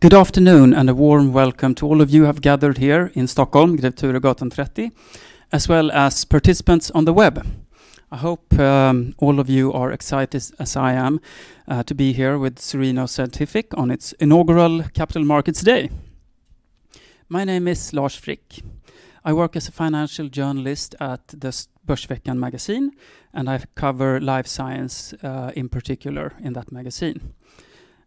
Good afternoon and a warm welcome to all of you who have gathered here in Stockholm, Grev Turegatan 30, as well as participants on the web. I hope all of you are excited as I am to be here with Cereno Scientific on its inaugural Capital Markets Day. My name is Lars Frick. I work as a financial journalist at the Börsveckan magazine, and I cover life science in particular in that magazine.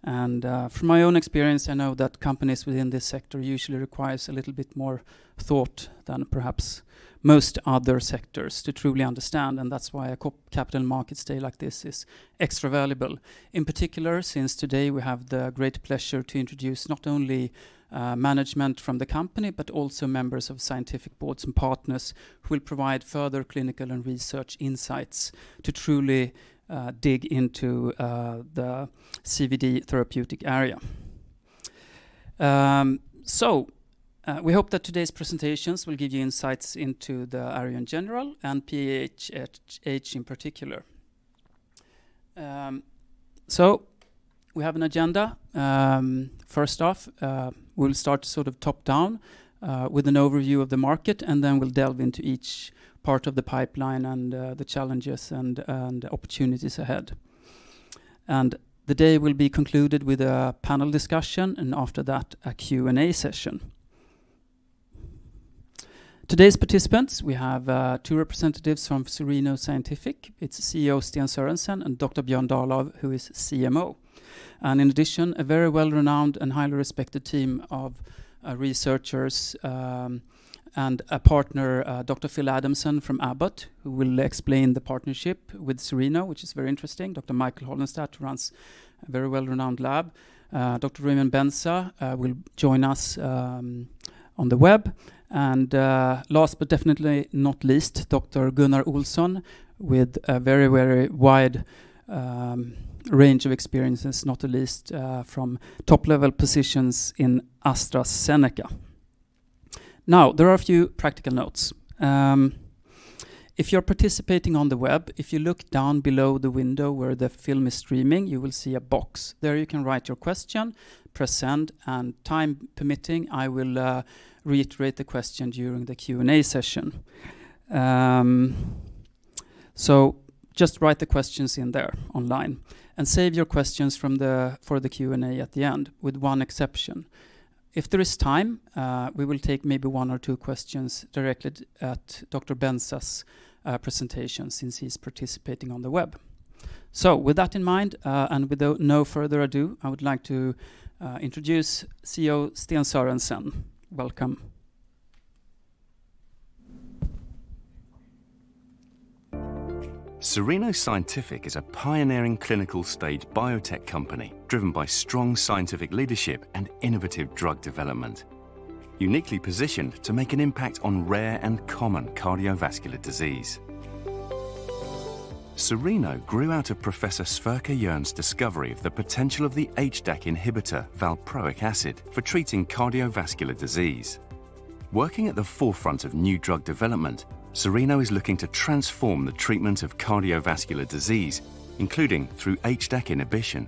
From my own experience, I know that companies within this sector usually requires a little bit more thought than perhaps most other sectors to truly understand, and that's why a Capital Markets Day like this is extra valuable. In particular, since today we have the great pleasure to introduce not only management from the company but also members of scientific boards and partners who will provide further clinical and research insights to truly dig into the CVD therapeutic area. We hope that today's presentations will give you insights into the area in general and PAH in particular. We have an agenda. First off, we'll start sort of top down with an overview of the market, and then we'll delve into each part of the pipeline and the challenges and opportunities ahead. The day will be concluded with a panel discussion, and after that, a Q&A session. Today's participants, we have two representatives from Cereno Scientific. Its CEO, Sten R. Sörensen, and Dr. Björn Dahlöf, who is CMO. In addition, a very well-renowned and highly respected team of researchers and a partner, Dr. Phil Adamson from Abbott, who will explain the partnership with Cereno, which is very interesting. Dr. Michael Holinstat, who runs a very well-renowned lab. Dr. Raymond Benza will join us on the web. Last but definitely not least, Dr. Gunnar Olsson, with a very, very wide range of experiences, not least from top-level positions in AstraZeneca. Now, there are a few practical notes. If you're participating on the web, if you look down below the window where the film is streaming, you will see a box. There you can write your question, press Send, and time permitting, I will reiterate the question during the Q&A session. So just write the questions in there online and save your questions from the... For the Q&A at the end, with one exception. If there is time, we will take maybe one or two questions directed at Dr. Benza's presentation since he's participating on the web. With that in mind, and no further ado, I would like to introduce CEO Sten R. Sörensen. Welcome. Cereno Scientific is a pioneering clinical-stage biotech company driven by strong scientific leadership and innovative drug development, uniquely positioned to make an impact on rare and common cardiovascular disease. Cereno grew out of Professor Sverker Jern's discovery of the potential of the HDAC inhibitor valproic acid for treating cardiovascular disease. Working at the forefront of new drug development, Cereno is looking to transform the treatment of cardiovascular disease, including through HDAC inhibition,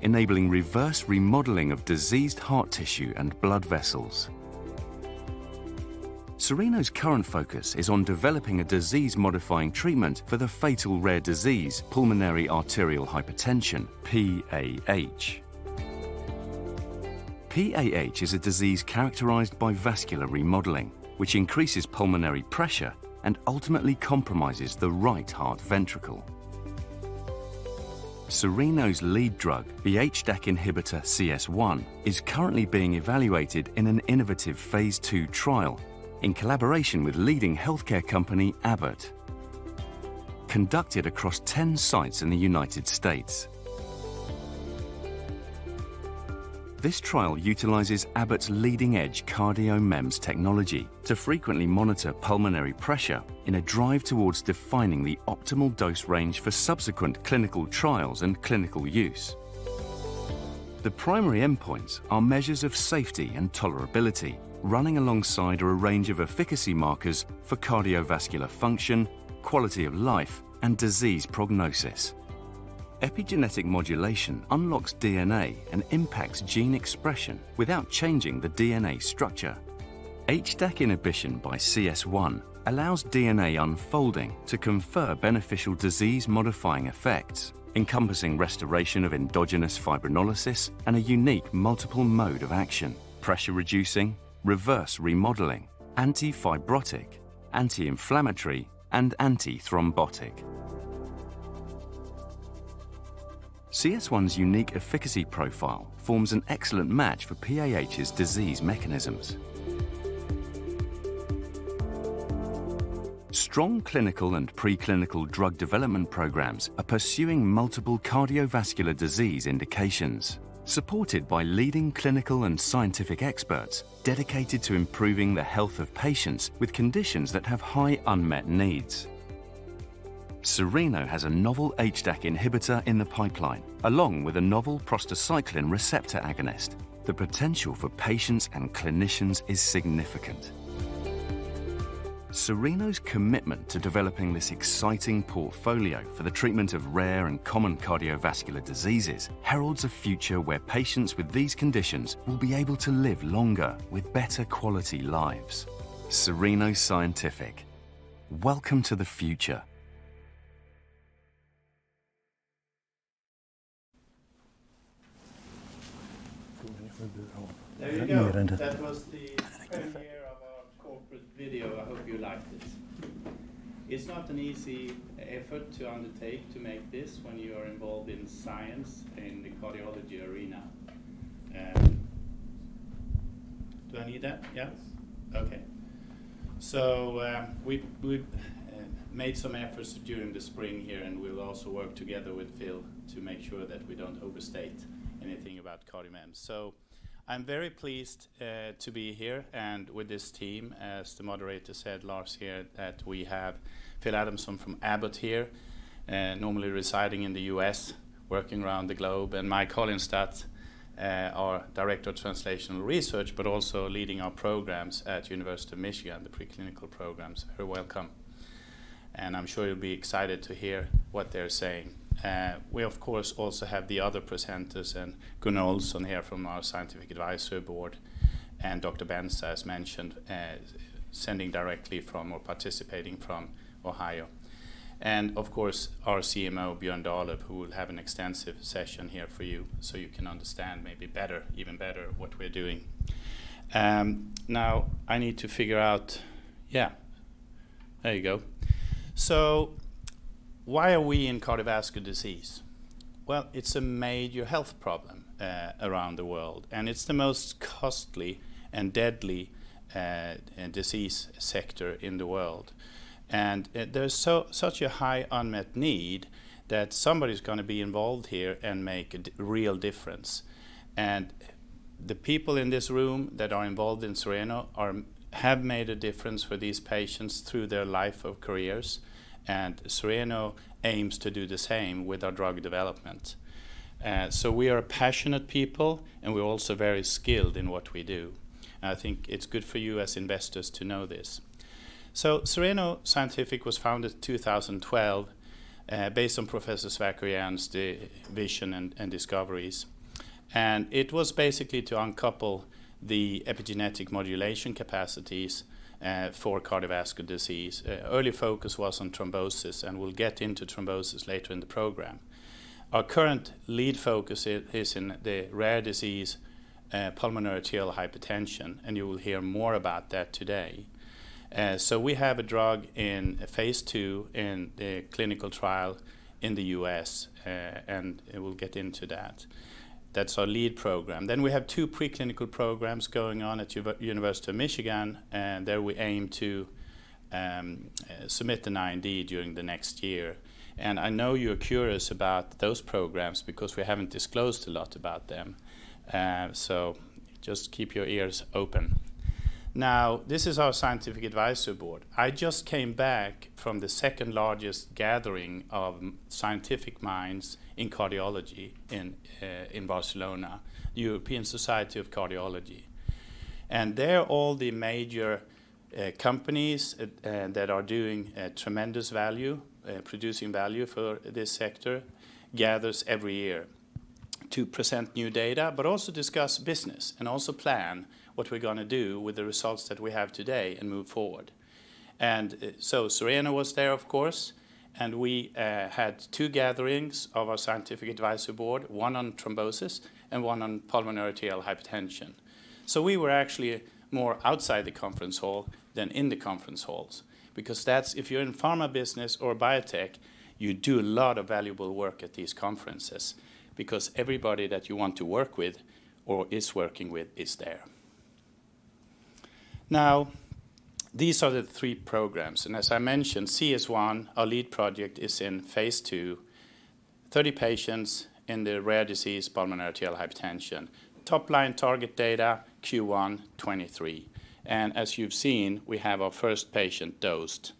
enabling reverse remodeling of diseased heart tissue and blood vessels. Cereno's current focus is on developing a disease-modifying treatment for the fatal rare disease pulmonary arterial hypertension, PAH. PAH is a disease characterized by vascular remodeling, which increases pulmonary pressure and ultimately compromises the right heart ventricle. Cereno's lead drug, the HDAC inhibitor CS1, is currently being evaluated in an innovative phase II trial in collaboration with leading healthcare company Abbott, conducted across 10 sites in the United States. This trial utilizes Abbott's leading-edge CardioMEMS technology to frequently monitor pulmonary pressure in a drive towards defining the optimal dose range for subsequent clinical trials and clinical use. The primary endpoints are measures of safety and tolerability. Running alongside are a range of efficacy markers for cardiovascular function, quality of life, and disease prognosis. Epigenetic modulation unlocks DNA and impacts gene expression without changing the DNA structure. HDAC inhibition by CS1 allows DNA unfolding to confer beneficial disease-modifying effects, encompassing restoration of endogenous fibrinolysis and a unique multiple mode of action, pressure reducing, reverse remodeling, anti-fibrotic, anti-inflammatory, and anti-thrombotic. CS1's unique efficacy profile forms an excellent match for PAH's disease mechanisms. Strong clinical and preclinical drug development programs are pursuing multiple cardiovascular disease indications, supported by leading clinical and scientific experts dedicated to improving the health of patients with conditions that have high unmet needs. Cereno Scientific has a novel HDAC inhibitor in the pipeline, along with a novel prostacyclin receptor agonist. The potential for patients and clinicians is significant. Cereno Scientific's commitment to developing this exciting portfolio for the treatment of rare and common cardiovascular diseases heralds a future where patients with these conditions will be able to live longer with better quality lives. Cereno Scientific. Welcome to the future. There you go. That was the premiere of our corporate video. I hope you liked it. It's not an easy effort to undertake to make this when you are involved in science in the cardiology arena. Do I need that? Yes? Okay. We've made some efforts during the spring here, and we'll also work together with Phil to make sure that we don't overstate anything about CardioMEMS. I'm very pleased to be here and with this team. As the moderator said, Lars here, that we have Phil Adamson from Abbott here, normally residing in the U.S., working around the globe, and Mike Holinstat, our Director of Translational Research, but also leading our programs at University of Michigan, the preclinical programs. You're welcome. I'm sure you'll be excited to hear what they're saying. We, of course, also have the other presenters, and Gunnar Olsson here from our scientific advisory board, and Dr. Benza as mentioned, sending directly from or participating from Ohio. Of course, our CMO, Björn Dahlöf, who will have an extensive session here for you, so you can understand maybe better, even better what we're doing. Why are we in cardiovascular disease? Well, it's a major health problem around the world, and it's the most costly and deadly disease sector in the world. There's such a high unmet need that somebody's gonna be involved here and make a real difference. The people in this room that are involved in Cereno are. Have made a difference for these patients through their lifelong careers, and Cereno aims to do the same with our drug development. We are a passionate people, and we're also very skilled in what we do. I think it's good for you as investors to know this. Cereno Scientific was founded in 2012, based on Professor Sverker Jern's vision and discoveries. It was basically to uncouple the epigenetic modulation capacities for cardiovascular disease. Early focus was on thrombosis, and we'll get into thrombosis later in the program. Our current lead focus is in the rare disease pulmonary arterial hypertension, and you will hear more about that today. We have a drug in phase II in the clinical trial in the U.S., and we'll get into that. That's our lead program. We have two preclinical programs going on at University of Michigan, and there we aim to submit an IND during the next year. I know you're curious about those programs because we haven't disclosed a lot about them. Just keep your ears open. Now, this is our scientific advisory board. I just came back from the second-largest gathering of scientific minds in cardiology in Barcelona, European Society of Cardiology. There, all the major companies that are producing tremendous value for this sector gather every year to present new data, but also discuss business and also plan what we're gonna do with the results that we have today and move forward. Cereno was there, of course, and we had two gatherings of our scientific advisory board, one on thrombosis and one on pulmonary arterial hypertension. We were actually more outside the conference hall than in the conference halls because that's if you're in pharma business or biotech, you do a lot of valuable work at these conferences because everybody that you want to work with or is working with is there. Now, these are the three programs. As I mentioned, CS1, our lead project, is in phase II, 30 patients in the rare disease, pulmonary arterial hypertension. Top line target data, Q1 2023. As you've seen, we have our first patient dosed.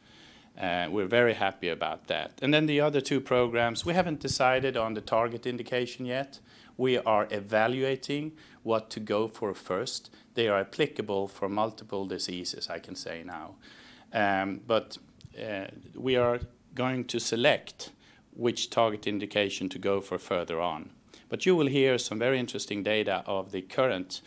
We're very happy about that. Then the other two programs, we haven't decided on the target indication yet. We are evaluating what to go for first. They are applicable for multiple diseases, I can say now. We are going to select which target indication to go for further on. You will hear some very interesting data of the current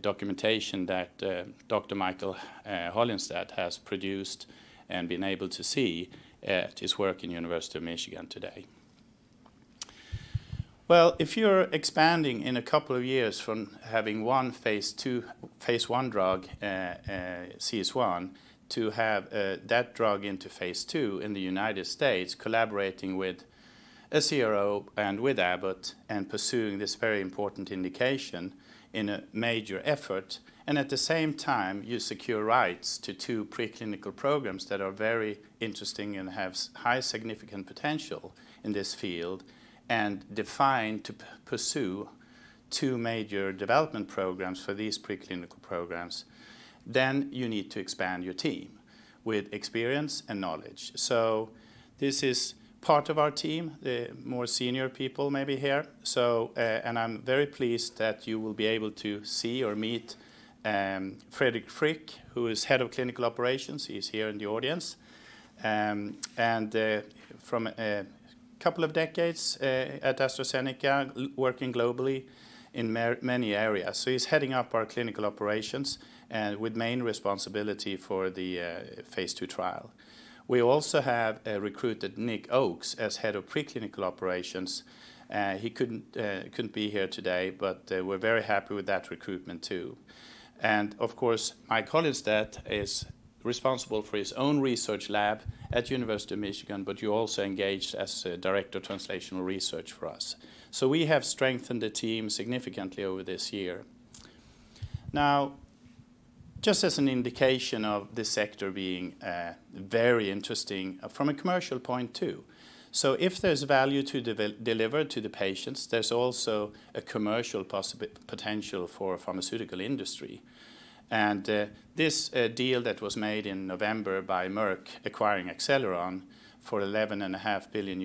documentation that Dr. Michael Holinstat has produced and been able to see at his work in University of Michigan today. Well, if you're expanding in a couple of years from having one phase I drug, CS1, to have that drug into phase II in the United States, collaborating with a CRO and with Abbott and pursuing this very important indication in a major effort, and at the same time, you secure rights to two preclinical programs that are very interesting and have highly significant potential in this field and define to pursue two major development programs for these preclinical programs, then you need to expand your team with experience and knowledge. This is part of our team, the more senior people maybe here. And I'm very pleased that you will be able to see or meet Fredrik Frick, who is Head of Clinical Operations. He's here in the audience. From a couple of decades at AstraZeneca working globally in many areas. He's heading up our clinical operations and with main responsibility for the phase II trial. We also have recruited Nick Oakes as head of preclinical operations. He couldn't be here today, but we're very happy with that recruitment too. Of course, Mike Holinstat is responsible for his own research lab at University of Michigan, but you also engaged as Director of Translational Research for us. We have strengthened the team significantly over this year. Now, just as an indication of this sector being very interesting from a commercial point too. If there's value to deliver to the patients, there's also a commercial potential for pharmaceutical industry. This deal that was made in November by Merck acquiring Acceleron Pharma for $11.5 billion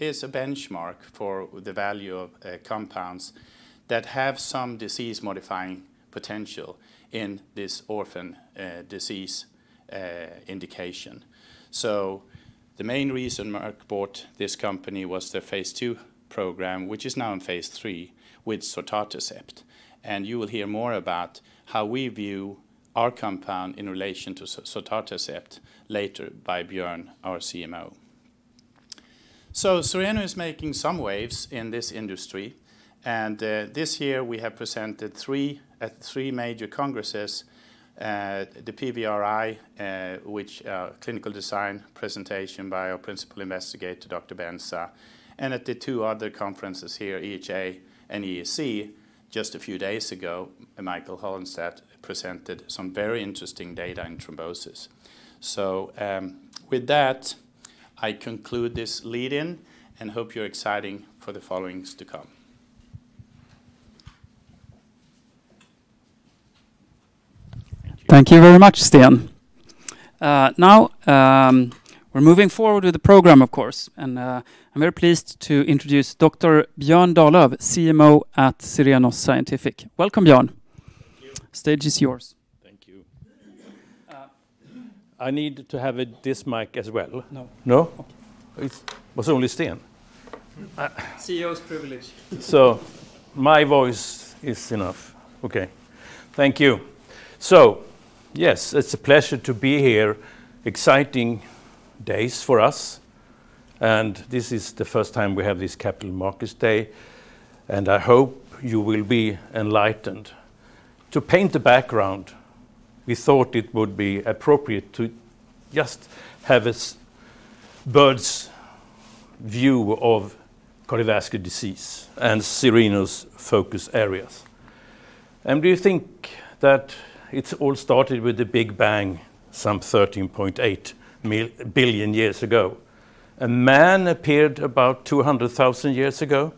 is a benchmark for the value of compounds that have some disease modifying potential in this orphan disease indication. The main reason Merck bought this company was the phase II program, which is now in phase III with sotatercept. You will hear more about how we view our compound in relation to sotatercept later by Björn, our CMO. Cereno is making some waves in this industry, and this year we have presented three at three major congresses, the PVRI, which clinical design presentation by our principal investigator, Dr. Raymond Benza. At the two other conferences here, EHA and ESC, just a few days ago, Michael Holinstat presented some very interesting data in thrombosis. With that, I conclude this lead-in and hope you're excited for the following to come. Thank you very much, Sten. We're moving forward with the program of course, and I'm very pleased to introduce Dr. Björn Dahlöf, CMO at Cereno Scientific. Welcome, Björn. Thank you. Stage is yours. Thank you. I need to have it this mic as well. No. No? It was only Sten. CEO's privilege. My voice is enough. Okay. Thank you. Yes, it's a pleasure to be here. Exciting days for us, and this is the first time we have this Capital Markets Day, and I hope you will be enlightened. To paint the background, we thought it would be appropriate to just have a bird's view of cardiovascular disease and Cereno's focus areas. Do you think that it all started with the Big Bang some 13.8 billion years ago. A man appeared about 200,000 years ago.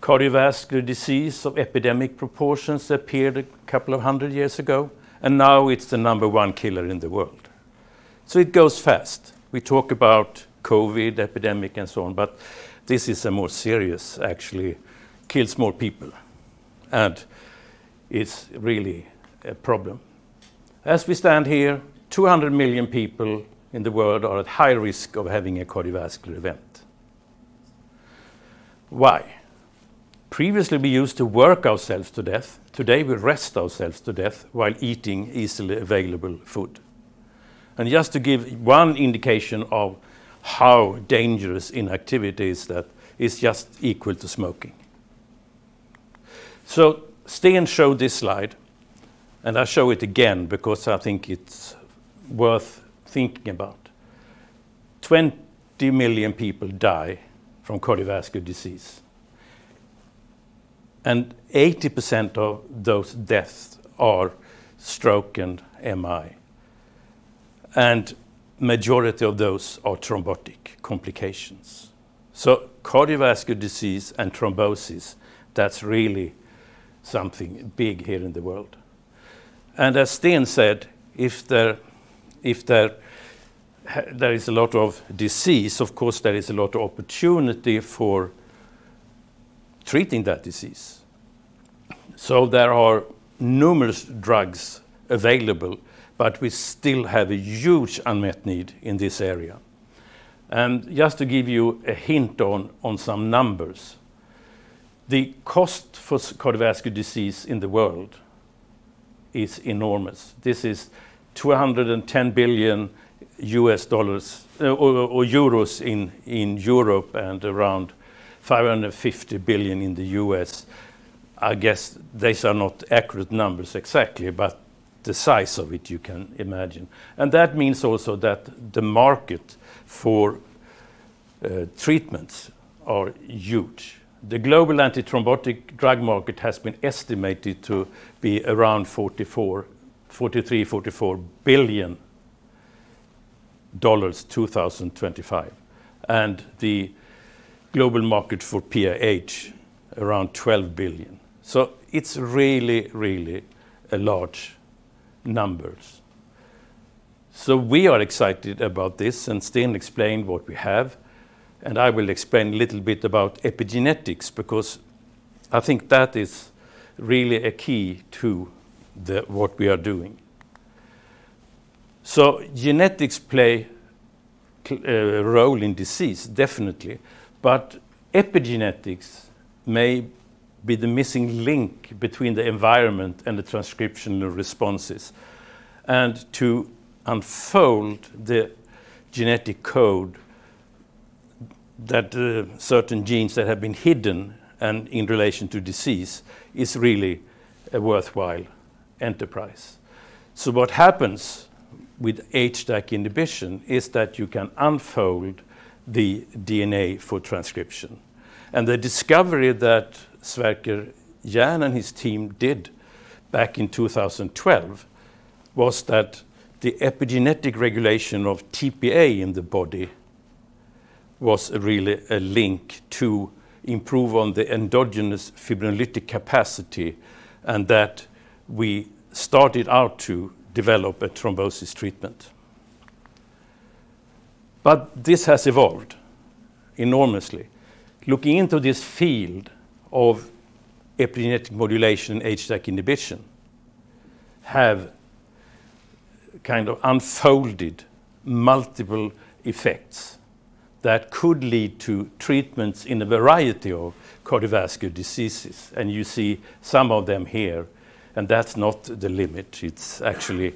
Cardiovascular disease of epidemic proportions appeared a couple of 100 years ago, and now it's the number one killer in the world. It goes fast. We talk about COVID epidemic and so on, but this is more serious, actually kills more people, and it's really a problem. As we stand here, 200 million people in the world are at high risk of having a cardiovascular event. Why? Previously, we used to work ourselves to death. Today, we rest ourselves to death while eating easily available food. Just to give one indication of how dangerous inactivity is, that is just equal to smoking. Sten showed this slide, and I show it again because I think it's worth thinking about. 20 million people die from cardiovascular disease, and 80% of those deaths are stroke and MI, and majority of those are thrombotic complications. Cardiovascular disease and thrombosis, that's really something big here in the world. As Sten said, there is a lot of disease, of course there is a lot of opportunity for treating that disease. There are numerous drugs available, but we still have a huge unmet need in this area. Just to give you a hint on some numbers, the cost for cardiovascular disease in the world is enormous. This is $210 billion U.S. dollars or euros in Europe, and around $550 billion in the U.S. I guess these are not accurate numbers exactly, but the size of it you can imagine. That means also that the market for treatments are huge. The global antithrombotic drug market has been estimated to be around $43 billion-$44 billion 2025. The global market for PAH around $12 billion. It's really a large numbers. We are excited about this, and Sten explained what we have, and I will explain a little bit about epigenetics because I think that is really a key to what we are doing. Genetics play a role in disease, definitely, but epigenetics may be the missing link between the environment and the transcriptional responses. To unfold the genetic code that certain genes that have been hidden and in relation to disease is really a worthwhile enterprise. What happens with HDAC inhibition is that you can unfold the DNA for transcription. The discovery that Sverker Jern and his team did back in 2012 was that the epigenetic regulation of tPA in the body was really a link to improve on the endogenous fibrinolytic capacity and that we started out to develop a thrombosis treatment. This has evolved enormously. Looking into this field of epigenetic modulation, HDAC inhibition have kind of unfolded multiple effects that could lead to treatments in a variety of cardiovascular diseases, and you see some of them here. That's not the limit. It's actually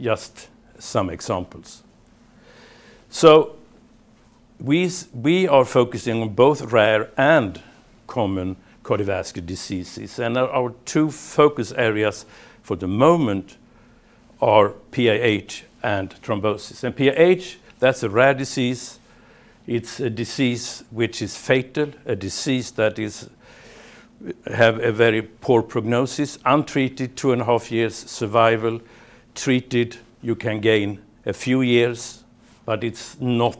just some examples. We are focusing on both rare and common cardiovascular diseases, and our two focus areas for the moment are PAH and thrombosis. PAH, that's a rare disease. It's a disease which is fatal, a disease that have a very poor prognosis. Untreated, 2.5 years survival. Treated, you can gain a few years, but it's not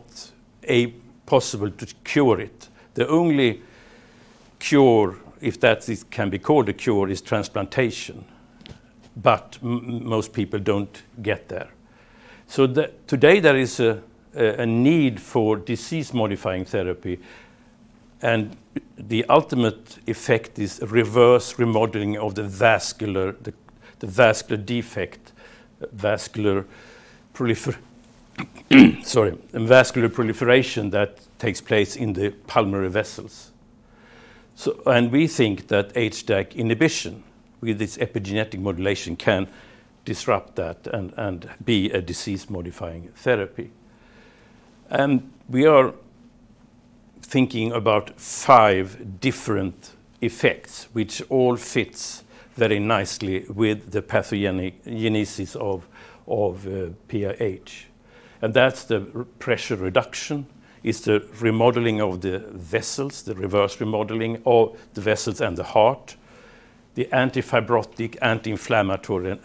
possible to cure it. The only cure, if that can be called a cure, is transplantation. Most people don't get there. Today, there is a need for disease-modifying therapy, and the ultimate effect is reverse remodeling of the vascular defect, vascular proliferation that takes place in the pulmonary vessels. We think that HDAC inhibition with its epigenetic modulation can disrupt that and be a disease-modifying therapy. We are thinking about five different effects which all fits very nicely with the pathogenic genesis of PAH. That's pressure reduction. It's the remodeling of the vessels, the reverse remodeling of the vessels and the heart, the anti-fibrotic, anti-inflammatory,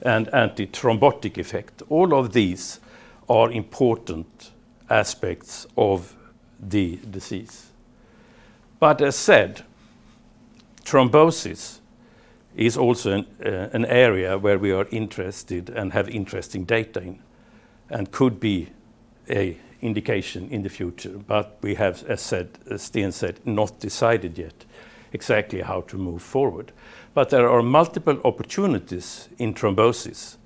and anti-thrombotic effect. All of these are important aspects of the disease. As said, thrombosis is also an area where we are interested and have interesting data in and could be an indication in the future. We have, as said, as Sten said, not decided yet exactly how to move forward. There are multiple opportunities in thrombosis.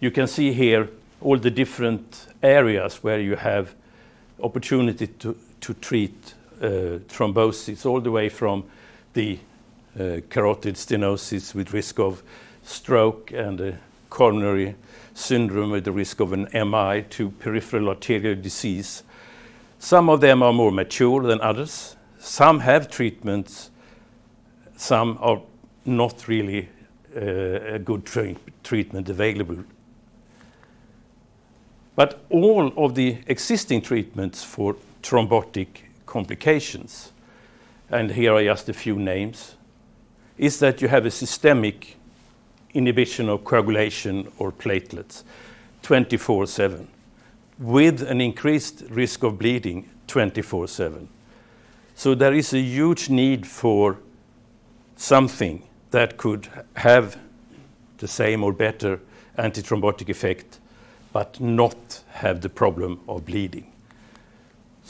You can see here all the different areas where you have opportunity to treat thrombosis all the way from the carotid stenosis with risk of stroke and a coronary syndrome with the risk of an MI to peripheral arterial disease. Some of them are more mature than others. Some have treatments. Some are not really a good treatment available. All of the existing treatments for thrombotic complications, and here are just a few names, is that you have a systemic inhibition of coagulation or platelets twenty-four/seven with an increased risk of bleeding twenty-four/seven. There is a huge need for something that could have the same or better antithrombotic effect but not have the problem of bleeding.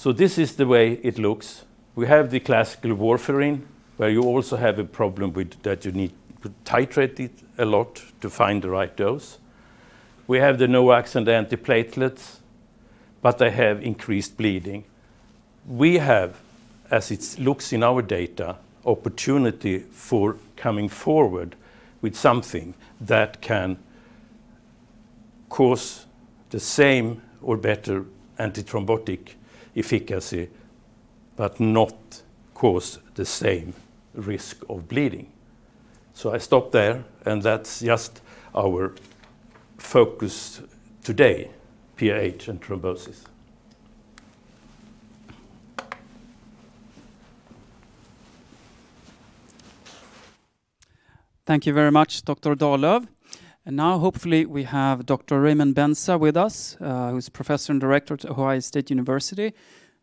This is the way it looks. We have the classical warfarin, where you also have a problem with that you need to titrate it a lot to find the right dose. We have the NOACs and the antiplatelets, but they have increased bleeding. We have, as it looks in our data, opportunity for coming forward with something that can cause the same or better antithrombotic efficacy but not cause the same risk of bleeding. I stop there, and that's just our focus today, PAH and thrombosis. Thank you very much, Dr. Dahlöf. Now hopefully we have Dr. Raymond Benza with us, who's Professor and Director at The Ohio State University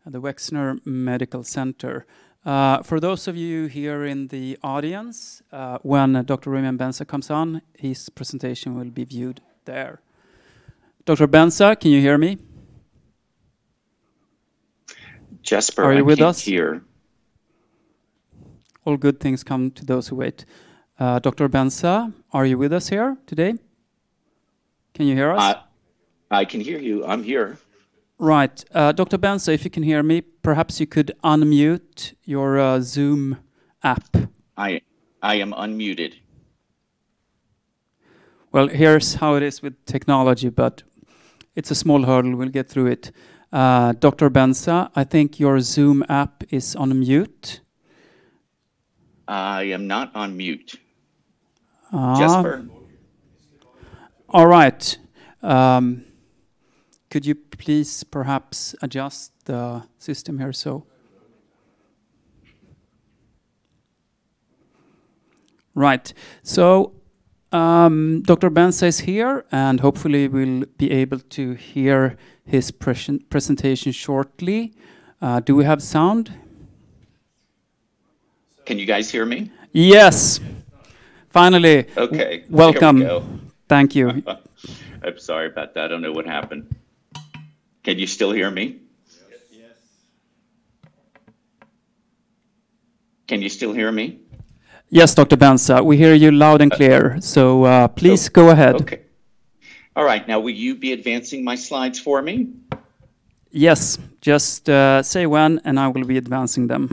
at the Wexner Medical Center. For those of you here in the audience, when Dr. Raymond Benza comes on, his presentation will be viewed there. Dr. Benza, can you hear me? I can't hear. Are you with us? All good things come to those who wait. Dr. Benza, are you with us here today? Can you hear us? I can hear you. I'm here. Right. Dr. Benza, if you can hear me, perhaps you could unmute your Zoom app. I am unmuted. Well, here's how it is with technology, but it's a small hurdle. We'll get through it. Dr. Raymond Benza, I think your Zoom app is on mute. I am not on mute. Uh- All right. Could you please perhaps adjust the system here? Right. Dr. Raymond Benza is here, and hopefully we'll be able to hear his presentation shortly. Do we have sound? Can you guys hear me? Yes. Finally. Okay. Welcome. Here we go. Thank you. I'm sorry about that. I don't know what happened. Can you still hear me? Yes. Can you still hear me? Yes, Dr. Benza. We hear you loud and clear. Please go ahead. Okay. All right. Now will you be advancing my slides for me? Yes. Just, say when, and I will be advancing them.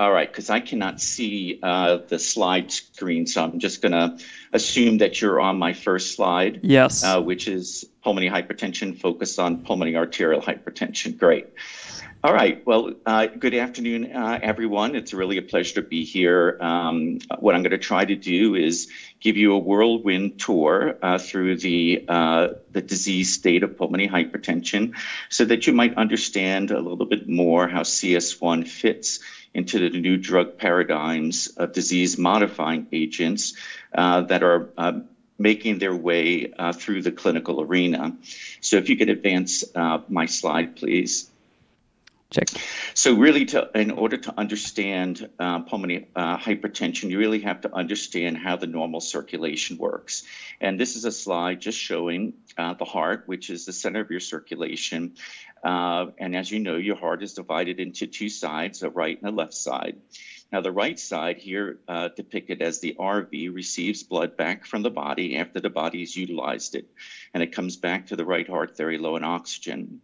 All right. 'Cause I cannot see the slide screen, so I'm just gonna assume that you're on my first slide. Yes which is pulmonary hypertension focused on pulmonary arterial hypertension. Great. All right. Well, good afternoon, everyone. It's really a pleasure to be here. What I'm gonna try to do is give you a whirlwind tour through the disease state of pulmonary hypertension so that you might understand a little bit more how CS1 fits into the new drug paradigms of disease-modifying agents that are making their way through the clinical arena. If you could advance my slide, please. Check. Really, in order to understand pulmonary hypertension, you really have to understand how the normal circulation works. This is a slide just showing the heart, which is the center of your circulation. As you know, your heart is divided into two sides, a right and a left side. Now the right side here depicted as the RV receives blood back from the body after the body's utilized it, and it comes back to the right heart very low in oxygen.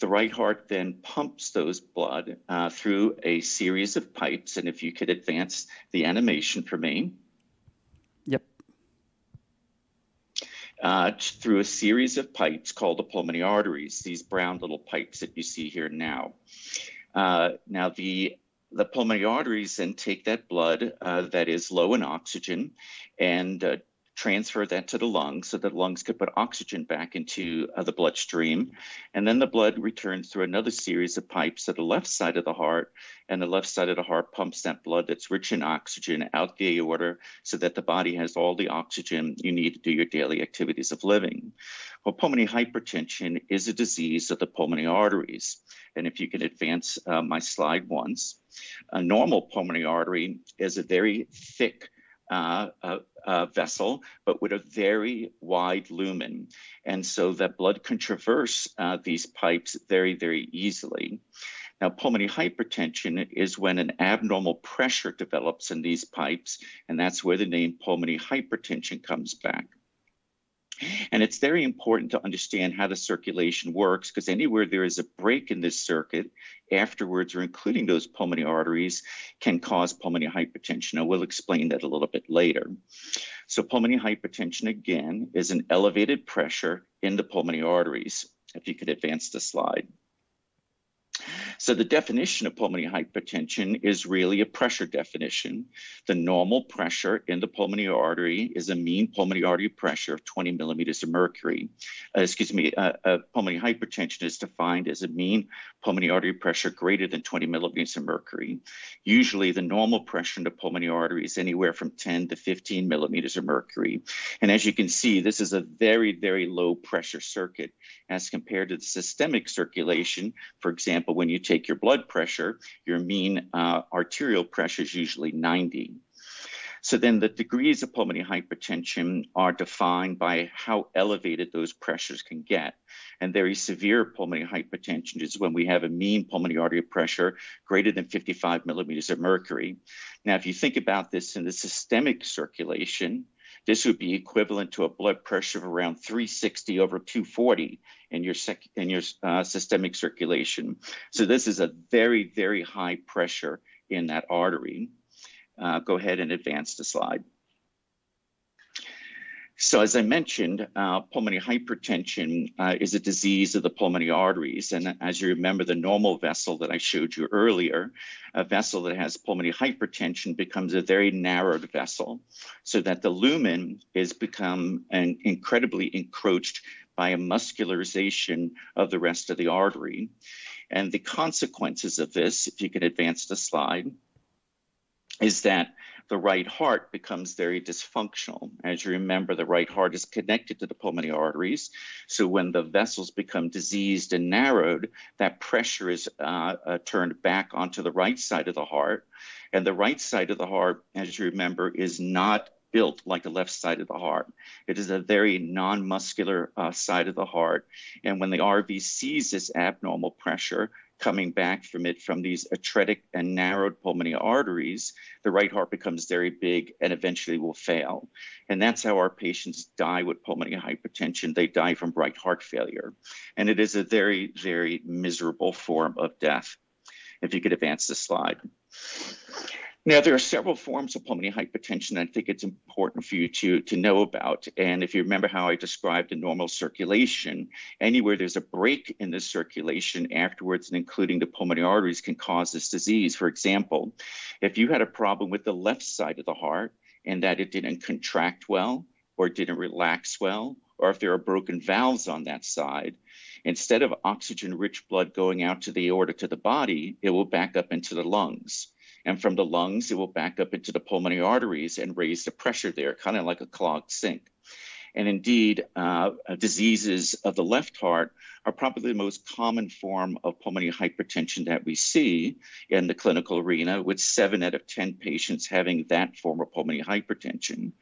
The right heart then pumps those blood through a series of pipes, and if you could advance the animation for me. Yep. Through a series of pipes called the pulmonary arteries, these brown little pipes that you see here now. Now the pulmonary arteries then take that blood that is low in oxygen and transfer that to the lungs so that lungs could put oxygen back into the bloodstream. Then the blood returns through another series of pipes at the left side of the heart, and the left side of the heart pumps that blood that's rich in oxygen out the aorta so that the body has all the oxygen you need to do your daily activities of living. Well, pulmonary hypertension is a disease of the pulmonary arteries, and if you could advance my slide once. A normal pulmonary artery is a very thick vessel, but with a very wide lumen, and so the blood can traverse these pipes very, very easily. Now, pulmonary hypertension is when an abnormal pressure develops in these pipes, and that's where the name pulmonary hypertension comes back. It's very important to understand how the circulation works, because anywhere there is a break in this circuit afterwards or including those pulmonary arteries can cause pulmonary hypertension. I will explain that a little bit later. Pulmonary hypertension again is an elevated pressure in the pulmonary arteries. If you could advance the slide. The definition of pulmonary hypertension is really a pressure definition. The normal pressure in the pulmonary artery is a mean pulmonary artery pressure of 20 millimeters of mercury. Excuse me. Pulmonary hypertension is defined as a mean pulmonary artery pressure greater than 20 millimeters of mercury. Usually, the normal pressure in the pulmonary artery is anywhere from 10-15 millimeters of mercury. As you can see, this is a very, very low pressure circuit as compared to the systemic circulation. For example, when you take your blood pressure, your mean arterial pressure is usually 90. The degrees of pulmonary hypertension are defined by how elevated those pressures can get. Very severe pulmonary hypertension is when we have a mean pulmonary artery pressure greater than 55 millimeters of mercury. If you think about this in the systemic circulation, this would be equivalent to a blood pressure of around 360 over 240 in your systemic circulation. This is a very, very high pressure in that artery. Go ahead and advance the slide. As I mentioned, pulmonary hypertension is a disease of the pulmonary arteries. As you remember, the normal vessel that I showed you earlier, a vessel that has pulmonary hypertension becomes a very narrowed vessel so that the lumen is become incredibly encroached by a muscularization of the rest of the artery. The consequences of this, if you could advance the slide. Is that the right heart becomes very dysfunctional. As you remember, the right heart is connected to the pulmonary arteries so when the vessels become diseased and narrowed, that pressure is turned back onto the right side of the heart and the right side of the heart, as you remember, is not built like a left side of the heart. It is a very non-muscular side of the heart and when the RV sees this abnormal pressure coming back from it from these atretic and narrowed pulmonary arteries, the right heart becomes very big and eventually will fail, and that’s how our patients die with pulmonary hypertension. They die from right heart failure, and it is a very, very miserable form of death. If you could advance the slide. Now, there are several forms of pulmonary hypertension I think it's important for you to know about, and if you remember how I described a normal circulation, anywhere there’s a break in the circulation afterwards and including the pulmonary arteries can cause this disease. For example, if you had a problem with the left side of the heart in that it didn't contract well or didn’t relax well or if there are broken valves on that side, instead of oxygen-rich blood going out to the aorta to the body, it will back up into the lungs, and from the lungs, it will back up into the pulmonary arteries and raise the pressure there, kinda like a clogged sink. Indeed, diseases of the left heart are probably the most common form of pulmonary hypertension that we see in the clinical arena with seven out of ten patients having that form of pulmonary hypertension.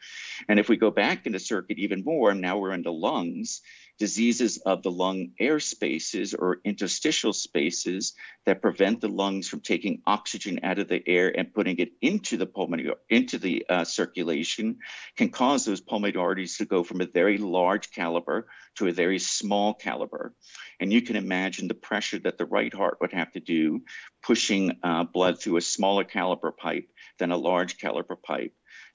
If we go back in the circuit even more, now we’re in the lungs, diseases of the lung air spaces or interstitial spaces that prevent the lungs from taking oxygen out of the air and putting it into the circulation can cause those pulmonary arteries to go from a very large caliber to a very small caliber, and you can imagine the pressure that the right heart would have to do pushing blood through a smaller caliber pipe than a large caliber pipe.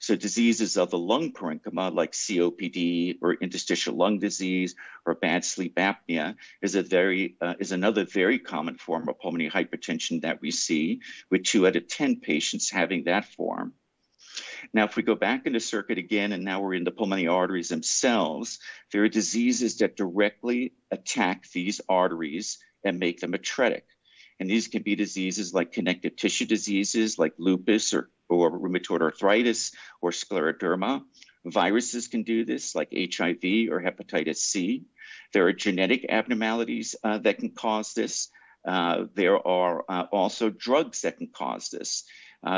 Diseases of the lung parenchyma like COPD or interstitial lung disease or bad sleep apnea is another very common form of pulmonary hypertension that we see with two out of ten patients having that form. Now if we go back in the circuit again and now we’re in the pulmonary arteries themselves, there are diseases that directly attack these arteries and make them atretic, and these can be diseases like connective tissue diseases like lupus or rheumatoid arthritis or scleroderma. Viruses can do this like HIV or hepatitis C. There are genetic abnormalities that can cause this. There are also drugs that can cause this.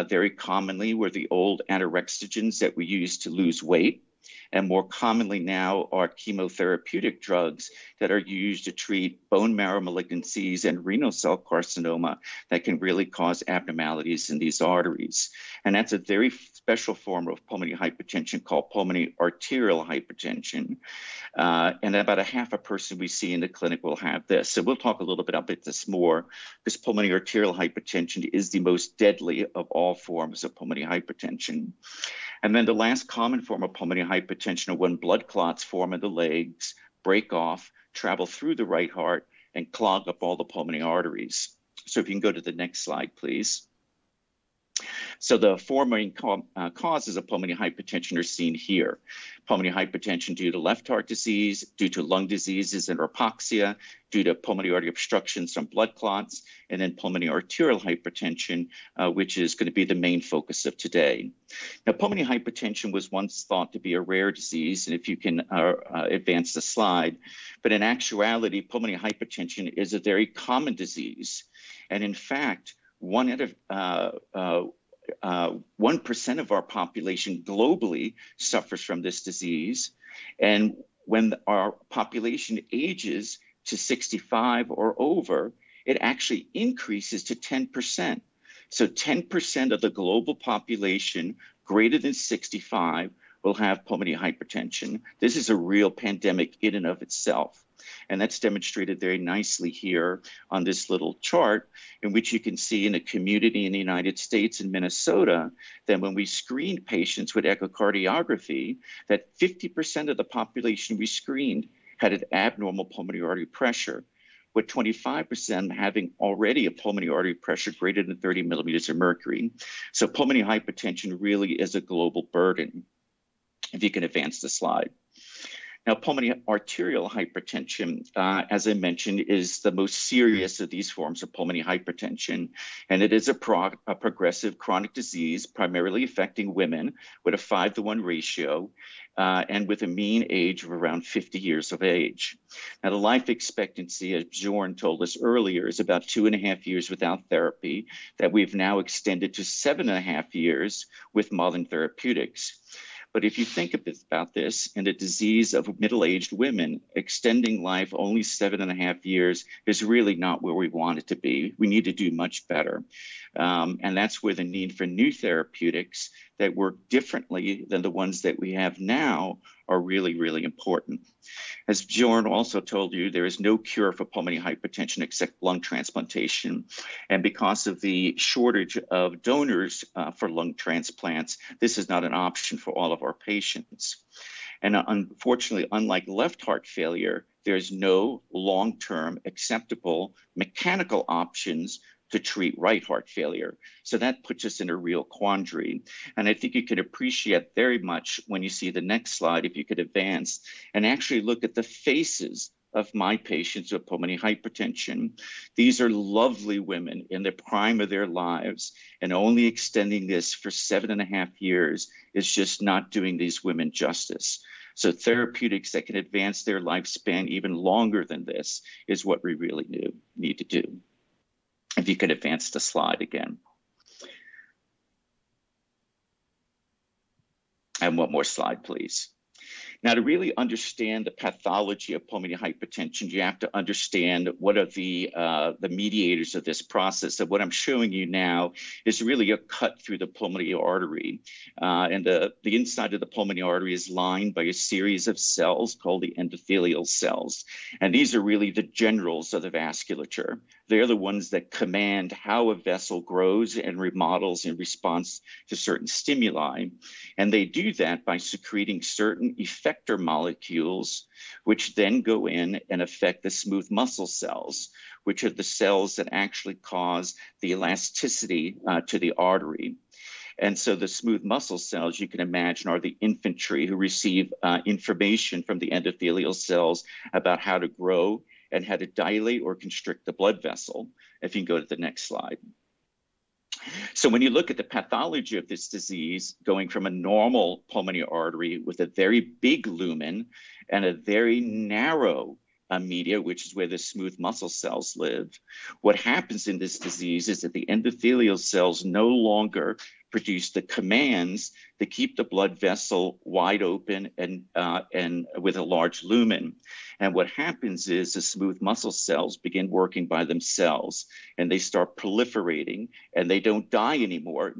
Very commonly were the old anorexigens that we used to lose weight, and more commonly now are chemotherapeutic drugs that are used to treat bone marrow malignancies and renal cell carcinoma that can really cause abnormalities in these arteries, and that’s a very special form of pulmonary hypertension called pulmonary arterial hypertension. About a half a person we see in the clinic will have this. We'll talk a little bit about this more. This pulmonary arterial hypertension is the most deadly of all forms of pulmonary hypertension. The last common form of pulmonary hypertension are when blood clots form in the legs, break off, travel through the right heart, and clog up all the pulmonary arteries. If you can go to the next slide, please. The four main causes of pulmonary hypertension are seen here. Pulmonary hypertension due to left heart disease, due to lung diseases and hypoxemia, due to pulmonary artery obstructions from blood clots, and then pulmonary arterial hypertension, which is gonna be the main focus of today. Now pulmonary hypertension was once thought to be a rare disease, and if you can advance the slide. In actuality, pulmonary hypertension is a very common disease, and in fact, one out of 1% of our population globally suffers from this disease, and when our population ages to 65 or over, it actually increases to 10%. 10% of the global population greater than 65 will have pulmonary hypertension. This is a real pandemic in and of itself, and that’s demonstrated very nicely here on this little chart in which you can see in a community in the United States in Minnesota that when we screen patients with echocardiography, that 50% of the population we screened had an abnormal pulmonary artery pressure, with 25% having already a pulmonary artery pressure greater than 30 millimeters of mercury. Pulmonary hypertension really is a global burden. If you can advance the slide. Pulmonary arterial hypertension, as I mentioned, is the most serious of these forms of pulmonary hypertension, and it is a progressive chronic disease primarily affecting women with a 5-to-1 ratio, and with a mean age of around 50 years of age. The life expectancy, as Björn Dahlöf told us earlier, is about two and a half years without therapy, that we’ve now extended to seven and a half years with modern therapeutics. If you think a bit about this, in a disease of middle-aged women, extending life only seven and a half years is really not where we want it to be. We need to do much better. That’s where the need for new therapeutics that work differently than the ones that we have now are really, really important. As Björn also told you, there is no cure for pulmonary hypertension except lung transplantation, and because of the shortage of donors for lung transplants, this is not an option for all of our patients. Unfortunately, unlike left heart failure, there’s no long-term acceptable mechanical options to treat right heart failure. That puts us in a real quandary, and I think you can appreciate very much when you see the next slide, if you could advance, and actually look at the faces of my patients with pulmonary hypertension. These are lovely women in the prime of their lives, and only extending this for seven and a half years is just not doing these women justice. Therapeutics that can advance their lifespan even longer than this is what we really need to do. If you could advance the slide again. One more slide, please. To really understand the pathology of pulmonary hypertension, you have to understand what are the mediators of this process. What I'm showing you now is really a cut through the pulmonary artery. The inside of the pulmonary artery is lined by a series of cells called the endothelial cells, and these are really the generals of the vasculature. They're the ones that command how a vessel grows and remodels in response to certain stimuli. They do that by secreting certain effector molecules, which then go in and affect the smooth muscle cells, which are the cells that actually cause the elasticity to the artery. The smooth muscle cells, you can imagine, are the infantry who receive information from the endothelial cells about how to grow and how to dilate or constrict the blood vessel. If you can go to the next slide. When you look at the pathology of this disease, going from a normal pulmonary artery with a very big lumen and a very narrow media, which is where the smooth muscle cells live, what happens in this disease is that the endothelial cells no longer produce the commands that keep the blood vessel wide open and with a large lumen. What happens is the smooth muscle cells begin working by themselves, and they start proliferating, and they don't die anymore.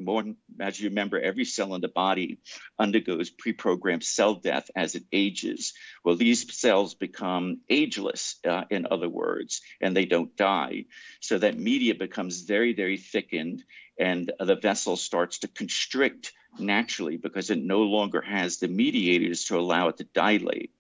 As you remember, every cell in the body undergoes preprogrammed cell death as it ages. Well, these cells become ageless, in other words, and they don't die. That media becomes very, very thickened, and the vessel starts to constrict naturally because it no longer has the mediators to allow it to dilate.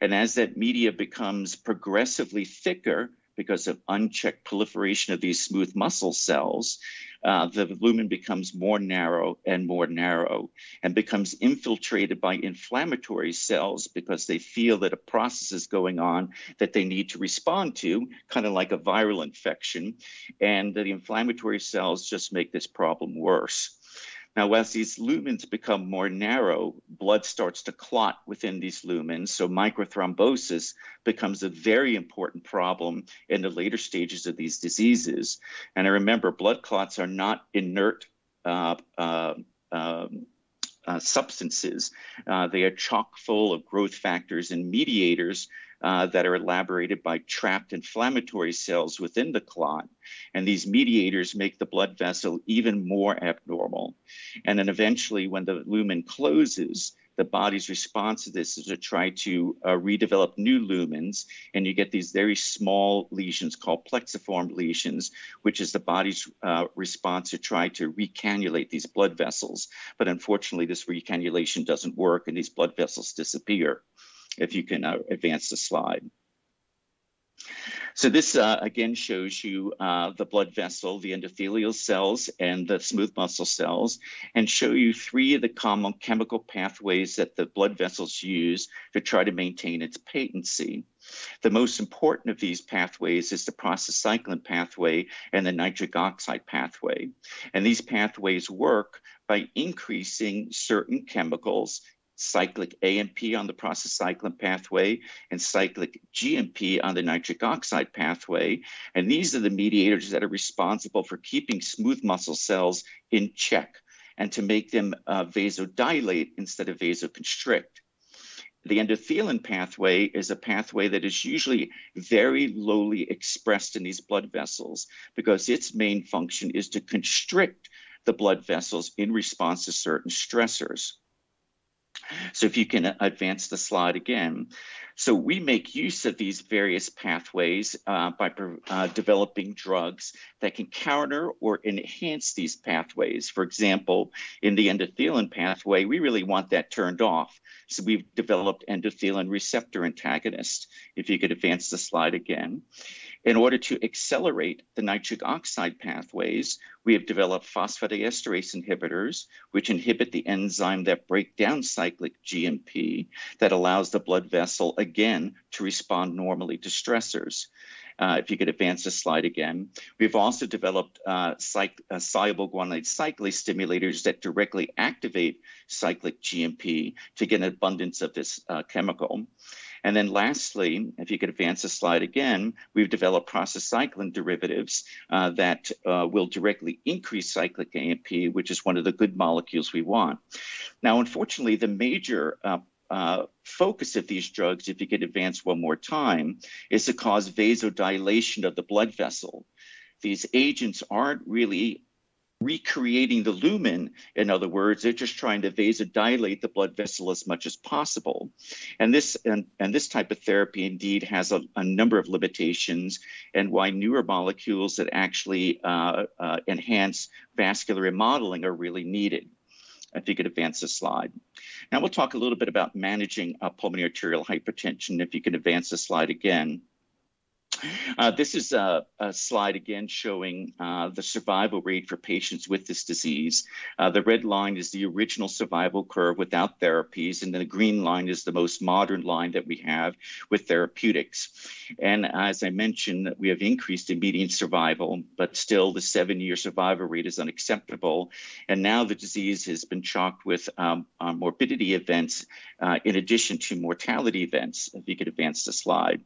As that media becomes progressively thicker because of unchecked proliferation of these smooth muscle cells, the lumen becomes more narrow and becomes infiltrated by inflammatory cells because they feel that a process is going on that they need to respond to, kinda like a viral infection, and the inflammatory cells just make this problem worse. Now, as these lumens become more narrow, blood starts to clot within these lumens, so microthrombosis becomes a very important problem in the later stages of these diseases. Remember, blood clots are not inert substances. They are chock-full of growth factors and mediators that are elaborated by trapped inflammatory cells within the clot, and these mediators make the blood vessel even more abnormal. Eventually, when the lumen closes, the body's response to this is to try to redevelop new lumens, and you get these very small lesions called plexiform lesions, which is the body's response to try to recannulate these blood vessels. Unfortunately, this recannulation doesn't work, and these blood vessels disappear. If you can advance the slide. This again shows you the blood vessel, the endothelial cells, and the smooth muscle cells and show you three of the common chemical pathways that the blood vessels use to try to maintain its patency. The most important of these pathways is the prostacyclin pathway and the nitric oxide pathway. These pathways work by increasing certain chemicals, cyclic AMP on the prostacyclin pathway and cyclic GMP on the nitric oxide pathway. These are the mediators that are responsible for keeping smooth muscle cells in check and to make them vasodilate instead of vasoconstrict. The endothelin pathway is a pathway that is usually very lowly expressed in these blood vessels because its main function is to constrict the blood vessels in response to certain stressors. If you can advance the slide again. We make use of these various pathways by developing drugs that can counter or enhance these pathways. For example, in the endothelin pathway, we really want that turned off, so we've developed endothelin receptor antagonist. If you could advance the slide again. In order to accelerate the nitric oxide pathways, we have developed phosphodiesterase inhibitors, which inhibit the enzyme that break down cyclic GMP that allows the blood vessel again to respond normally to stressors. If you could advance the slide again. We've also developed soluble guanylate cyclase stimulators that directly activate cyclic GMP to get an abundance of this chemical. Lastly, if you could advance the slide again, we've developed prostacyclin derivatives that will directly increase cyclic AMP, which is one of the good molecules we want. Now, unfortunately, the major focus of these drugs, if you could advance one more time, is to cause vasodilation of the blood vessel. These agents aren't really recreating the lumen, in other words. They're just trying to vasodilate the blood vessel as much as possible. This type of therapy indeed has a number of limitations in why newer molecules that actually enhance vascular remodeling are really needed. If you could advance the slide. Now we'll talk a little bit about managing pulmonary arterial hypertension, if you could advance the slide again. This is a slide again showing the survival rate for patients with this disease. The red line is the original survival curve without therapies, and then the green line is the most modern line that we have with therapeutics. As I mentioned, we have increased in median survival, but still the seven-year survival rate is unacceptable. Now the disease has been fraught with morbidity events in addition to mortality events. If you could advance the slide.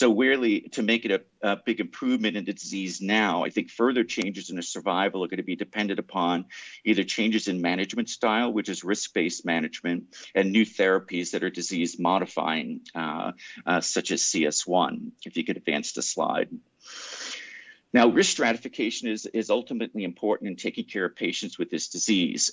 Weirdly, to make it a big improvement in the disease now, I think further changes in the survival are going to be dependent upon either changes in management style, which is risk-based management, and new therapies that are disease-modifying, such as CS1. If you could advance the slide. Now, risk stratification is ultimately important in taking care of patients with this disease,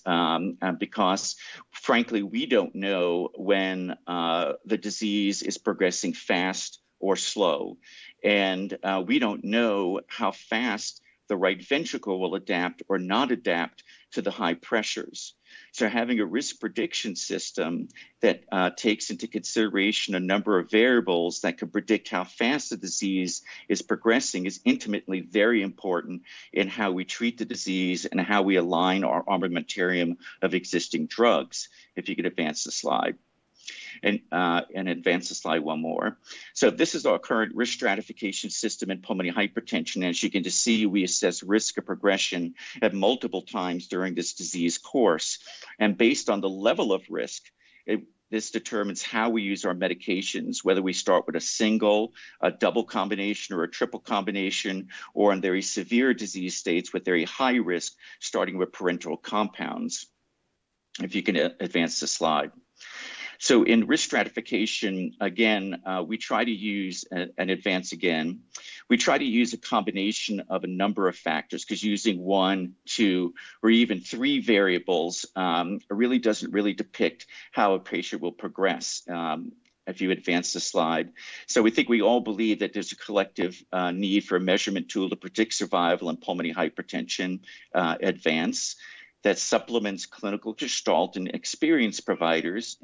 because frankly, we don't know when the disease is progressing fast or slow. We don't know how fast the right ventricle will adapt or not adapt to the high pressures. Having a risk prediction system that takes into consideration a number of variables that could predict how fast the disease is progressing is intimately very important in how we treat the disease and how we align our armamentarium of existing drugs. If you could advance the slide. Advance the slide one more. This is our current risk stratification system in pulmonary hypertension. As you can just see, we assess risk of progression at multiple times during this disease course. Based on the level of risk, this determines how we use our medications, whether we start with a single, a double combination, or a triple combination, or in very severe disease states with very high risk, starting with parenteral compounds. If you can advance the slide. In risk stratification, again, we try to use a combination of a number of factors because using one, two, or even three variables, really doesn't depict how a patient will progress. If you advance the slide. We think we all believe that there's a collective need for a measurement tool to predict survival in pulmonary hypertension, that supplements clinical gestalt and experienced providers,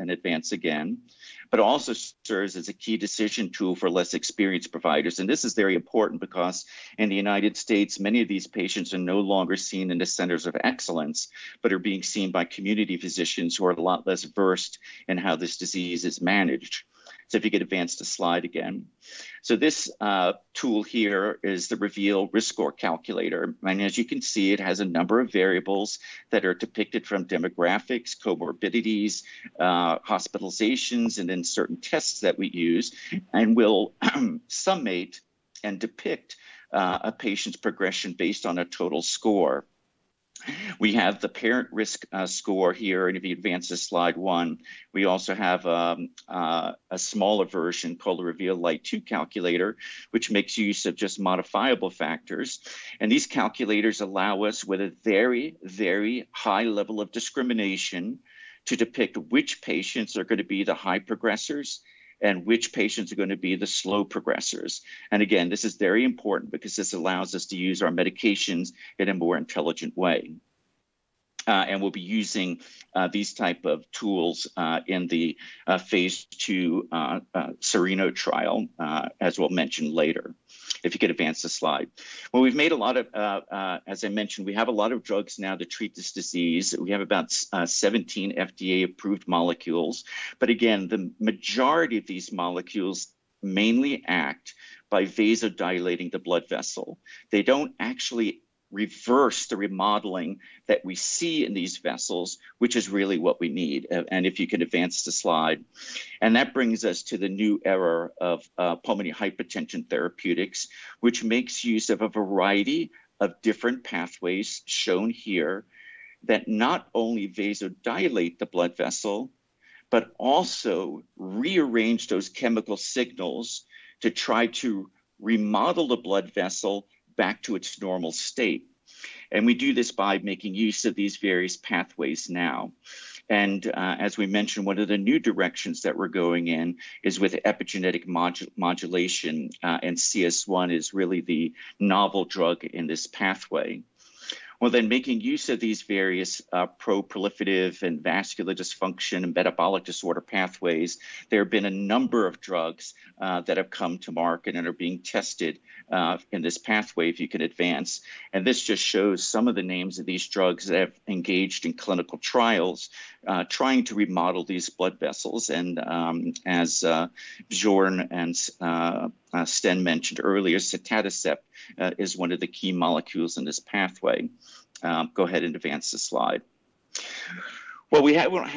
but also serves as a key decision tool for less experienced providers. This is very important because in the United States, many of these patients are no longer seen in the centers of excellence, but are being seen by community physicians who are a lot less versed in how this disease is managed. If you could advance the slide again. This tool here is the REVEAL risk score calculator. As you can see, it has a number of variables that are depicted from demographics, comorbidities, hospitalizations, and then certain tests that we use, and will summate and depict a patient's progression based on a total score. We have the REVEAL risk score here. If you advance the slide one, we also have a smaller version called the REVEAL Lite 2 calculator, which makes use of just modifiable factors. These calculators allow us with a very, very high level of discrimination to depict which patients are going to be the high progressors and which patients are going to be the slow progressors. Again, this is very important because this allows us to use our medications in a more intelligent way. We'll be using these type of tools in the phase II Cereno trial, as we'll mention later. If you could advance the slide. As I mentioned, we have a lot of drugs now to treat this disease. We have about 17 FDA-approved molecules. Again, the majority of these molecules mainly act by vasodilating the blood vessel. They don't actually reverse the remodeling that we see in these vessels, which is really what we need. If you can advance the slide. That brings us to the new era of pulmonary hypertension therapeutics, which makes use of a variety of different pathways shown here that not only vasodilate the blood vessel, but also rearrange those chemical signals to try to remodel the blood vessel back to its normal state. We do this by making use of these various pathways now. As we mentioned, one of the new directions that we're going in is with epigenetic modulation, and CS1 is really the novel drug in this pathway. Well then, making use of these various proliferative and vascular dysfunction and metabolic disorder pathways, there have been a number of drugs that have come to market and are being tested in this pathway if you could advance. This just shows some of the names of these drugs that have engaged in clinical trials, trying to remodel these blood vessels. As Björn and Sten mentioned earlier, sotatercept is one of the key molecules in this pathway. Go ahead and advance the slide. We haven't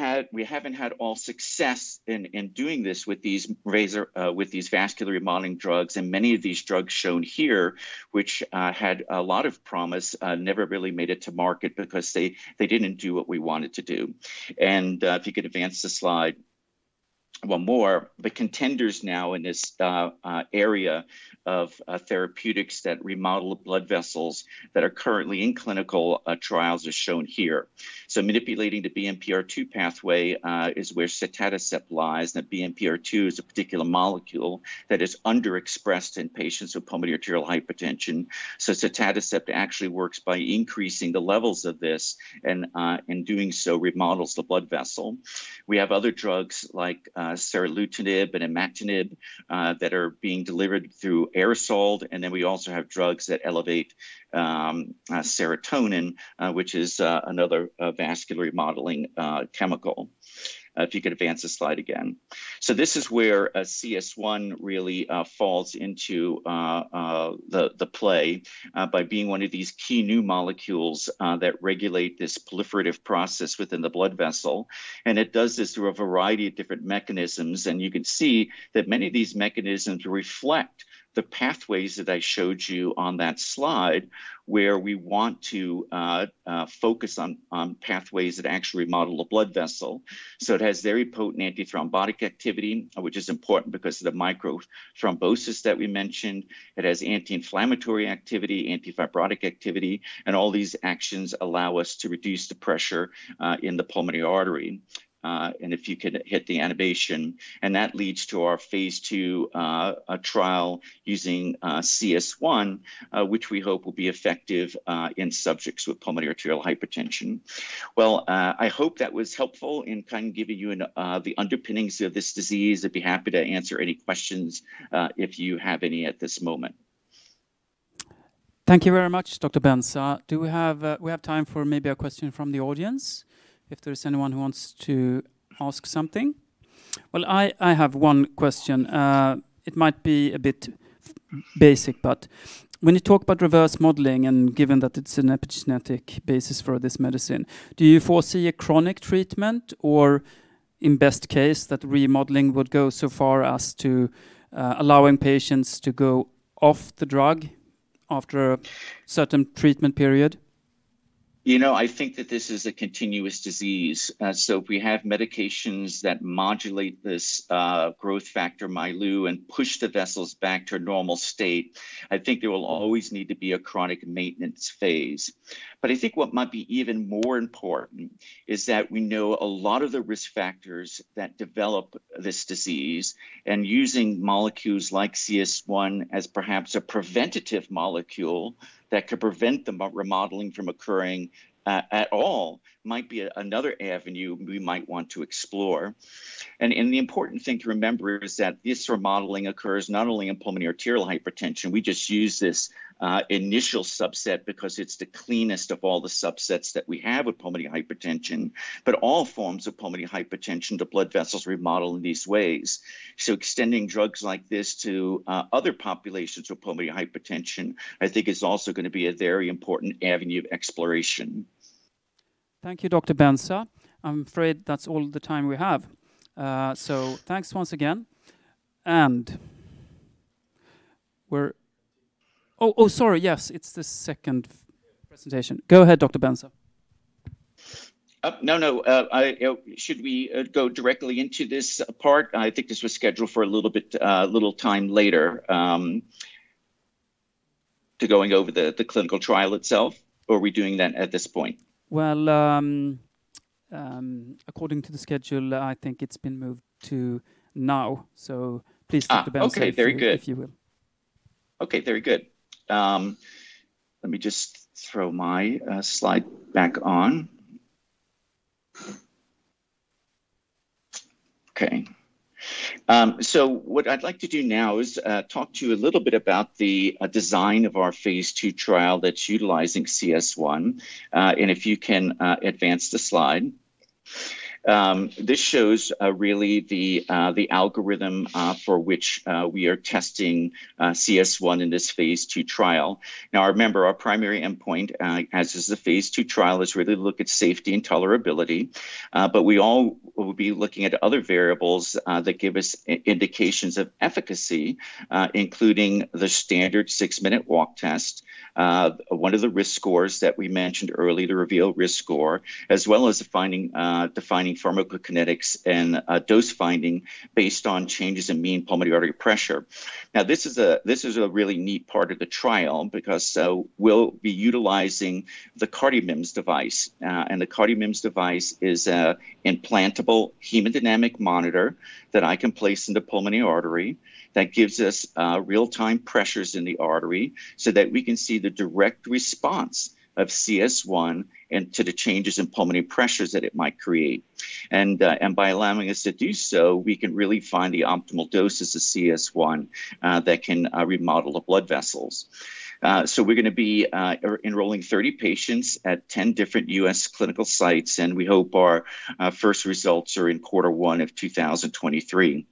had all success in doing this with these vascular remodeling drugs, and many of these drugs shown here which had a lot of promise never really made it to market because they didn't do what we wanted to do. If you could advance the slide one more. The contenders now in this area of therapeutics that remodel the blood vessels that are currently in clinical trials are shown here. Manipulating the BMPR2 pathway is where sotatercept lies, and BMPR2 is a particular molecule that is underexpressed in patients with pulmonary arterial hypertension. Sotatercept actually works by increasing the levels of this and in doing so, remodels the blood vessel. We have other drugs like seralutinib and imatinib that are being delivered through aerosol. Then we also have drugs that elevate serotonin, which is another vascular remodeling chemical. If you could advance the slide again. This is where CS1 really falls into the play by being one of these key new molecules that regulate this proliferative process within the blood vessel. It does this through a variety of different mechanisms, and you can see that many of these mechanisms reflect the pathways that I showed you on that slide where we want to focus on pathways that actually remodel the blood vessel. So it has very potent antithrombotic activity, which is important because of the micro thrombosis that we mentioned. It has anti-inflammatory activity, anti-fibrotic activity, and all these actions allow us to reduce the pressure in the pulmonary artery. If you could hit the animation. That leads to our phase II trial using CS1, which we hope will be effective in subjects with pulmonary arterial hypertension. I hope that was helpful in kind of giving you the underpinnings of this disease. I'd be happy to answer any questions, if you have any at this moment. Thank you very much, Dr. Benza. Do we have time for maybe a question from the audience if there's anyone who wants to ask something. Well, I have one question. It might be a bit basic, but when you talk about reverse remodeling, and given that it's an epigenetic basis for this medicine, do you foresee a chronic treatment, or in best case, that remodeling would go so far as to allowing patients to go off the drug after a certain treatment period? You know, I think that this is a continuous disease. If we have medications that modulate this growth factor milieu and push the vessels back to a normal state, I think there will always need to be a chronic maintenance phase. I think what might be even more important is that we know a lot of the risk factors that develop this disease and using molecules like CS1 as perhaps a preventative molecule that could prevent the remodeling from occurring at all might be another avenue we might want to explore. The important thing to remember is that this remodeling occurs not only in pulmonary arterial hypertension. We just use this initial subset because it's the cleanest of all the subsets that we have with pulmonary hypertension. All forms of pulmonary hypertension, the blood vessels remodel in these ways. Extending drugs like this to other populations with pulmonary hypertension, I think, is also gonna be a very important avenue of exploration. Thank you, Dr. Benza. I'm afraid that's all the time we have. Thanks once again. Sorry, yes, it's the second presentation. Go ahead, Dr. Benza. No. Should we go directly into this part? I think this was scheduled for a little bit later, to going over the clinical trial itself, or are we doing that at this point? Well, according to the schedule, I think it's been moved to now. Please, Dr. Benza. Okay. Very good. If you will. Okay. Very good. Let me just throw my slide back on. Okay. So what I'd like to do now is talk to you a little bit about the design of our phase II trial that's utilizing CS1. If you can, advance the slide. This shows really the algorithm for which we are testing CS1 in this phase II trial. Now remember, our primary endpoint, as is the phase II trial, is really to look at safety and tolerability. We all will be looking at other variables that give us indications of efficacy, including the standard six-minute walk test, one of the risk scores that we mentioned earlier, the REVEAL risk score, as well as defining pharmacokinetics and dose finding based on changes in mean pulmonary artery pressure. This is a really neat part of the trial because we'll be utilizing the CardioMEMS device. The CardioMEMS device is an implantable hemodynamic monitor that I can place in the pulmonary artery that gives us real-time pressures in the artery so that we can see the direct response of CS1 to the changes in pulmonary pressures that it might create. By allowing us to do so, we can really find the optimal doses of CS1 that can remodel the blood vessels. We're gonna be enrolling 30 patients at 10 different U.S. clinical sites, and we hope our first results are in Q1 2023.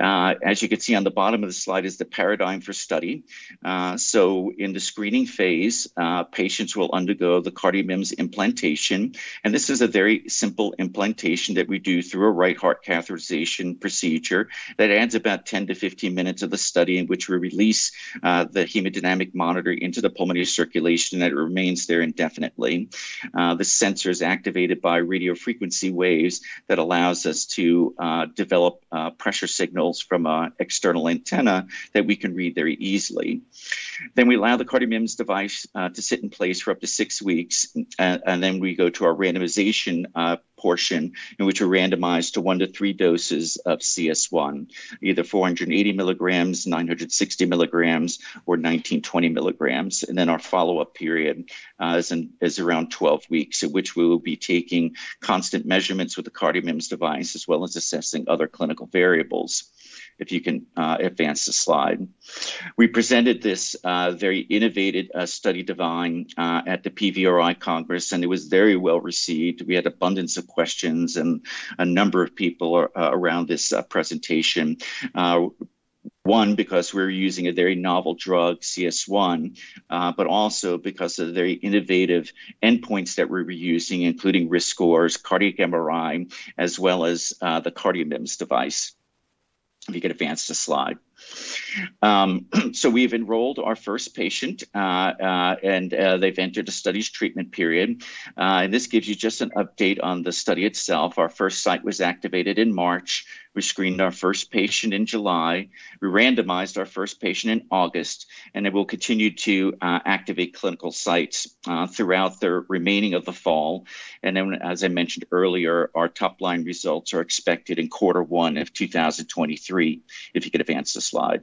As you can see on the bottom of the slide is the paradigm for study. In the screening phase, patients will undergo the CardioMEMS implantation, and this is a very simple implantation that we do through a right heart catheterization procedure that adds about 10-15 minutes of the study in which we release the hemodynamic monitor into the pulmonary circulation, and it remains there indefinitely. The sensor is activated by radio frequency waves that allows us to develop pressure signals from an external antenna that we can read very easily. We allow the CardioMEMS device to sit in place for up to six weeks. We go to our randomization portion in which we randomize to 1-3 doses of CS1, either 480 milligrams, 960 milligrams, or 1,920 milligrams. Our follow-up period is around 12 weeks, at which we will be taking constant measurements with the CardioMEMS device as well as assessing other clinical variables. If you can advance the slide. We presented this very innovative study design at the PVRI Congress, and it was very well-received. We had abundance of questions and a number of people around this presentation. One, because we're using a very novel drug, CS1, but also because of the very innovative endpoints that we're using, including risk scores, Cardiac MRI, as well as the CardioMEMS device. If you could advance the slide. We've enrolled our first patient, and they've entered the study's treatment period. This gives you just an update on the study itself. Our first site was activated in March. We screened our first patient in July. We randomized our first patient in August, and then we'll continue to activate clinical sites throughout the remainder of the fall. As I mentioned earlier, our top-line results are expected in quarter one of 2023. If you could advance the slide.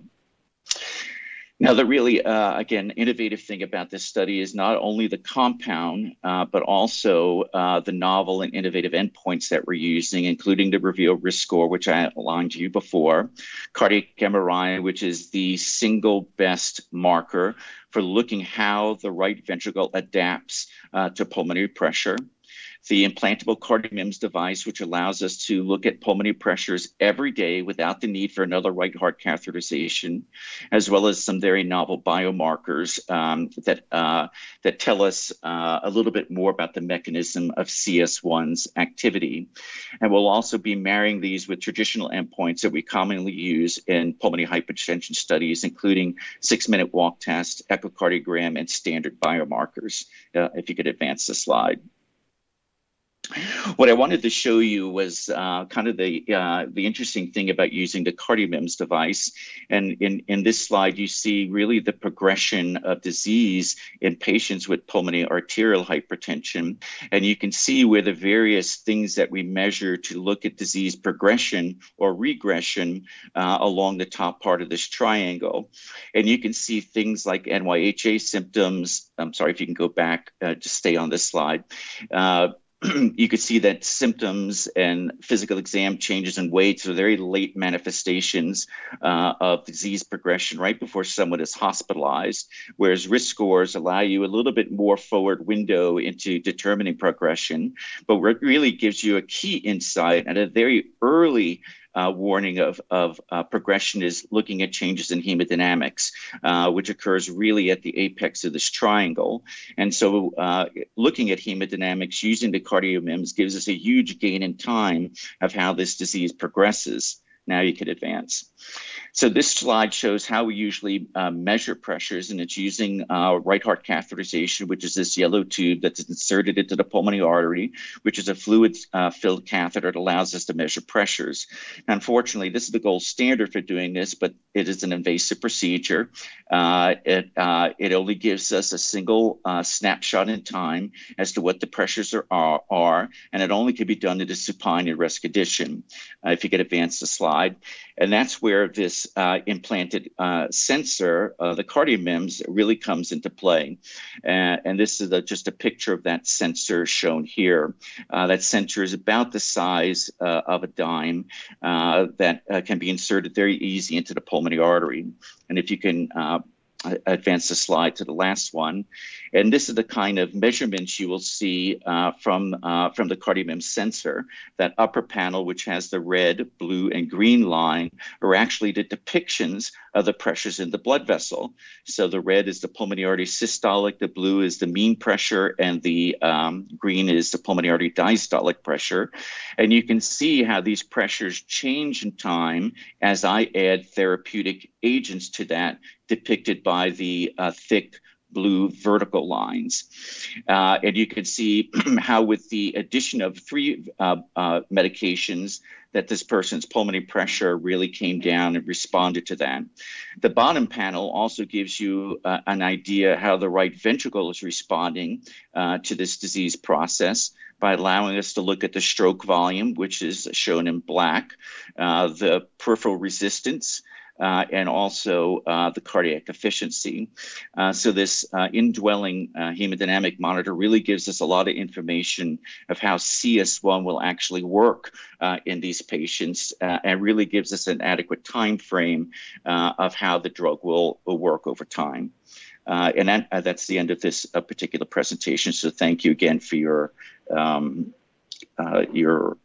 Now, the really, again, innovative thing about this study is not only the compound, but also, the novel and innovative endpoints that we're using, including the REVEAL risk score, which I outlined to you before. Cardiac MRI, which is the single best marker for looking how the right ventricle adapts, to pulmonary pressure. The implantable CardioMEMS device, which allows us to look at pulmonary pressures every day without the need for another right heart catheterization, as well as some very novel biomarkers, that tell us, a little bit more about the mechanism of CS1's activity. We'll also be marrying these with traditional endpoints that we commonly use in pulmonary hypertension studies, including six-minute walk test, echocardiogram, and standard biomarkers. If you could advance the slide. What I wanted to show you was kind of the interesting thing about using the CardioMEMS device. In this slide, you see really the progression of disease in patients with pulmonary arterial hypertension. You can see where the various things that we measure to look at disease progression or regression along the top part of this triangle. You can see things like NYHA symptoms. I'm sorry, if you can go back, just stay on this slide. You could see that symptoms and physical exam changes in weight, so very late manifestations of disease progression right before someone is hospitalized, whereas risk scores allow you a little bit more forward window into determining progression. What really gives you a key insight and a very early warning of progression is looking at changes in hemodynamics, which occurs really at the apex of this triangle. Looking at hemodynamics using the CardioMEMS gives us a huge gain in time of how this disease progresses. Now you could advance. This slide shows how we usually measure pressures, and it's using right heart catheterization, which is this yellow tube that's inserted into the pulmonary artery, which is a fluid-filled catheter. It allows us to measure pressures. Unfortunately, this is the gold standard for doing this, but it is an invasive procedure. It only gives us a single snapshot in time as to what the pressures are. It only can be done in a supine at-rest condition. If you could advance the slide. That's where this implanted sensor, the CardioMEMS really comes into play. This is just a picture of that sensor shown here. That sensor is about the size of a dime that can be inserted very easy into the pulmonary artery. If you can advance the slide to the last one. This is the kind of measurements you will see from the CardioMEMS sensor. That upper panel, which has the red, blue, and green line, are actually the depictions of the pressures in the blood vessel. The red is the pulmonary artery systolic, the blue is the mean pressure, and the green is the pulmonary artery diastolic pressure. You can see how these pressures change in time as I add therapeutic agents to that depicted by the thick blue vertical lines. You can see how with the addition of three medications that this person's pulmonary pressure really came down and responded to that. The bottom panel also gives you an idea how the right ventricle is responding to this disease process by allowing us to look at the stroke volume, which is shown in black, the peripheral resistance, and also the cardiac efficiency. This indwelling hemodynamic monitor really gives us a lot of information of how CS1 will actually work in these patients, and really gives us an adequate timeframe of how the drug will work over time. That's the end of this particular presentation. Thank you again for your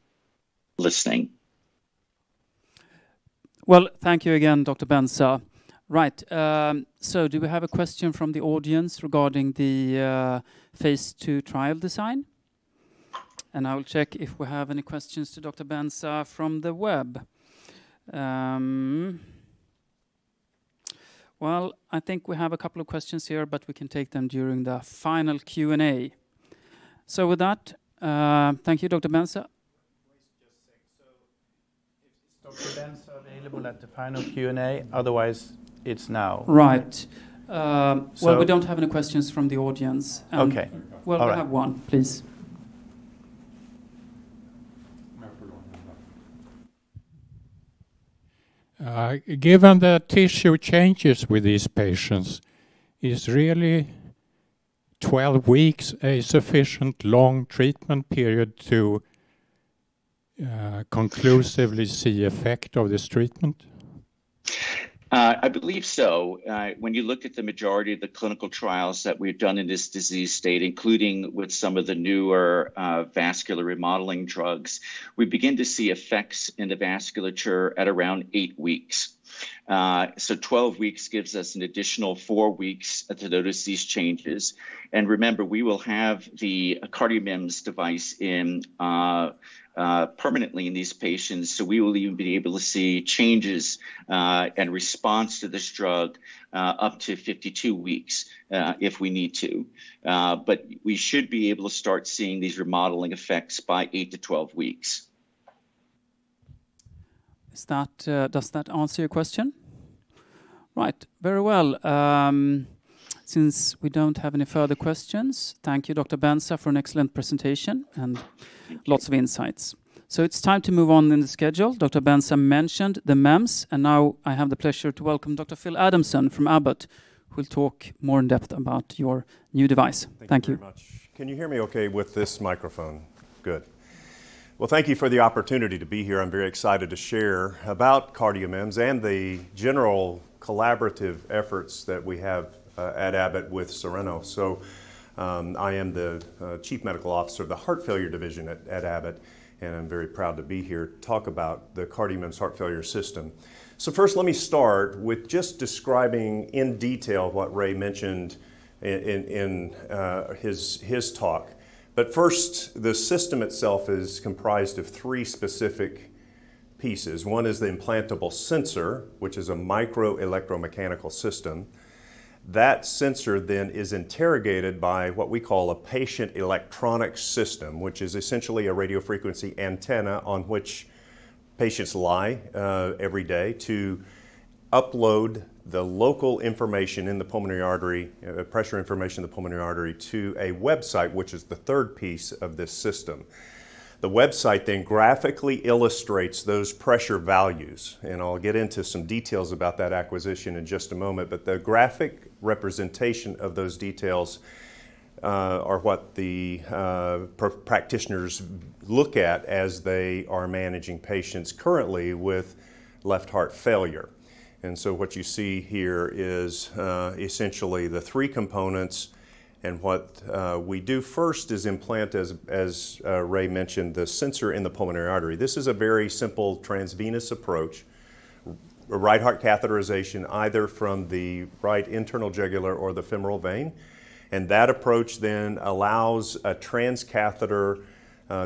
listening. Well, thank you again, Dr. Benza. Right. So do we have a question from the audience regarding the phase II trial design? I'll check if we have any questions to Dr. Benza from the web. Well, I think we have a couple of questions here, but we can take them during the final Q&A. With that, thank you, Dr. Benza. Just a sec. Is Dr. Benza available at the final Q&A? Otherwise, it's now. Right. Well, we don't have any questions from the audience. Okay. All right. Well, we have one, please. No problem. Given the tissue changes with these patients, is really, 12 weeks a sufficient long treatment period to, conclusively see effect of this treatment? I believe so. When you look at the majority of the clinical trials that we've done in this disease state, including with some of the newer vascular remodeling drugs, we begin to see effects in the vasculature at around eight weeks. 12 weeks gives us an additional four weeks to notice these changes. Remember, we will have the CardioMEMS device in permanently in these patients, so we will even be able to see changes and response to this drug up to 52 weeks, if we need to. We should be able to start seeing these remodeling effects by 8-12 weeks. Is that, does that answer your question? Right. Very well. Since we don't have any further questions, thank you, Dr. Benza, for an excellent presentation and. Thank you. Lots of insights. It's time to move on in the schedule. Dr. Benza mentioned the MEMS, and now I have the pleasure to welcome Dr. Phil Adamson from Abbott, who'll talk more in depth about your new device. Thank you. Thank you very much. Can you hear me okay with this microphone? Good. Well, thank you for the opportunity to be here. I'm very excited to share about CardioMEMS and the general collaborative efforts that we have at Abbott with Cereno. I am the Chief Medical Officer of the Heart Failure Division at Abbott, and I'm very proud to be here to talk about the CardioMEMS heart failure system. First, let me start with just describing in detail what Ray mentioned in his talk. First, the system itself is comprised of three specific pieces. One is the implantable sensor, which is a micro electromechanical system. That sensor then is interrogated by what we call a patient electronic system, which is essentially a radio frequency antenna on which patients lie every day to upload the local information in the pulmonary artery pressure information in the pulmonary artery to a website, which is the third piece of this system. The website then graphically illustrates those pressure values, and I'll get into some details about that acquisition in just a moment. But the graphic representation of those details are what the practitioners look at as they are managing patients currently with left heart failure. What you see here is essentially the three components and what we do first is implant as Ray mentioned, the sensor in the pulmonary artery. This is a very simple transvenous approach, right heart catheterization, either from the right internal jugular or the femoral vein. That approach then allows a transcatheter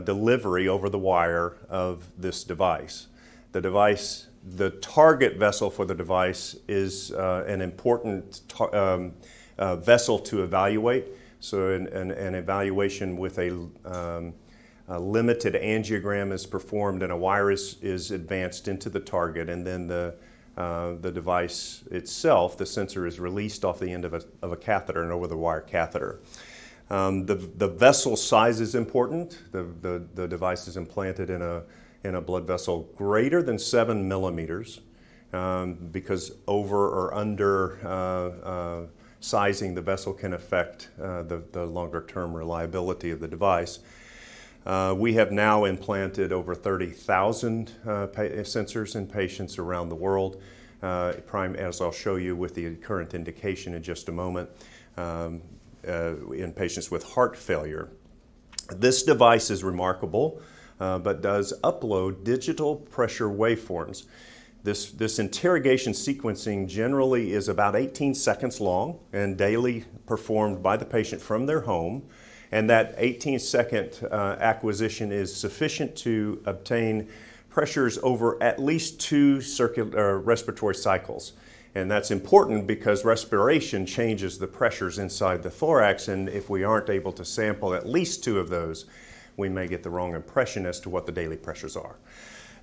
delivery over the wire of this device. The target vessel for the device is an important vessel to evaluate, so an evaluation with a limited angiogram is performed, and a wire is advanced into the target, and then the device itself, the sensor is released off the end of a catheter and over the wire catheter. The vessel size is important. The device is implanted in a blood vessel greater than 7 millimeters, because over or under sizing the vessel can affect the longer term reliability of the device. We have now implanted over 30,000 PA sensors in patients around the world, primarily as I'll show you with the current indication in just a moment, in patients with heart failure. This device is remarkable, but it does upload digital pressure waveforms. This interrogation sequence generally is about 18 seconds long and daily performed by the patient from their home, and that 18-second acquisition is sufficient to obtain pressures over at least two cardiac or respiratory cycles. That's important because respiration changes the pressures inside the thorax, and if we aren't able to sample at least two of those, we may get the wrong impression as to what the daily pressures are.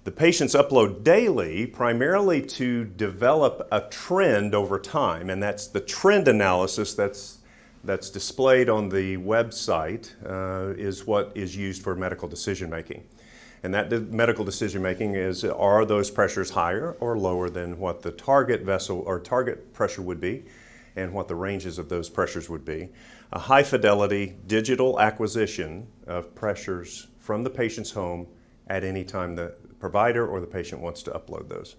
The patients upload daily primarily to develop a trend over time, and that's the trend analysis that's displayed on the website is what is used for medical decision-making. That medical decision-making is, are those pressures higher or lower than what the target vessel or target pressure would be and what the ranges of those pressures would be. A high fidelity digital acquisition of pressures from the patient's home at any time the provider or the patient wants to upload those.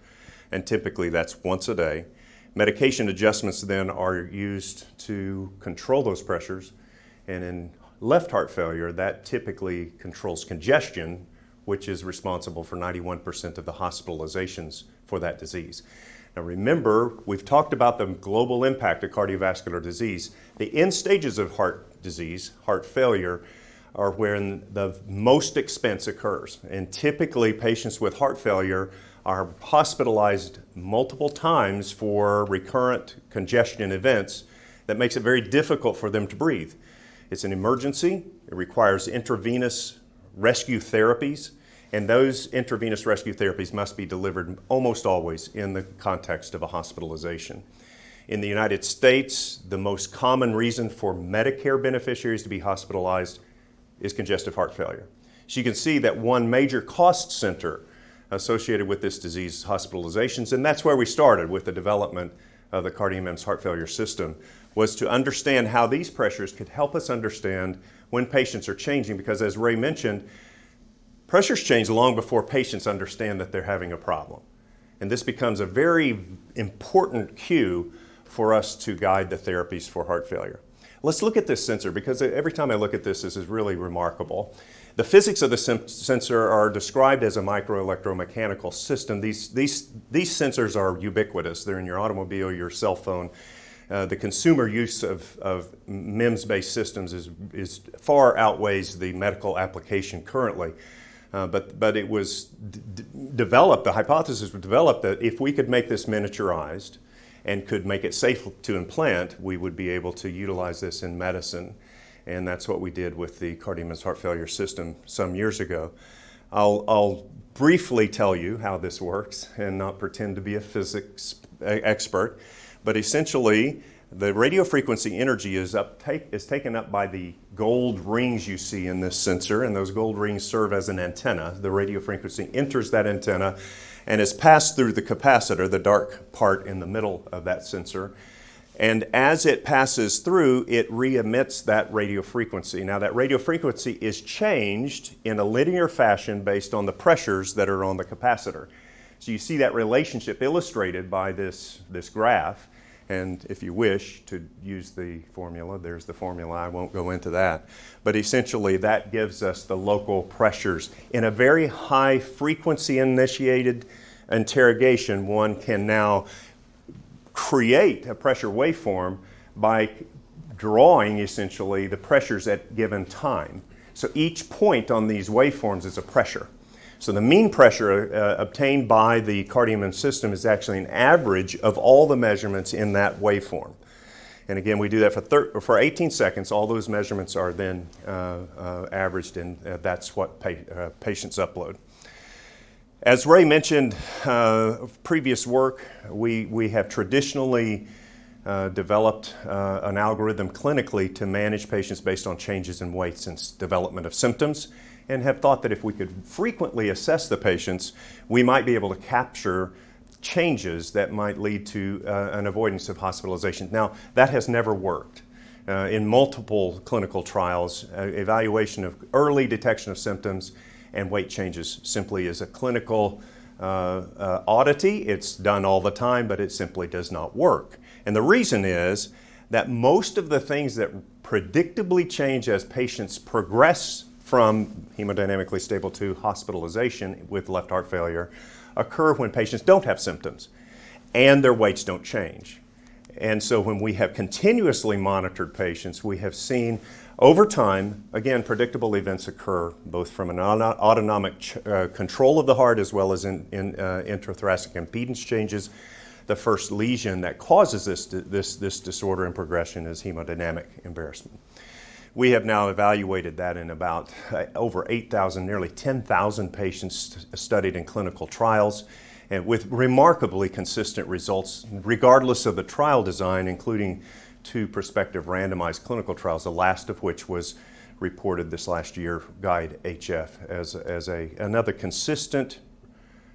Typically, that's once a day. Medication adjustments then are used to control those pressures. In left heart failure, that typically controls congestion, which is responsible for 91% of the hospitalizations for that disease. Now remember, we've talked about the global impact of cardiovascular disease. The end stages of heart disease, heart failure, are when the most expense occurs. Typically, patients with heart failure are hospitalized multiple times for recurrent congestion events that makes it very difficult for them to breathe. It's an emergency. It requires intravenous rescue therapies, and those intravenous rescue therapies must be delivered almost always in the context of a hospitalization. In the United States, the most common reason for Medicare beneficiaries to be hospitalized is congestive heart failure. You can see that one major cost center associated with this disease is hospitalizations, and that's where we started with the development of the CardioMEMS heart failure system was to understand how these pressures could help us understand when patients are changing because as Ray mentioned, pressures change long before patients understand that they're having a problem, and this becomes a very important cue for us to guide the therapies for heart failure. Let's look at this sensor because every time I look at this is really remarkable. The physics of the sensor are described as a micro electromechanical system. These sensors are ubiquitous. They're in your automobile, your cell phone. The consumer use of MEMS-based systems is far outweighs the medical application currently. It was developed, the hypothesis was developed that if we could make this miniaturized and could make it safe to implant, we would be able to utilize this in medicine, and that's what we did with the CardioMEMS heart failure system some years ago. I'll briefly tell you how this works and not pretend to be a physics expert, but essentially, the radio frequency energy is taken up by the gold rings you see in this sensor, and those gold rings serve as an antenna. The radio frequency enters that antenna and is passed through the capacitor, the dark part in the middle of that sensor, and as it passes through, it re-emits that radio frequency. Now that radio frequency is changed in a linear fashion based on the pressures that are on the capacitor. You see that relationship illustrated by this graph, and if you wish to use the formula, there's the formula. I won't go into that. Essentially, that gives us the local pressures. In a very high frequency-initiated interrogation, one can now create a pressure waveform by drawing essentially the pressures at given time. Each point on these waveforms is a pressure. The mean pressure obtained by the CardioMEMS system is actually an average of all the measurements in that waveform. Again, we do that for 18 seconds, all those measurements are then averaged and that's what patients upload. As Ray mentioned, previous work, we have traditionally developed an algorithm clinically to manage patients based on changes in weight since development of symptoms and have thought that if we could frequently assess the patients, we might be able to capture changes that might lead to an avoidance of hospitalization. Now, that has never worked. In multiple clinical trials, evaluation of early detection of symptoms and weight changes simply is a clinical oddity. It's done all the time, but it simply does not work. The reason is that most of the things that predictably change as patients progress from hemodynamically stable to hospitalization with left heart failure occur when patients don't have symptoms, and their weights don't change. When we have continuously monitored patients, we have seen over time, again, predictable events occur both from an autonomic control of the heart as well as in intrathoracic impedance changes. The first lesion that causes this disorder and progression is hemodynamic embarrassment. We have now evaluated that in about, over 8,000, nearly 10,000 patients studied in clinical trials and with remarkably consistent results regardless of the trial design, including two prospective randomized clinical trials, the last of which was reported this last year, GUIDE-HF, as another consistent,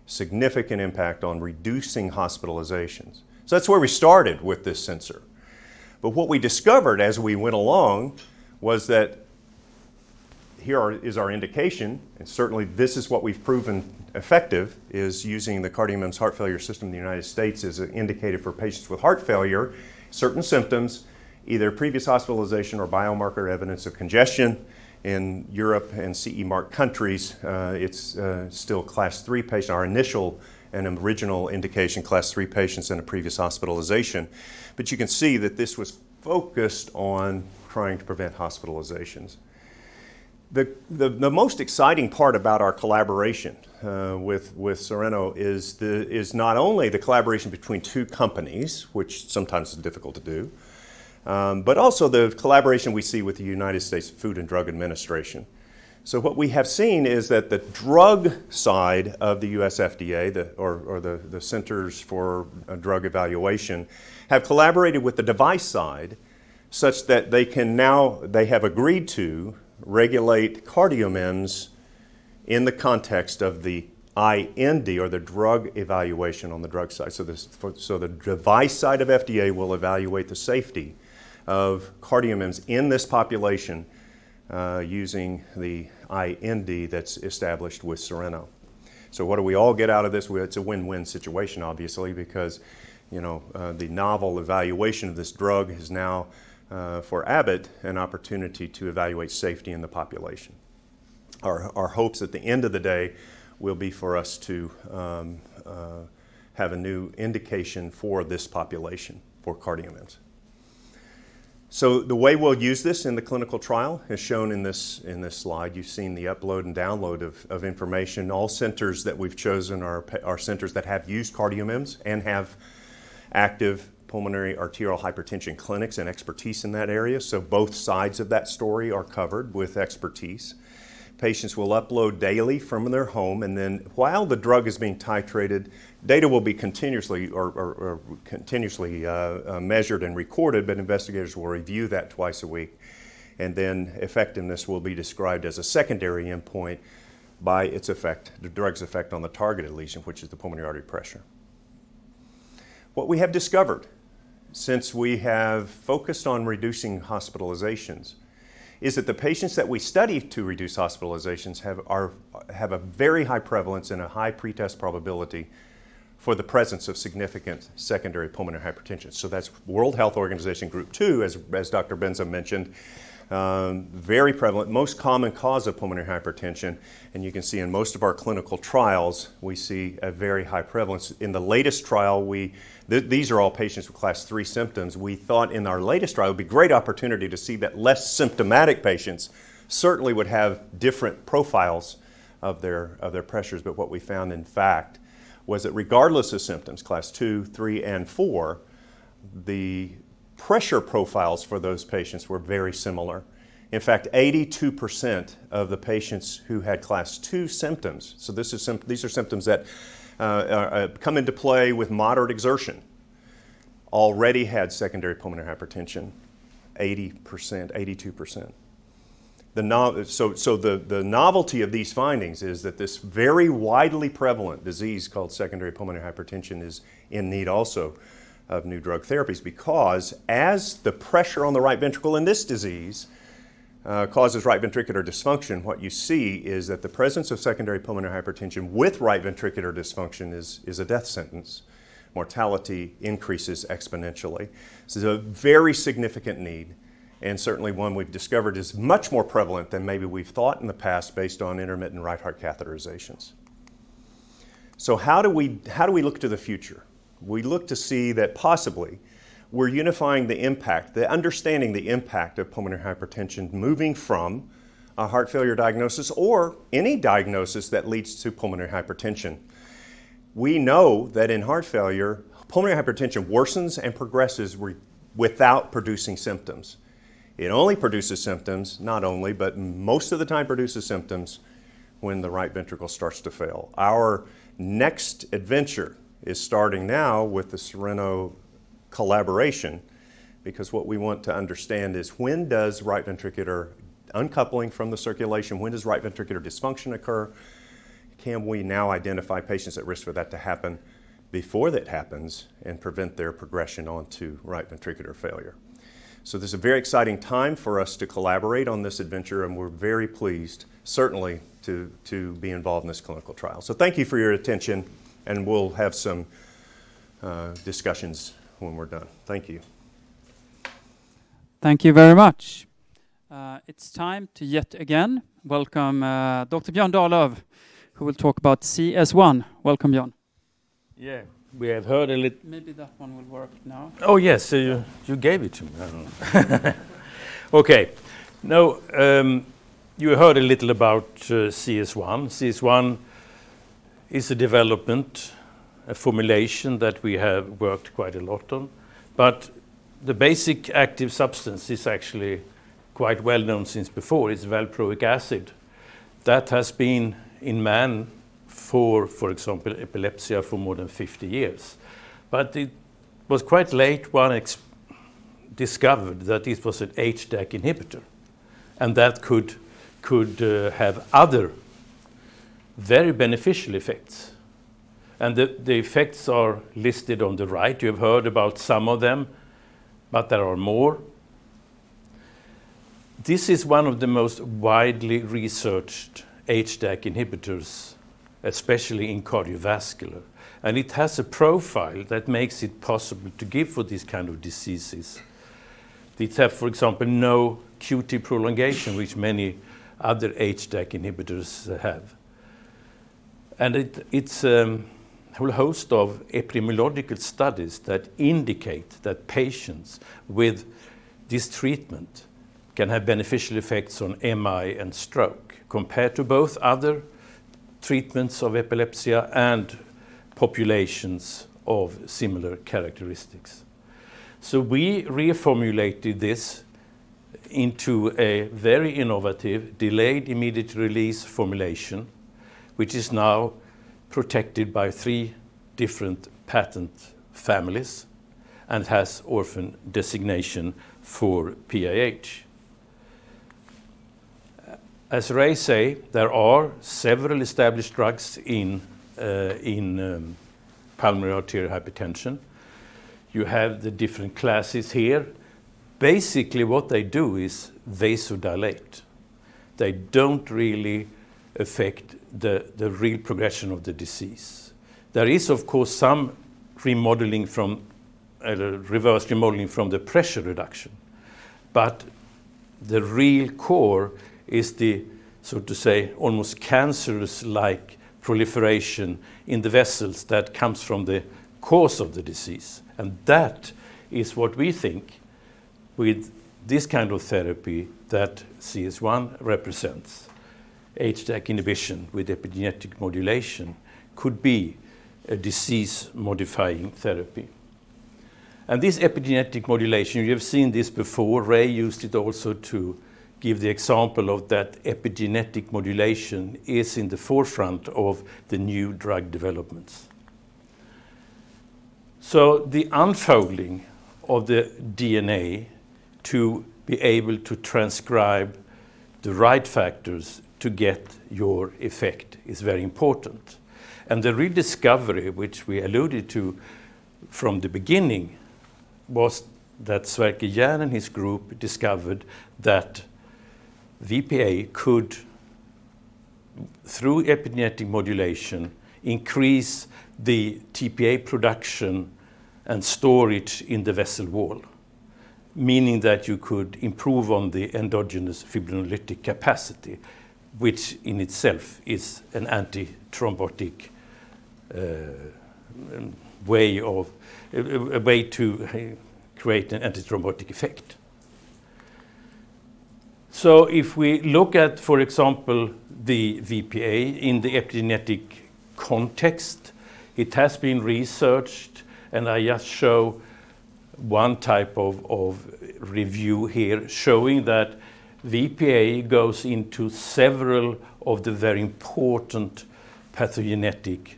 significant impact on reducing hospitalizations. That's where we started with this sensor. What we discovered as we went along was that here is our indication, and certainly this is what we've proven effective is using the CardioMEMS heart failure system in the United States is indicated for patients with heart failure, certain symptoms, either previous hospitalization or biomarker evidence of congestion. In Europe and CE mark countries, it's still Class 3 patient, our initial and original indication, Class 3 patients in a previous hospitalization. You can see that this was focused on trying to prevent hospitalizations. The most exciting part about our collaboration with Cereno is not only the collaboration between two companies, which sometimes is difficult to do, but also the collaboration we see with the United States Food and Drug Administration. What we have seen is that the drug side of the U.S. FDA, or the Center for Drug Evaluation and Research, have collaborated with the device side such that they can now, they have agreed to regulate CardioMEMS in the context of the IND, or the drug evaluation on the drug side. The device side of the FDA will evaluate the safety of CardioMEMS in this population, using the IND that's established with Cereno. What do we all get out of this? It's a win-win situation obviously because the novel evaluation of this drug is now, for Abbott, an opportunity to evaluate safety in the population. Our hopes at the end of the day will be for us to have a new indication for this population for CardioMEMS. The way we'll use this in the clinical trial is shown in this slide. You've seen the upload and download of information. All centers that we've chosen are centers that have used CardioMEMS and have active pulmonary arterial hypertension clinics and expertise in that area. Both sides of that story are covered with expertise. Patients will upload daily from their home, and then while the drug is being titrated, data will be continuously measured and recorded, but investigators will review that twice a week, and then effectiveness will be described as a secondary endpoint by its effect, the drug's effect on the targeted lesion, which is the pulmonary artery pressure. What we have discovered since we have focused on reducing hospitalizations is that the patients that we study to reduce hospitalizations have a very high prevalence and a high pretest probability for the presence of significant secondary pulmonary hypertension. That's World Health Organization Group 2, as Dr. Benza mentioned, very prevalent, most common cause of pulmonary hypertension, and you can see in most of our clinical trials we see a very high prevalence. In the latest trial, These are all patients with Class 3 symptoms. We thought in our latest trial it would be great opportunity to see that less symptomatic patients certainly would have different profiles of their pressures. What we found in fact was that regardless of symptoms, Class 2, 3, and 4 the pressure profiles for those patients were very similar. In fact, 82% of the patients who had Class 2 symptoms, so these are symptoms that come into play with moderate exertion, already had secondary pulmonary hypertension, 80%, 82%. The novelty of these findings is that this very widely prevalent disease called secondary pulmonary hypertension is in need also of new drug therapies because as the pressure on the right ventricle in this disease causes right ventricular dysfunction, what you see is that the presence of secondary pulmonary hypertension with right ventricular dysfunction is a death sentence. Mortality increases exponentially. This is a very significant need and certainly one we've discovered is much more prevalent than maybe we've thought in the past based on intermittent right heart catheterizations. How do we look to the future? We look to see that possibly we're unifying the impact, the understanding the impact of pulmonary hypertension moving from a heart failure diagnosis or any diagnosis that leads to pulmonary hypertension. We know that in heart failure, pulmonary hypertension worsens and progresses without producing symptoms. It only produces symptoms, not only, but most of the time produces symptoms when the right ventricle starts to fail. Our next adventure is starting now with the Sorrento collaboration because what we want to understand is when does right ventricular uncoupling from the circulation, when does right ventricular dysfunction occur, can we now identify patients at risk for that to happen before that happens and prevent their progression on to right ventricular failure? This is a very exciting time for us to collaborate on this adventure, and we're very pleased certainly to be involved in this clinical trial. Thank you for your attention, and we'll have some discussions when we're done. Thank you. Thank you very much. It's time to yet again welcome, Dr. Björn Dahlöf, who will talk about CS1. Welcome, Björn. Yeah. We have heard a little. Maybe that one will work now. Oh, yes. You gave it to me. Okay. Now, you heard a little about CS1. CS1 is a development, a formulation that we have worked quite a lot on. The basic active substance is actually quite well known since before. It's valproic acid. That has been in man for example, epilepsy for more than 50 years. It was quite late discovered that it was an HDAC inhibitor, and that could have other very beneficial effects. The effects are listed on the right. You've heard about some of them, but there are more. This is one of the most widely researched HDAC inhibitors, especially in cardiovascular, and it has a profile that makes it possible to give for these kind of diseases. It have, for example, no QT prolongation, which many other HDAC inhibitors have. It's a whole host of epidemiological studies that indicate that patients with this treatment can have beneficial effects on MI and stroke compared to both other treatments of epilepsy and populations of similar characteristics. We reformulated this into a very innovative delayed immediate release formulation, which is now protected by three different patent families and has orphan designation for PAH. As Ray says, there are several established drugs in pulmonary arterial hypertension. You have the different classes here. Basically, what they do is vasodilate. They don't really affect the real progression of the disease. There is, of course, some remodeling from reverse remodeling from the pressure reduction. The real core is the so to say almost cancerous-like proliferation in the vessels that comes from the cause of the disease. That is what we think with this kind of therapy that CS1 represents. HDAC inhibition with epigenetic modulation could be a disease-modifying therapy. This epigenetic modulation, you have seen this before. Raymond Benza used it also to give the example of that epigenetic modulation is in the forefront of the new drug developments. The unfolding of the DNA to be able to transcribe the right factors to get your effect is very important. The rediscovery, which we alluded to from the beginning, was that Sverker Jern and his group discovered that VPA could, through epigenetic modulation, increase the tPA production and storage in the vessel wall, meaning that you could improve on the endogenous fibrinolytic capacity, which in itself is an antithrombotic way of a way to create an antithrombotic effect. If we look at, for example, the VPA in the epigenetic context, it has been researched, and I just show one type of review here showing that VPA goes into several of the very important pathogenetic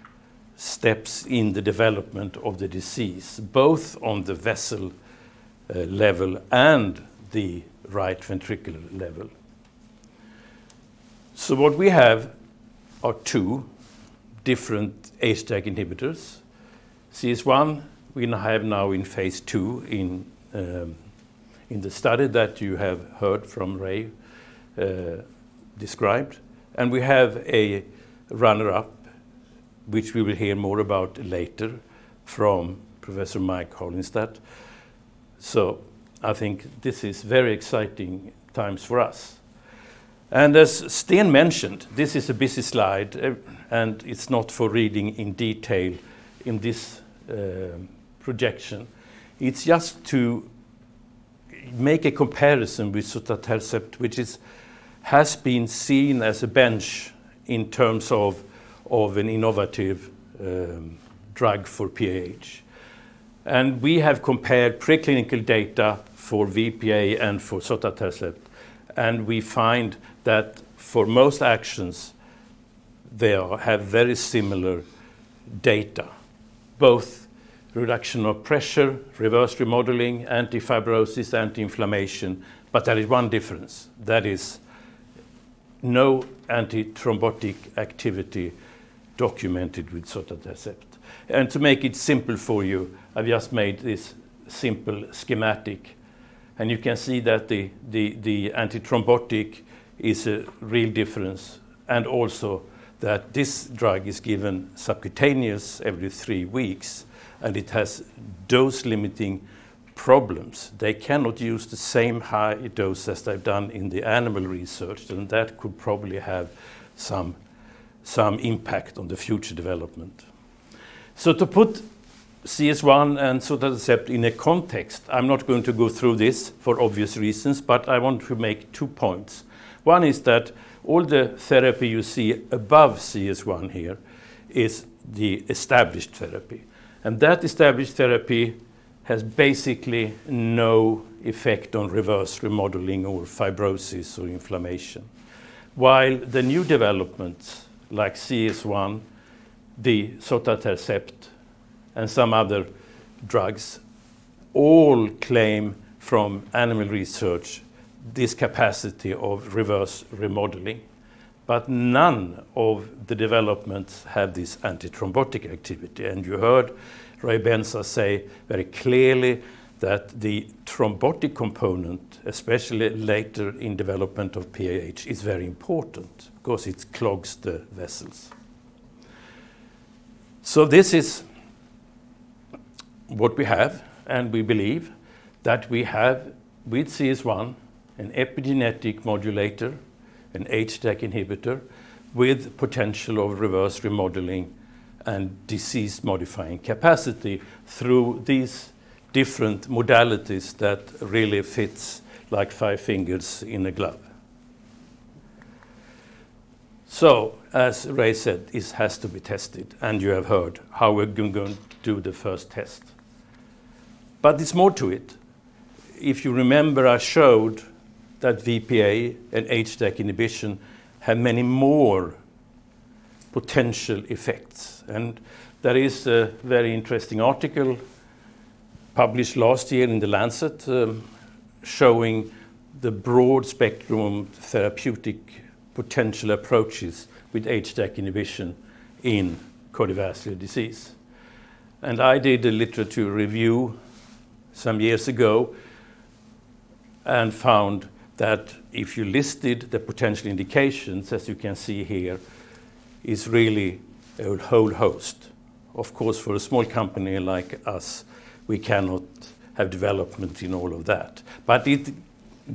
steps in the development of the disease, both on the vessel level and the right ventricular level. What we have are two different HDAC inhibitors. CS1 we now have in phase II in the study that you have heard from Ray described. We have a runner-up, which we will hear more about later from Professor Mike Holinstat. I think this is very exciting times for us. As Sten mentioned, this is a busy slide, and it's not for reading in detail in this projection. It's just to make a comparison with sotatercept, which has been seen as a benchmark in terms of an innovative drug for PAH. We have compared preclinical data for VPA and for sotatercept, and we find that for most actions, they all have very similar data, both reduction of pressure, reverse remodeling, anti-fibrosis, anti-inflammation. There is one difference, that is no antithrombotic activity documented with sotatercept. To make it simple for you, I just made this simple schematic, and you can see that the antithrombotic is a real difference, and also that this drug is given subcutaneous every three weeks, and it has dose-limiting problems. They cannot use the same high dose as they've done in the animal research, and that could probably have some impact on the future development. To put CS1 and sotatercept in a context, I'm not going to go through this for obvious reasons, but I want to make two points. One is that all the therapy you see above CS1 here is the established therapy, and that established therapy has basically no effect on reverse remodeling or fibrosis or inflammation. While the new developments like CS1, the sotatercept, and some other drugs all claim from animal research this capacity of reverse remodeling, but none of the developments have this antithrombotic activity. You heard Raymond Benza say very clearly that the thrombotic component, especially later in development of PAH, is very important because it clogs the vessels. This is what we have, and we believe that we have, with CS1, an epigenetic modulator, an HDAC inhibitor with potential of reverse remodeling and disease-modifying capacity through these different modalities that really fits like five fingers in a glove. As Ray said, this has to be tested, and you have heard how we're going to do the first test. There's more to it. If you remember, I showed that VPA and HDAC inhibition have many more potential effects. There is a very interesting article published last year in The Lancet, showing the broad-spectrum therapeutic potential approaches with HDAC inhibition in cardiovascular disease. I did a literature review some years ago and found that if you listed the potential indications, as you can see here, it's really a whole host. Of course, for a small company like us, we cannot have development in all of that. It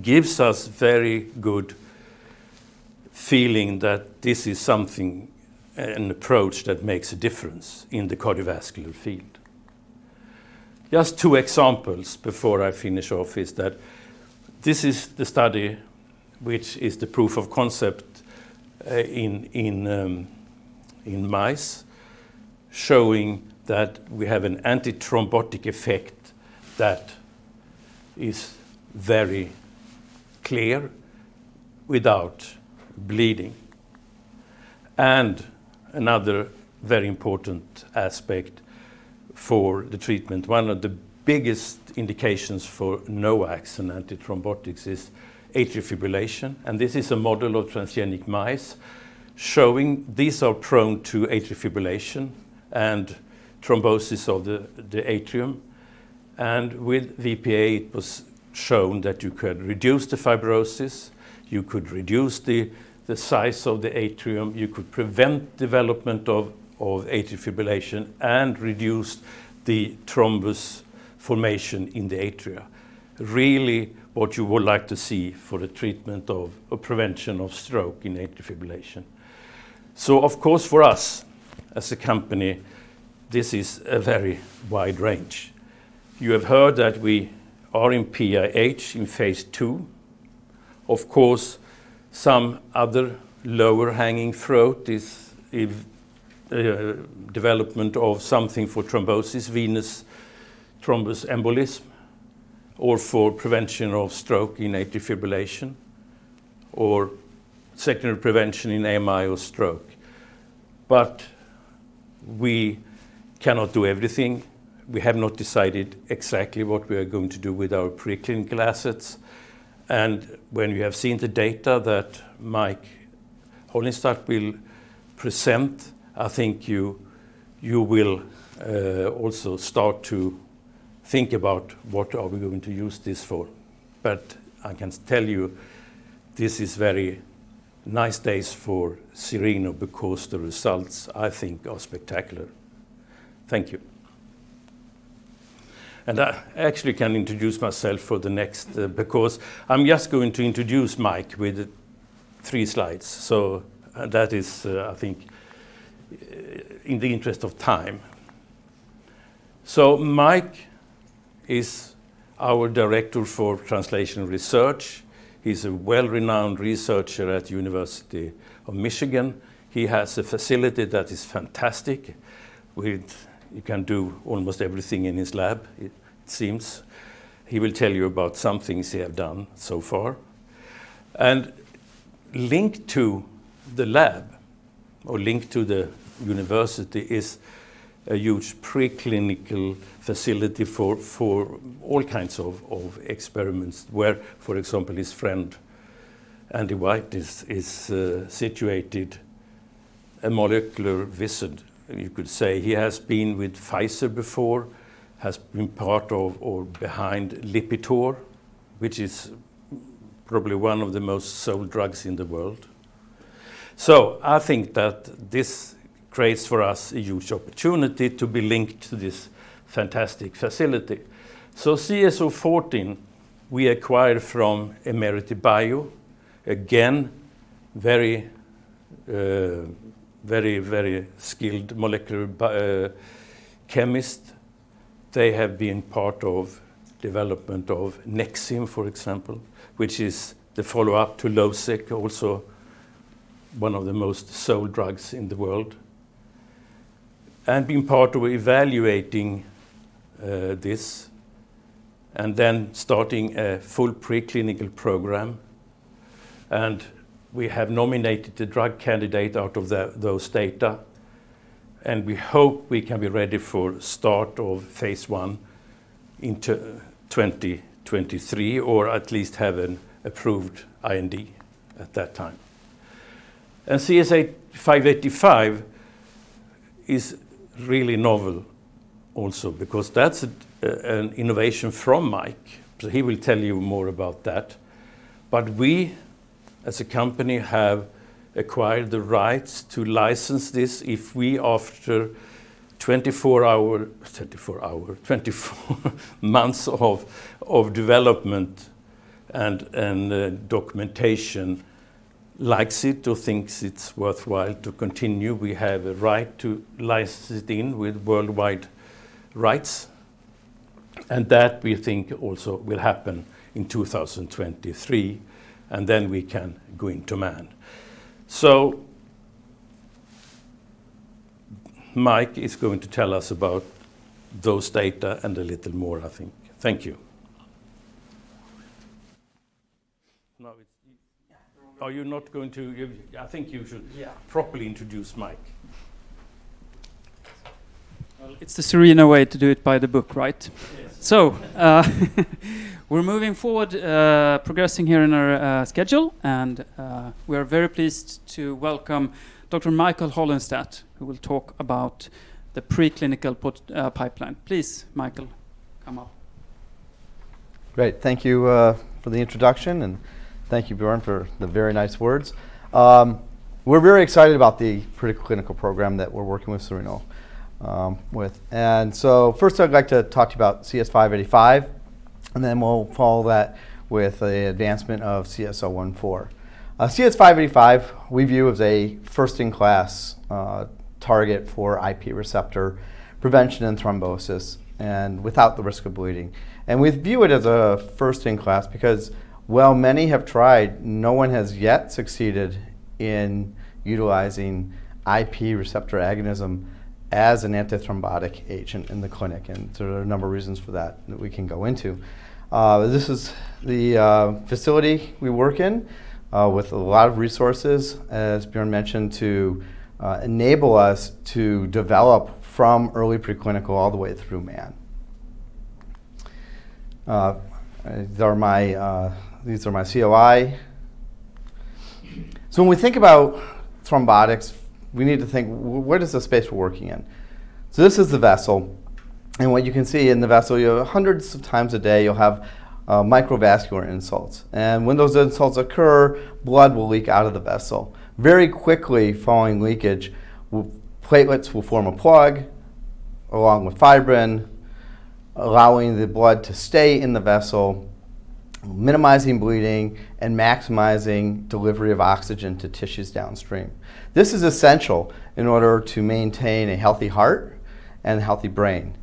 gives us very good feeling that this is something, an approach that makes a difference in the cardiovascular field. Just two examples before I finish off is that this is the study which is the proof of concept in mice showing that we have an antithrombotic effect that is very clear without bleeding. Another very important aspect for the treatment, one of the biggest indications for NOACs and antithrombotics is atrial fibrillation. This is a model of transgenic mice showing these are prone to atrial fibrillation and thrombosis of the atrium. With VPA, it was shown that you could reduce the fibrosis, you could reduce the size of the atrium, you could prevent development of atrial fibrillation and reduce the thrombus formation in the atria. Really what you would like to see for the treatment of or prevention of stroke in atrial fibrillation. Of course, for us as a company, this is a very wide range. You have heard that we are in PAH in phase II. Of course, some other lower hanging fruit is if development of something for thrombosis, venous thromboembolism, or for prevention of stroke in atrial fibrillation or secondary prevention in AMI or stroke. We cannot do everything. We have not decided exactly what we are going to do with our preclinical assets. When you have seen the data that Mike Hollenstadt will present, I think you will also start to think about what are we going to use this for. I can tell you this is very nice days for Cereno because the results, I think, are spectacular. Thank you. I actually can introduce myself for the next, because I'm just going to introduce Mike with three slides. That is, I think in the interest of time. Mike is our director for translational research. He's a well-renowned researcher at University of Michigan. He has a facility that is fantastic with. He can do almost everything in his lab, it seems. He will tell you about some things he have done so far. Linked to the lab or linked to the university is a huge preclinical facility for all kinds of experiments where, for example, his friend Andy White is situated, a molecular wizard, you could say. He has been with Pfizer before, has been part of or behind Lipitor, which is probably one of the most sold drugs in the world. I think that this creates for us a huge opportunity to be linked to this fantastic facility. CSO 14 we acquired from Emeriti Bio. Again, very skilled molecular chemist. They have been part of development of Nexium, for example, which is the follow-up to Losec, also one of the most sold drugs in the world. Been part of evaluating this and then starting a full preclinical program. We have nominated the drug candidate out of those data, and we hope we can be ready for start of phase I in 2023 or at least have an approved IND at that time. CS585 is really novel also because that's an innovation from Mike. He will tell you more about that. But we as a company have acquired the rights to license this if we after 24 months of development and documentation like it or think it's worthwhile to continue, we have a right to license it in with worldwide rights. That we think also will happen in 2023, and then we can go into man. Mike is going to tell us about those data and a little more, I think. Thank you. Now it's. I think you should. Yeah. Properly introduce Mike. Well, it's the Cereno way to do it by the book, right? Yes. We're moving forward, progressing here in our schedule. We are very pleased to welcome Dr. Michael Holinstat, who will talk about the preclinical pipeline. Please, Michael, come up. Great. Thank you for the introduction, and thank you Björn for the very nice words. We're very excited about the preclinical program that we're working with Cereno. First I'd like to talk to you about CS585. Then we'll follow that with a advancement of CS014. CS585 we view as a first-in-class target for IP receptor prevention and thrombosis and without the risk of bleeding. We view it as a first-in-class because while many have tried, no one has yet succeeded in utilizing IP receptor agonism as an antithrombotic agent in the clinic, and there are a number of reasons for that we can go into. This is the facility we work in with a lot of resources, as Björn mentioned, to enable us to develop from early preclinical all the way through man. These are my COI. When we think about thrombotics, we need to think, where is the space we're working in? This is the vessel, and what you can see in the vessel, you have hundreds of times a day, you'll have microvascular insults. When those insults occur, blood will leak out of the vessel. Very quickly following leakage, platelets will form a plug along with fibrin, allowing the blood to stay in the vessel, minimizing bleeding and maximizing delivery of oxygen to tissues downstream. This is essential in order to maintain a healthy heart and a healthy brain.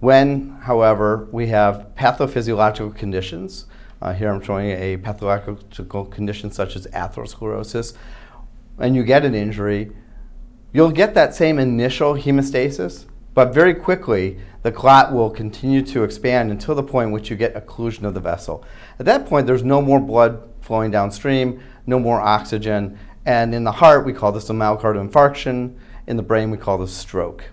When, however, we have pathophysiological conditions, here I'm showing a pathophysiological condition such as atherosclerosis, when you get an injury, you'll get that same initial hemostasis, but very quickly, the clot will continue to expand until the point in which you get occlusion of the vessel. At that point, there's no more blood flowing downstream, no more oxygen, and in the heart, we call this a myocardial infarction, in the brain, we call this stroke.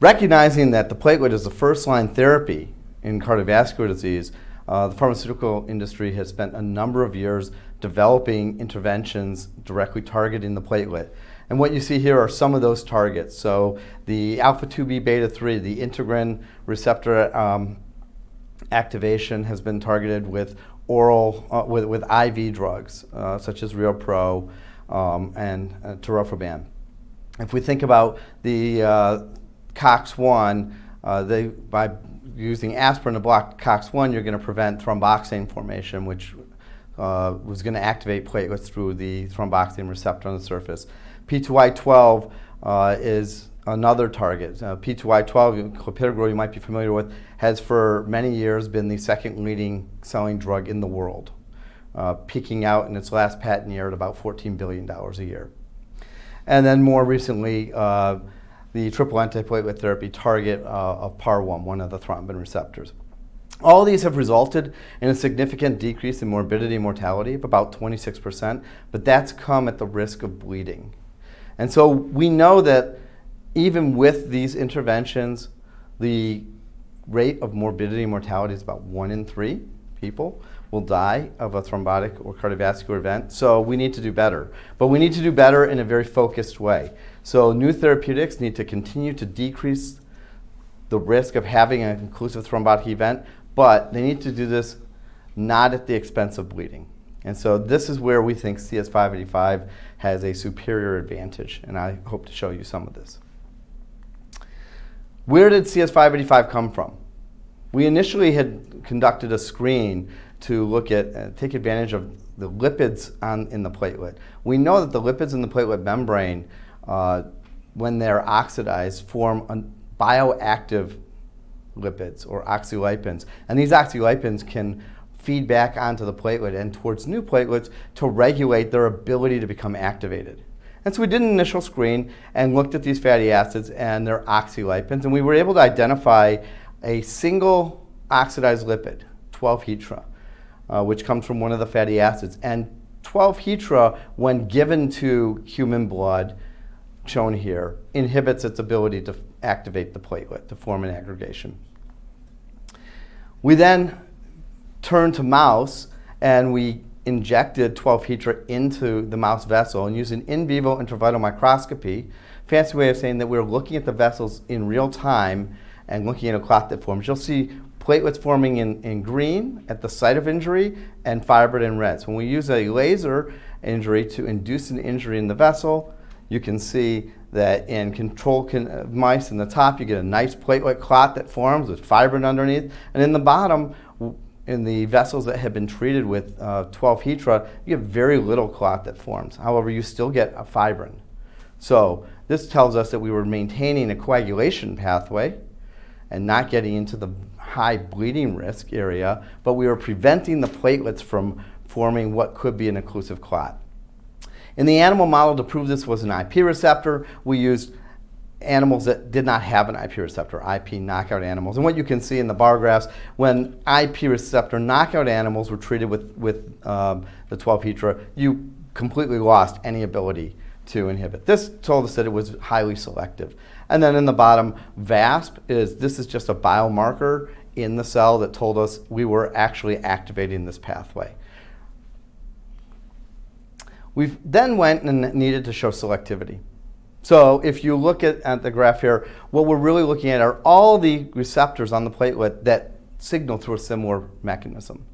Recognizing that the platelet is a first-line therapy in cardiovascular disease, the pharmaceutical industry has spent a number of years developing interventions directly targeting the platelet. What you see here are some of those targets. The alpha IIb/beta 3, the integrin receptor, activation has been targeted with oral, with IV drugs, such as ReoPro and Tirofiban. If we think about the COX-1 by using aspirin to block COX-1, you're gonna prevent thromboxane formation, which was gonna activate platelets through the thromboxane receptor on the surface. P2Y12 is another target. P2Y12, clopidogrel you might be familiar with, has for many years been the second leading selling drug in the world, peaking out in its last patent year at about $14 billion a year. Then more recently, the triple antiplatelet therapy target of PAR-1, one of the thrombin receptors. All these have resulted in a significant decrease in morbidity and mortality of about 26%, but that's come at the risk of bleeding. We know that even with these interventions, the rate of morbidity and mortality is about one in three people will die of a thrombotic or cardiovascular event. We need to do better, but we need to do better in a very focused way. New therapeutics need to continue to decrease the risk of having an occlusive thrombotic event, but they need to do this not at the expense of bleeding. This is where we think CS585 has a superior advantage, and I hope to show you some of this. Where did CS585 come from? We initially had conducted a screen to look at and take advantage of the lipids in the platelet. We know that the lipids in the platelet membrane, when they're oxidized, form bioactive lipids or oxylipins. These oxylipins can feed back onto the platelet and towards new platelets to regulate their ability to become activated. We did an initial screen and looked at these fatty acids and their oxylipins, and we were able to identify a single oxidized lipid, 12-HETE, which comes from one of the fatty acids. 12-HETE, when given to human blood, shown here, inhibits its ability to activate the platelet to form an aggregation. We then turned to mouse, and we injected 12-HETE into the mouse vessel and used an in vivo intravital microscopy, fancy way of saying that we're looking at the vessels in real time and looking at a clot that forms. You'll see platelets forming in green at the site of injury and fibrin in red. When we use a laser injury to induce an injury in the vessel, you can see that in control mice in the top, you get a nice platelet clot that forms with fibrin underneath. In the bottom, in the vessels that have been treated with 12-HETE, you have very little clot that forms. However, you still get a fibrin. This tells us that we were maintaining a coagulation pathway and not getting into the high bleeding risk area, but we were preventing the platelets from forming what could be an occlusive clot. In the animal model, to prove this was an IP receptor, we used animals that did not have an IP receptor, IP knockout animals. What you can see in the bar graphs, when IP receptor knockout animals were treated with the 12-HETE, you completely lost any ability to inhibit. This told us that it was highly selective. Then in the bottom, VASP, this is just a biomarker in the cell that told us we were actually activating this pathway. We've then went and needed to show selectivity. If you look at the graph here, what we're really looking at are all the receptors on the platelet that signal through a similar mechanism.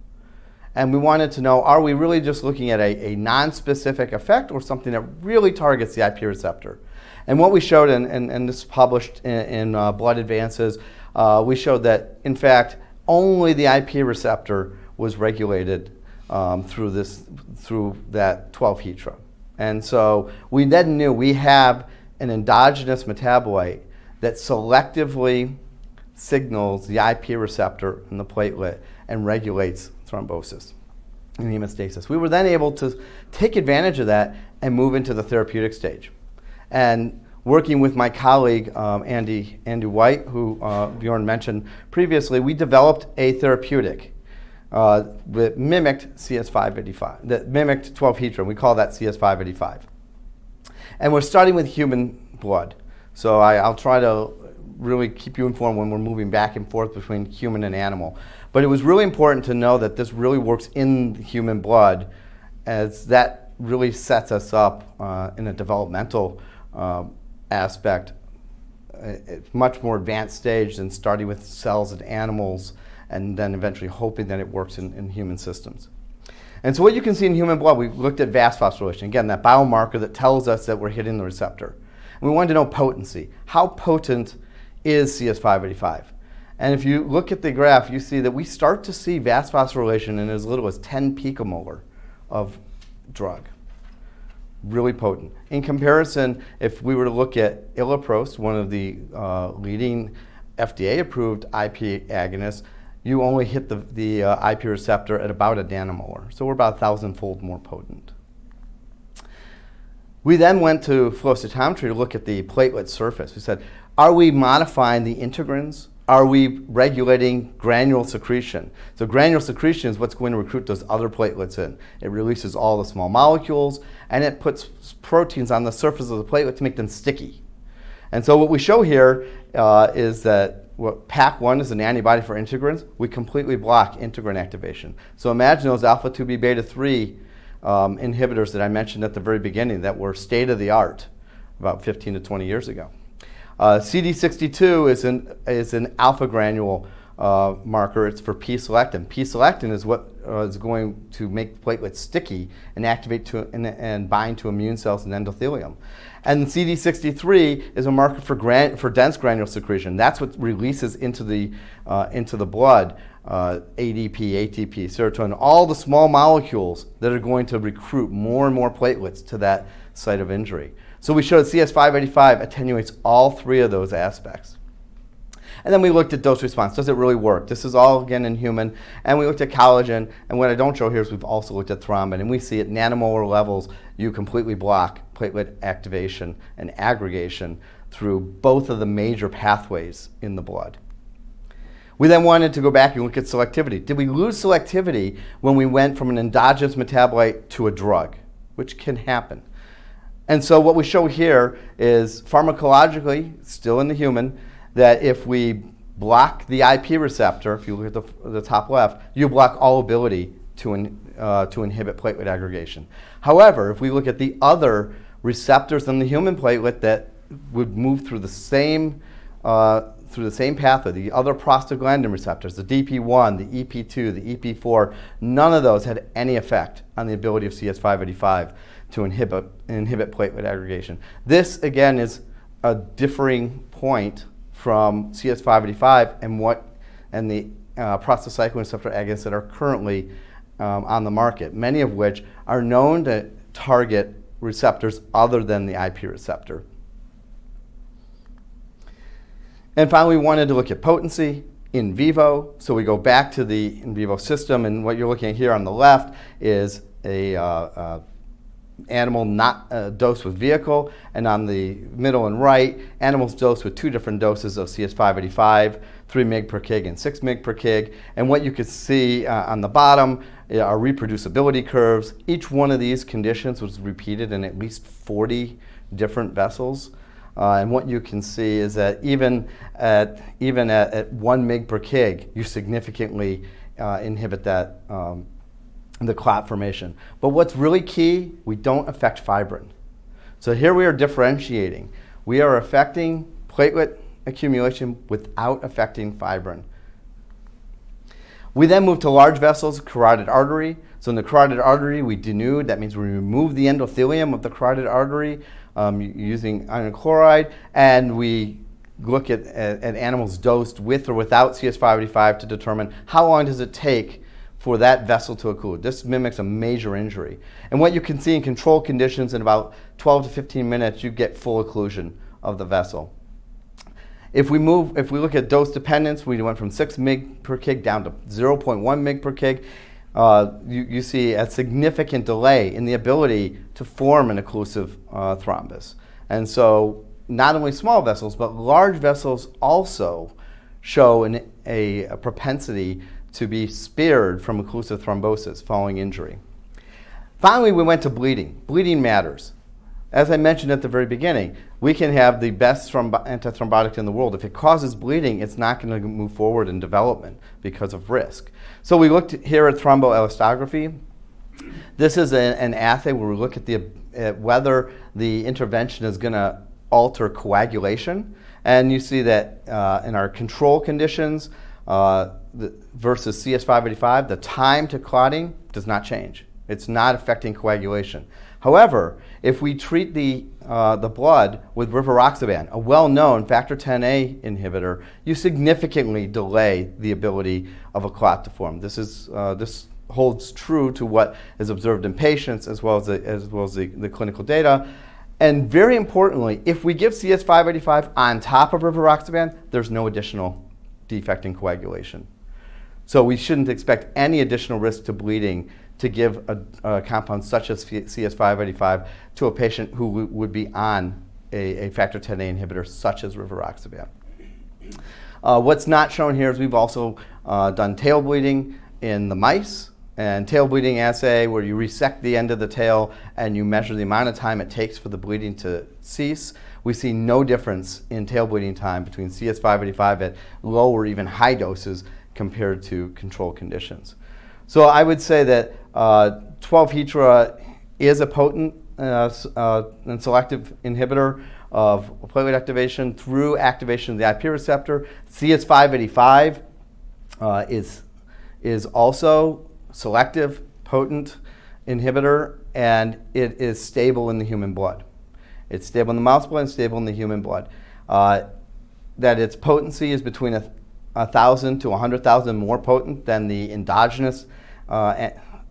We wanted to know, are we really just looking at a nonspecific effect or something that really targets the IP receptor? What we showed, and this is published in Blood Advances, we showed that in fact only the IP receptor was regulated through this, through that 12-HETE. We then knew we have an endogenous metabolite that selectively signals the IP receptor in the platelet and regulates thrombosis and hemostasis. We were then able to take advantage of that and move into the therapeutic stage. Working with my colleague, Andy White, who Björn mentioned previously, we developed a therapeutic that mimicked CS585, that mimicked 12-HETE. We call that CS585. We're starting with human blood, so I will try to really keep you informed when we're moving back and forth between human and animal. It was really important to know that this really works in the human blood, as that really sets us up in a developmental aspect. At much more advanced stage than starting with cells in animals and then eventually hoping that it works in human systems. What you can see in human blood, we've looked at VASP phosphorylation. Again, that biomarker that tells us that we're hitting the receptor, and we wanted to know potency. How potent is CS585? If you look at the graph, you see that we start to see VASP phosphorylation in as little as 10 picomolar of drug. Really potent. In comparison, if we were to look at iloprost, one of the leading FDA-approved IP agonists, you only hit the IP receptor at about a nanomolar. We're about 1,000-fold more potent. We then went to flow cytometry to look at the platelet surface. We said, "Are we modifying the integrins? Are we regulating granule secretion?" Granule secretion is what's going to recruit those other platelets in. It releases all the small molecules, and it puts P-selectin on the surface of the platelet to make them sticky. What we show here is that PAC-1 is an antibody for integrins. We completely block integrin activation. Imagine those αIIbβ3 inhibitors that I mentioned at the very beginning that were state-of-the-art about 15-20 years ago. CD62 is an alpha granule marker. It's for P-selectin. P-selectin is what is going to make the platelets sticky and activate to bind to immune cells and endothelium. CD63 is a marker for dense granule secretion. That's what releases into the blood ADP, ATP, serotonin, all the small molecules that are going to recruit more and more platelets to that site of injury. We showed CS585 attenuates all three of those aspects. Then we looked at dose response. Does it really work? This is all again in human. We looked at collagen. What I don't show here is we've also looked at thrombin. We see at nanomolar levels, you completely block platelet activation and aggregation through both of the major pathways in the blood. We then wanted to go back and look at selectivity. Did we lose selectivity when we went from an endogenous metabolite to a drug? Which can happen. What we show here is pharmacologically, still in the human, that if we block the IP receptor, if you look at the top left, you block all ability to inhibit platelet aggregation. However, if we look at the other receptors in the human platelet that would move through the same pathway, the other prostaglandin receptors, the DP1, the EP2, the EP4, none of those had any effect on the ability of CS585 to inhibit platelet aggregation. This, again, is a differing point from CS585 and the prostacyclin receptor agonists that are currently on the market, many of which are known to target receptors other than the IP receptor. Finally, we wanted to look at potency in vivo, so we go back to the in vivo system. What you're looking at here on the left is an animal not dosed with vehicle, and on the middle and right, animals dosed with two different doses of CS585, 3 mg per kg and 6 mg per kg. What you can see on the bottom are reproducibility curves. Each one of these conditions was repeated in at least 40 different vessels. What you can see is that even at one mg per kg, you significantly inhibit the clot formation. What's really key, we don't affect fibrin. Here we are differentiating. We are affecting platelet accumulation without affecting fibrin. We then move to large vessels, carotid artery. In the carotid artery, we denude. That means we remove the endothelium of the carotid artery, using iron chloride, and we look at animals dosed with or without CS585 to determine how long does it take for that vessel to occlude. This mimics a major injury. What you can see in control conditions, in about 12-15 minutes, you get full occlusion of the vessel. If we look at dose dependence, we went from 6 mg per kg down to 0.1 mg per kg. You see a significant delay in the ability to form an occlusive thrombus. Not only small vessels, but large vessels also show a propensity to be spared from occlusive thrombosis following injury. Finally, we went to bleeding. Bleeding matters. As I mentioned at the very beginning, we can have the best antithrombotic in the world. If it causes bleeding, it's not gonna move forward in development because of risk. We looked here at thromboelastography. This is an assay where we look at whether the intervention is gonna alter coagulation. You see that in our control conditions, versus CS585, the time to clotting does not change. It's not affecting coagulation. However, if we treat the blood with rivaroxaban, a well-known factor Xa inhibitor, you significantly delay the ability of a clot to form. This holds true to what is observed in patients as well as the clinical data, and very importantly, if we give CS585 on top of rivaroxaban, there's no additional defect in coagulation. We shouldn't expect any additional risk to bleeding to give a compound such as CS585 to a patient who would be on a factor Xa inhibitor such as rivaroxaban. What's not shown here is we've also done tail bleeding in the mice, and tail bleeding assay where you resect the end of the tail and you measure the amount of time it takes for the bleeding to cease. We see no difference in tail bleeding time between CS585 at low or even high doses compared to control conditions. I would say that selexipag is a potent and selective inhibitor of platelet activation through activation of the IP receptor. CS585 is also selective, potent inhibitor, and it is stable in the human blood. It's stable in the mouse blood and stable in the human blood. That its potency is between 1,000-100,000 more potent than the endogenous ligand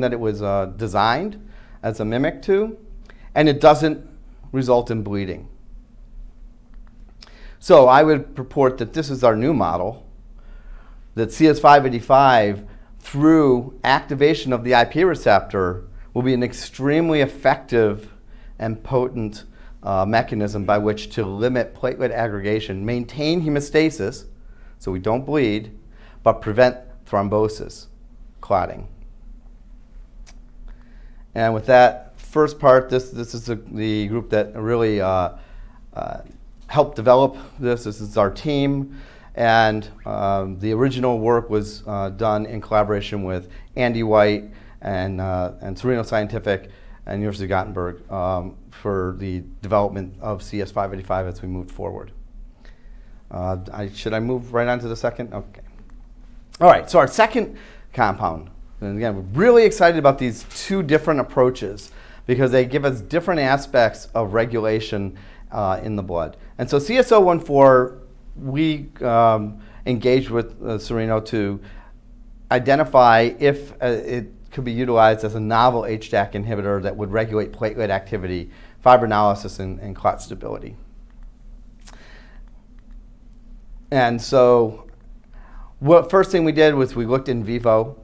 that it was designed as a mimic to, and it doesn't result in bleeding. I would purport that this is our new model, that CS585 through activation of the IP receptor will be an extremely effective and potent mechanism by which to limit platelet aggregation, maintain hemostasis, so we don't bleed, but prevent thrombosis clotting. With that first part, this is the group that really helped develop this. This is our team, and the original work was done in collaboration with Andy White and Cereno Scientific and University of Gothenburg for the development of CS585 as we moved forward. Should I move right on to the second? Okay. All right. Our second compound, and again, we're really excited about these two different approaches because they give us different aspects of regulation in the blood. CS014, we engaged with Cereno to identify if it could be utilized as a novel HDAC inhibitor that would regulate platelet activity, fibrinolysis, and clot stability. First thing we did was we looked in vivo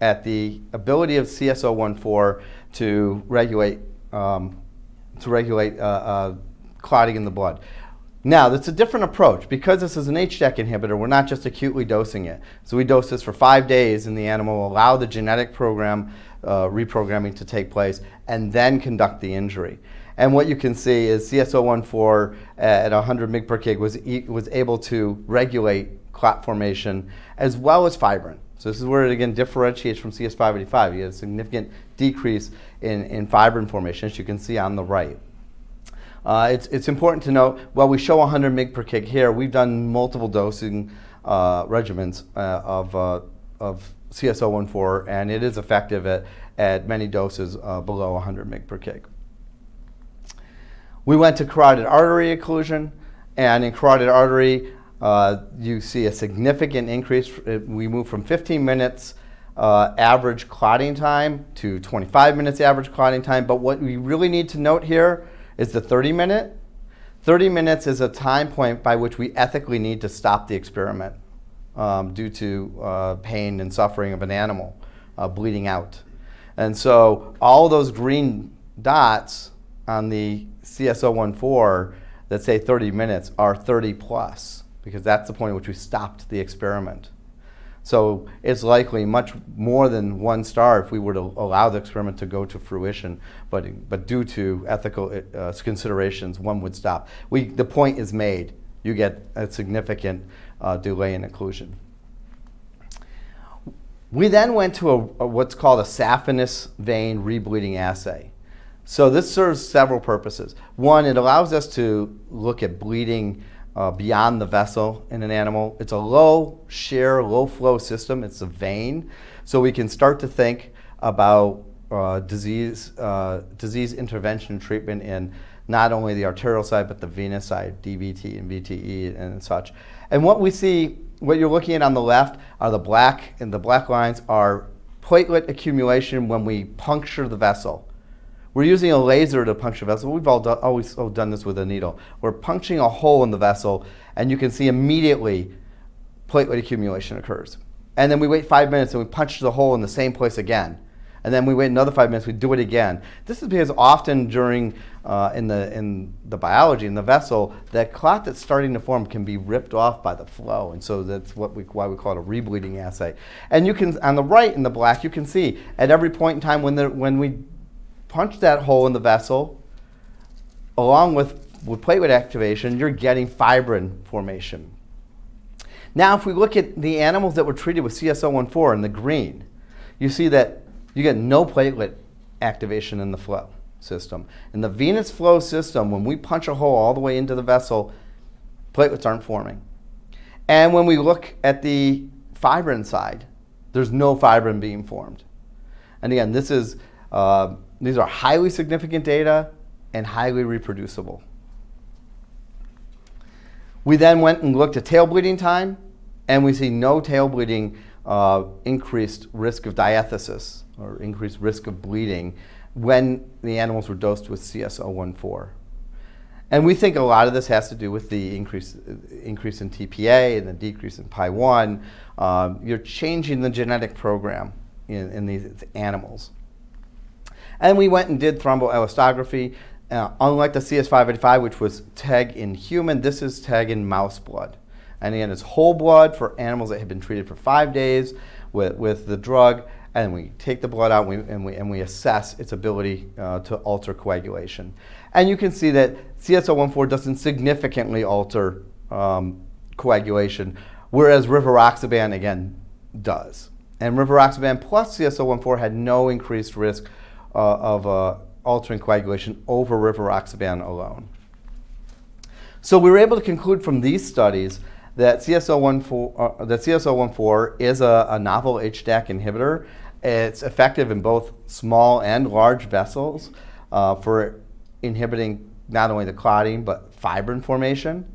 at the ability of CS014 to regulate clotting in the blood. Now, that's a different approach. Because this is an HDAC inhibitor, we're not just acutely dosing it. We dose this for five days, and the animal will allow the genetic program reprogramming to take place and then conduct the injury. What you can see is CS014 at 100 mg per kg was able to regulate clot formation as well as fibrin. This is where it again differentiates from CS585. You have a significant decrease in fibrin formation, as you can see on the right. It's important to note, while we show 100 mg per kg here, we've done multiple dosing regimens of CS014, and it is effective at many doses below 100 mg per kg. We went to carotid artery occlusion, and in carotid artery you see a significant increase. We moved from 15 minutes average clotting time to 25 minutes average clotting time. But what we really need to note here is the 30-minute. 30 minutes is a time point by which we ethically need to stop the experiment due to pain and suffering of an animal bleeding out. All those green dots on the CS014 that say 30 minutes are 30+ because that's the point at which we stopped the experiment. It's likely much more than one star if we were to allow the experiment to go to fruition, but due to ethical considerations, one would stop. The point is made, you get a significant delay in occlusion. We then went to what's called a saphenous vein rebleeding assay. This serves several purposes. One, it allows us to look at bleeding beyond the vessel in an animal. It's a low shear, low flow system. It's a vein. We can start to think about disease intervention treatment in not only the arterial side but the venous side, DVT and VTE and such. What we see, what you're looking at on the left are the black lines are platelet accumulation when we puncture the vessel. We're using a laser to puncture the vessel. We've all always done this with a needle. We're puncturing a hole in the vessel, and you can see immediately platelet accumulation occurs. We wait five minutes, and we puncture the hole in the same place again. We wait another five minutes, we do it again. This is because often during in the biology in the vessel, that clot that's starting to form can be ripped off by the flow. That's what we call it a rebleeding assay. You can see on the right in the black, you can see at every point in time when we punch that hole in the vessel. Along with platelet activation, you're getting fibrin formation. Now, if we look at the animals that were treated with CS014 in the green, you see that you get no platelet activation in the flow system. In the venous flow system, when we punch a hole all the way into the vessel, platelets aren't forming. When we look at the fibrin side, there's no fibrin being formed. Again, this is, these are highly significant data and highly reproducible. We then went and looked at tail bleeding time, and we see no tail bleeding, increased risk of diathesis or increased risk of bleeding when the animals were dosed with CS014. We think a lot of this has to do with the increase in tPA and the decrease in PAI-1. You're changing the genetic program in these animals. We went and did thromboelastography. Unlike the CS585, which was TEG in human, this is TEG in mouse blood. Again, it's whole blood for animals that have been treated for five days with the drug, and we take the blood out and we assess its ability to alter coagulation. You can see that CS014 doesn't significantly alter coagulation, whereas rivaroxaban again does. Rivaroxaban plus CS014 had no increased risk of altering coagulation over rivaroxaban alone. We were able to conclude from these studies that CS014 is a novel HDAC inhibitor. It's effective in both small and large vessels for inhibiting not only the clotting but fibrin formation.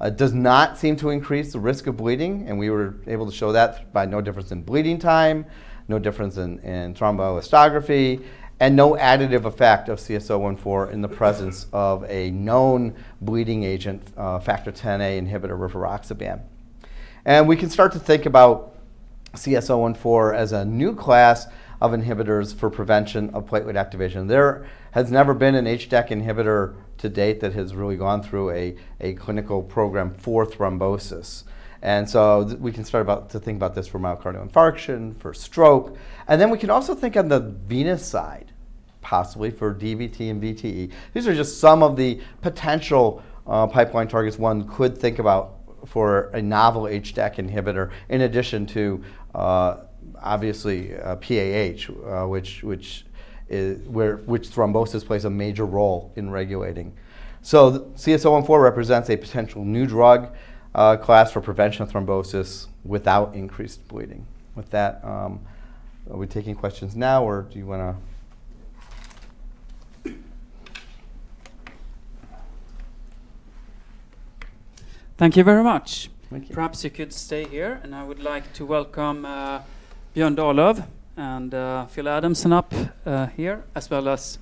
It does not seem to increase the risk of bleeding, and we were able to show that by no difference in bleeding time, no difference in thromboelastography, and no additive effect of CS014 in the presence of a known bleeding agent, factor Xa inhibitor rivaroxaban. We can start to think about CS014 as a new class of inhibitors for prevention of platelet activation. There has never been an HDAC inhibitor to date that has really gone through a clinical program for thrombosis. We can start to think about this for myocardial infarction, for stroke, and then we can also think on the venous side, possibly for DVT and VTE. These are just some of the potential pipeline targets one could think about for a novel HDAC inhibitor in addition to, obviously, PAH, which thrombosis plays a major role in regulating. CS014 represents a potential new drug class for prevention of thrombosis without increased bleeding. With that, are we taking questions now, or do you wanna... Thank you very much. Thank you. Perhaps you could stay here, and I would like to welcome Björn Dahlöf and Phil Adamson up here, as well as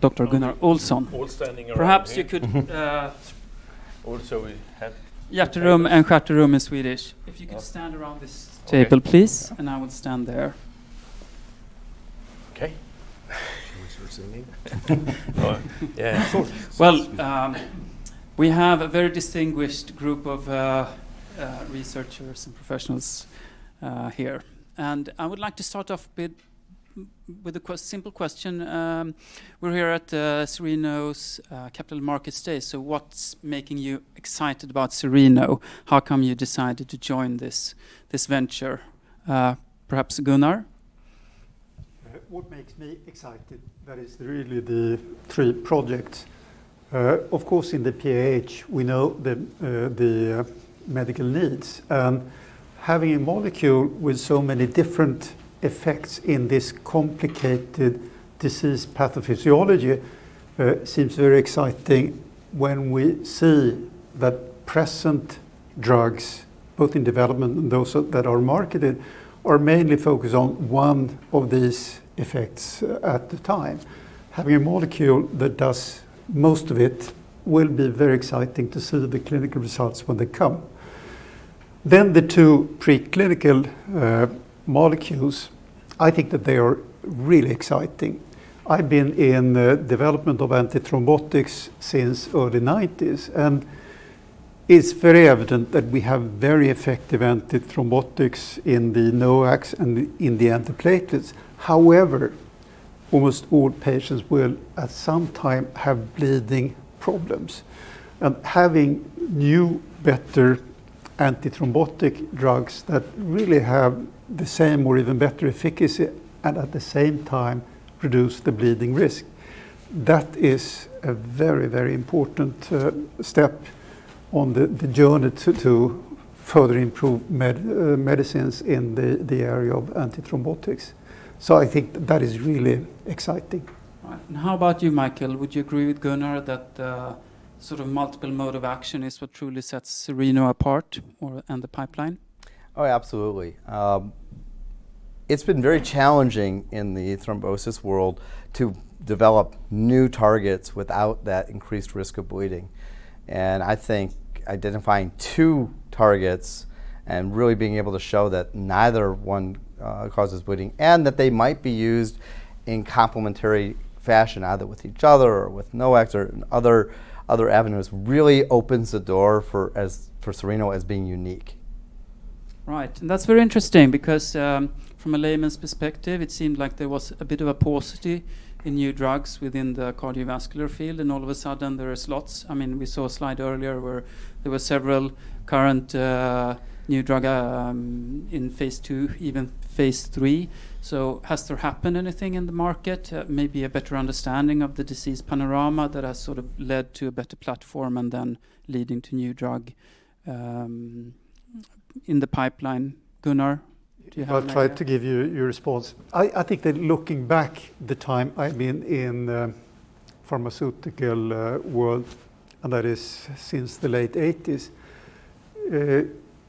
Dr. Gunnar Olsson. All standing around me. Perhaps you could, Also we have- Jätterum and kätterum in Swedish. If you could stand around this table, please. Okay. I will stand there. Okay. Should we start singing? All right. Yeah, sure. Well, we have a very distinguished group of researchers and professionals here. I would like to start off with a simple question. We're here at Cereno's Capital Markets Day. What's making you excited about Cereno? How come you decided to join this venture? Perhaps Gunnar? What makes me excited, that is really the three projects. Of course, in the PAH, we know the medical needs. Having a molecule with so many different effects in this complicated disease pathophysiology seems very exciting when we see that present drugs, both in development and those that are marketed, are mainly focused on one of these effects at the time. Having a molecule that does most of it will be very exciting to see the clinical results when they come. The two preclinical molecules, I think that they are really exciting. I've been in the development of antithrombotics since early 1990s, and it's very evident that we have very effective antithrombotics in the NOACs and in the antiplatelets. However, almost all patients will at some time have bleeding problems. Having new, better antithrombotic drugs that really have the same or even better efficacy and at the same time reduce the bleeding risk, that is a very, very important step on the journey to further improve medicines in the area of antithrombotics. I think that is really exciting. All right. How about you, Michael? Would you agree with Gunnar that, sort of multiple mode of action is what truly sets Cereno apart or and the pipeline? Oh, absolutely. It's been very challenging in the thrombosis world to develop new targets without that increased risk of bleeding. I think identifying two targets and really being able to show that neither one causes bleeding and that they might be used in complementary fashion, either with each other or with NOACs or other avenues, really opens the door for Cereno as being unique. Right. That's very interesting because, from a layman's perspective, it seemed like there was a bit of a paucity in new drugs within the cardiovascular field, and all of a sudden there is lots. I mean, we saw a slide earlier where there were several current new drug in phase II, even phase III. Has there happened anything in the market? Maybe a better understanding of the disease panorama that has sort of led to a better platform and then leading to new drug in the pipeline? Gunnar, do you have any- I'll try to give you your response. I think that looking back the time I've been in pharmaceutical world, and that is since the late 1980s,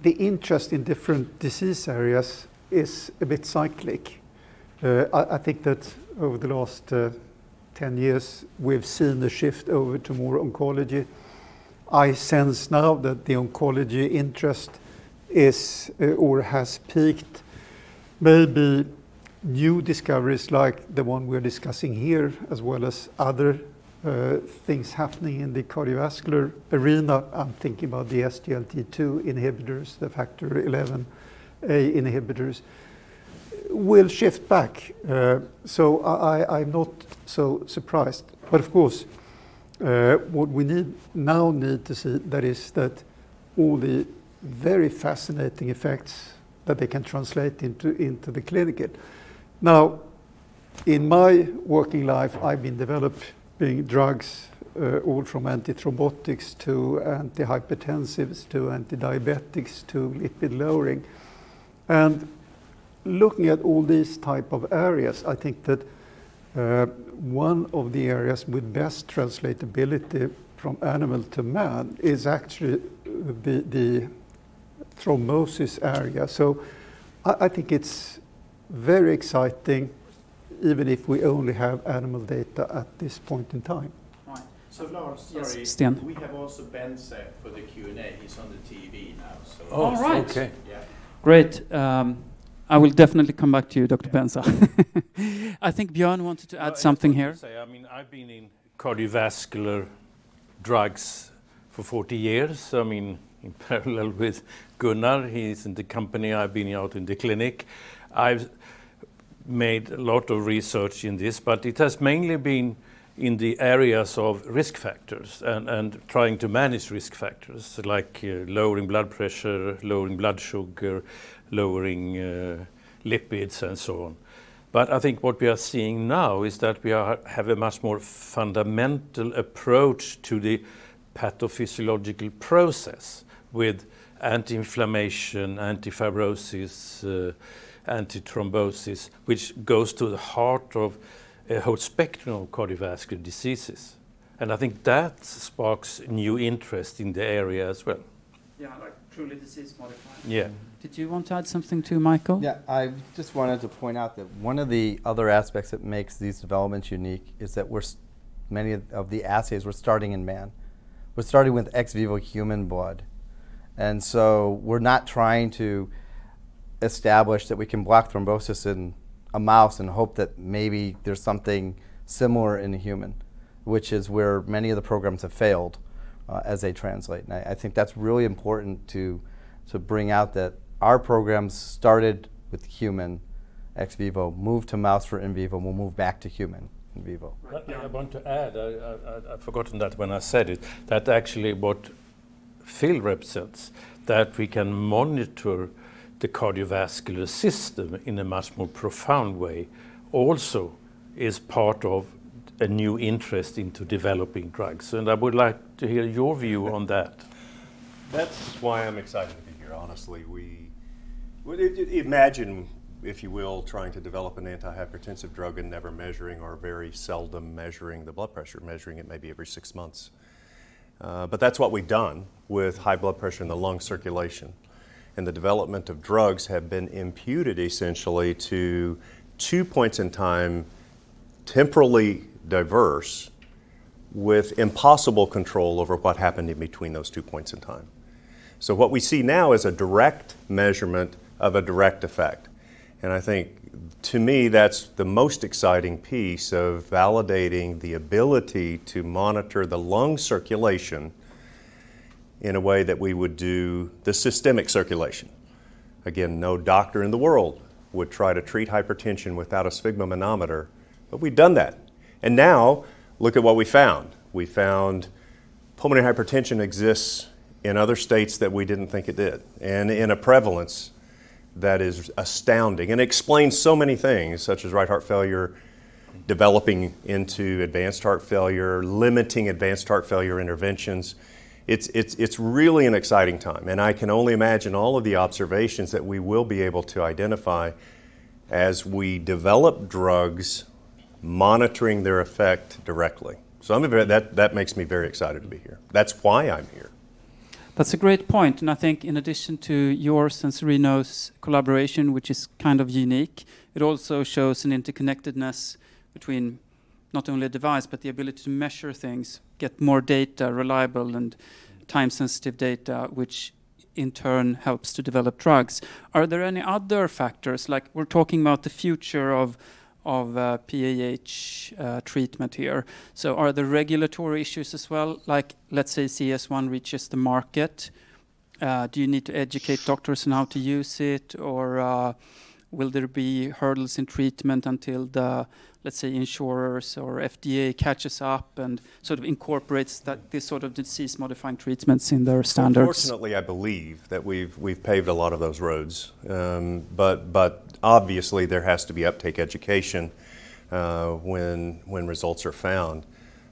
the interest in different disease areas is a bit cyclic. I think that over the last 10 years, we've seen the shift over to more oncology. I sense now that the oncology interest is or has peaked. Maybe new discoveries like the one we're discussing here, as well as other things happening in the cardiovascular arena. I'm thinking about the SGLT2 inhibitors, the Factor XI inhibitors will shift back. So I'm not so surprised. But of course, what we need to see that is that all the very fascinating effects that they can translate into the clinic. Now, in my working life, I've been developing drugs all from antithrombotics to antihypertensives to antidiabetics to lipid-lowering. Looking at all these type of areas, I think that one of the areas with best translatability from animal to man is actually the thrombosis area. I think it's very exciting, even if we only have animal data at this point in time. Right. Lars, sorry. Sten. We have also Raymond Benza for the Q&A. He's on the TV now, so. All right. Okay. Yeah. Great. I will definitely come back to you, Dr. Benza. I think Björn wanted to add something here. Well, I just want to say, I mean, I've been in cardiovascular drugs for 40 years. I mean, in parallel with Gunnar. He's in the company. I've been out in the clinic. I've made a lot of research in this, but it has mainly been in the areas of risk factors and trying to manage risk factors like lowering blood pressure, lowering blood sugar, lowering lipids, and so on. But I think what we are seeing now is that we have a much more fundamental approach to the pathophysiological process with anti-inflammation, anti-fibrosis, antithrombosis, which goes to the heart of a whole spectrum of cardiovascular diseases. I think that sparks new interest in the area as well. Yeah, like truly disease modifying. Yeah. Did you want to add something too, Michael? Yeah. I just wanted to point out that one of the other aspects that makes these developments unique is that we're starting many of the assays in man. We're starting with ex vivo human blood. We're not trying to establish that we can block thrombosis in a mouse and hope that maybe there's something similar in a human, which is where many of the programs have failed as they translate. I think that's really important to bring out that our programs started with human ex vivo, moved to mouse for in vivo, and will move back to human in vivo. Right. I want to add, I’d forgotten that when I said it, that actually what Phil represents, that we can monitor the cardiovascular system in a much more profound way also is part of a new interest into developing drugs. I would like to hear your view on that. That's why I'm excited to be here, honestly. Imagine, if you will, trying to develop an antihypertensive drug and never measuring or very seldom measuring the blood pressure, measuring it maybe every six months. That's what we've done with high blood pressure in the lung circulation. The development of drugs have been imputed essentially to two points in time, temporally diverse, with impossible control over what happened in between those two points in time. What we see now is a direct measurement of a direct effect. I think to me, that's the most exciting piece of validating the ability to monitor the lung circulation in a way that we would do the systemic circulation. Again, no doctor in the world would try to treat hypertension without a sphygmomanometer, but we've done that. Now look at what we found. We found pulmonary hypertension exists in other states that we didn't think it did, and in a prevalence that is astounding and explains so many things, such as right heart failure developing into advanced heart failure, limiting advanced heart failure interventions. It's really an exciting time. I can only imagine all of the observations that we will be able to identify as we develop drugs monitoring their effect directly. That makes me very excited to be here. That's why I'm here. That's a great point. I think in addition to yours and Cereno's collaboration, which is kind of unique, it also shows an interconnectedness between not only a device, but the ability to measure things, get more data, reliable and time-sensitive data, which in turn helps to develop drugs. Are there any other factors? Like we're talking about the future of PAH treatment here. Are there regulatory issues as well? Like let's say CS1 reaches the market, do you need to educate doctors on how to use it? Or, will there be hurdles in treatment until the, let's say, insurers or FDA catches up and sort of incorporates that, these sort of disease-modifying treatments in their standards? Fortunately, I believe that we've paved a lot of those roads. Obviously there has to be uptake education, when results are found.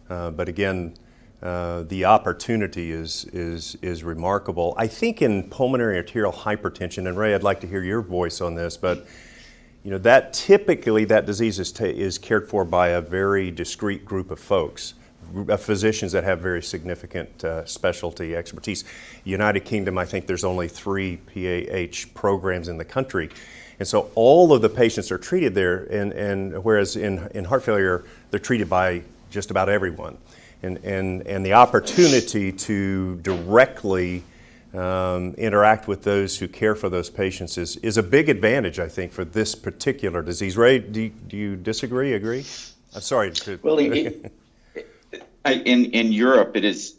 Again, the opportunity is remarkable. I think in pulmonary arterial hypertension, and Raymond, I'd like to hear your voice on this, but you know, that typically that disease is cared for by a very discrete group of folks, physicians that have very significant specialty expertise. United Kingdom, I think there's only three PAH programs in the country. So all of the patients are treated there and, whereas in heart failure, they're treated by just about everyone. The opportunity to directly interact with those who care for those patients is a big advantage, I think, for this particular disease. Raymond, do you disagree, agree? Sorry to. Well, in Europe it is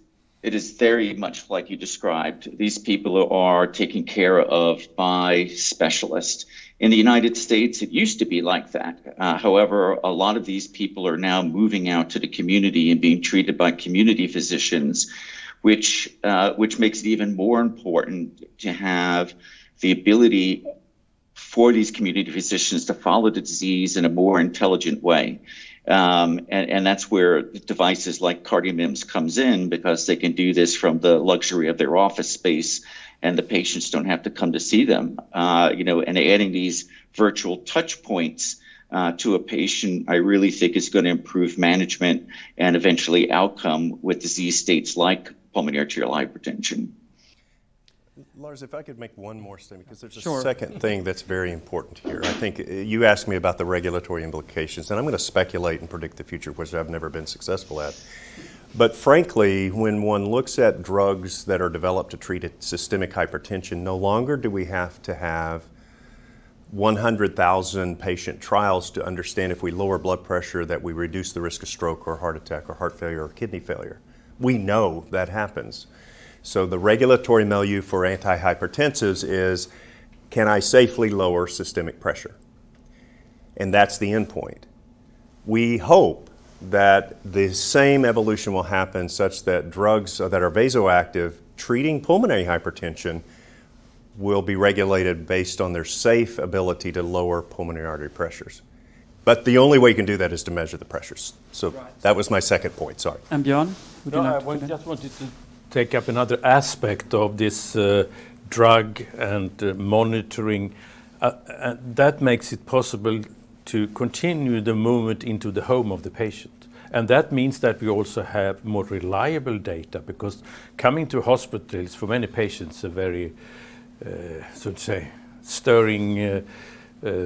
very much like you described. These people are taken care of by specialists. In the United States, it used to be like that. However, a lot of these people are now moving out to the community and being treated by community physicians, which makes it even more important to have the ability for these community physicians to follow the disease in a more intelligent way. That's where devices like CardioMEMS comes in because they can do this from the luxury of their office space, and the patients don't have to come to see them. You know, adding these virtual touch points to a patient, I really think is gonna improve management and eventually outcome with disease states like pulmonary arterial hypertension. Lars, if I could make one more statement. Sure Because there's a second thing that's very important here. I think you asked me about the regulatory implications, and I'm gonna speculate and predict the future, which I've never been successful at. Frankly, when one looks at drugs that are developed to treat systemic hypertension, no longer do we have to have 100,000 patient trials to understand if we lower blood pressure that we reduce the risk of stroke or heart attack or heart failure or kidney failure. We know that happens. The regulatory milieu for antihypertensives is, can I safely lower systemic pressure? And that's the endpoint. We hope that the same evolution will happen such that drugs that are vasoactive treating pulmonary hypertension will be regulated based on their safe ability to lower pulmonary artery pressures. The only way you can do that is to measure the pressures. Right That was my second point. Sorry. Björn, would you like to- No, I just wanted to take up another aspect of this drug and monitoring that makes it possible to continue the movement into the home of the patient. That means that we also have more reliable data because coming to hospitals for many patients is a very, so to say, stirring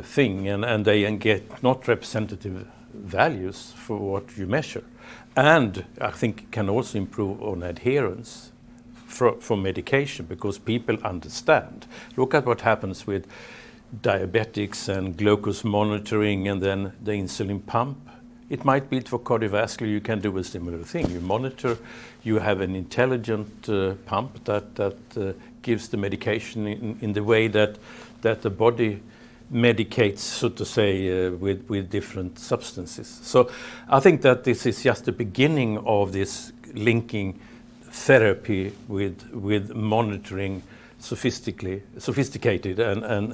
thing and they get not representative values for what you measure. I think can also improve on adherence for medication because people understand. Look at what happens with diabetics and glucose monitoring and then the insulin pump. It might be for cardiovascular, you can do a similar thing. You monitor, you have an intelligent pump that gives the medication in the way that the body medicates, so to say, with different substances. I think that this is just the beginning of this linking therapy with sophisticated monitoring,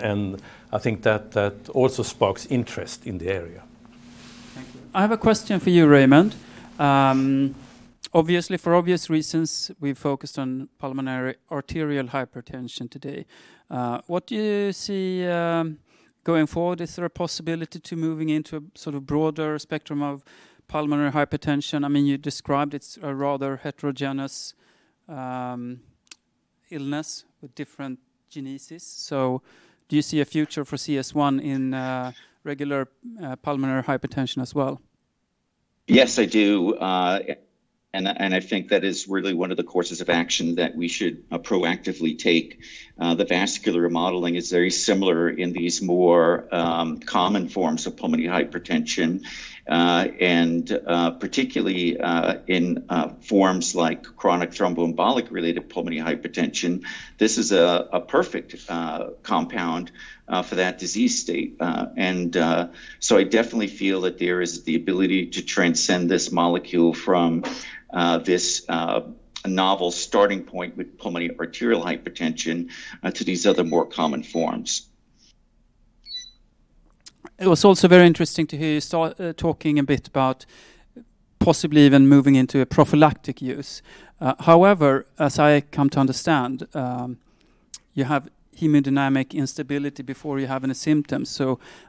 and I think that also sparks interest in the area. Thank you. I have a question for you, Raymond. Obviously, for obvious reasons, we focused on pulmonary arterial hypertension today. What do you see going forward? Is there a possibility to moving into a sort of broader spectrum of pulmonary hypertension? I mean, you described it's a rather heterogeneous illness with different genesis. Do you see a future for CS1 in regular pulmonary hypertension as well? Yes, I do. I think that is really one of the courses of action that we should proactively take. The vascular remodeling is very similar in these more common forms of pulmonary hypertension and particularly in forms like chronic thromboembolic pulmonary hypertension. This is a perfect compound for that disease state. I definitely feel that there is the ability to transcend this molecule from this novel starting point with pulmonary arterial hypertension to these other more common forms. It was also very interesting to hear you start talking a bit about possibly even moving into a prophylactic use. However, as I come to understand, you have hemodynamic instability before you have any symptoms.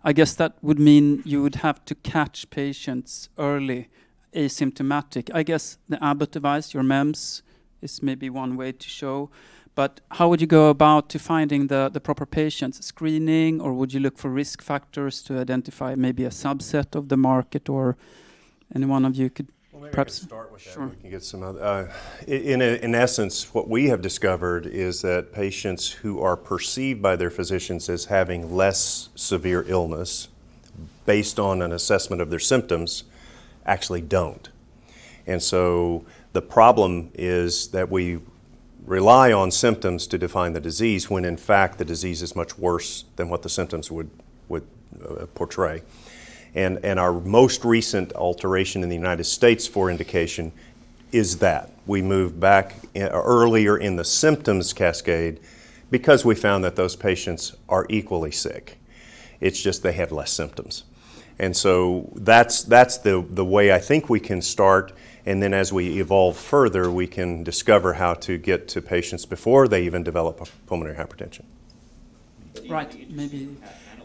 I guess that would mean you would have to catch patients early asymptomatic. I guess the Abbott device, your MEMS, is maybe one way to show. How would you go about to finding the proper patients? Screening, or would you look for risk factors to identify maybe a subset of the market or any one of you could perhaps- Well, maybe I can start with that. Sure We can get some other. In essence, what we have discovered is that patients who are perceived by their physicians as having less severe illness based on an assessment of their symptoms actually don't. The problem is that we rely on symptoms to define the disease, when in fact, the disease is much worse than what the symptoms would portray. Our most recent alteration in the United States for indication is that we move back earlier in the symptoms cascade because we found that those patients are equally sick. It's just they have less symptoms. That's the way I think we can start, and then as we evolve further, we can discover how to get to patients before they even develop a pulmonary hypertension. Right.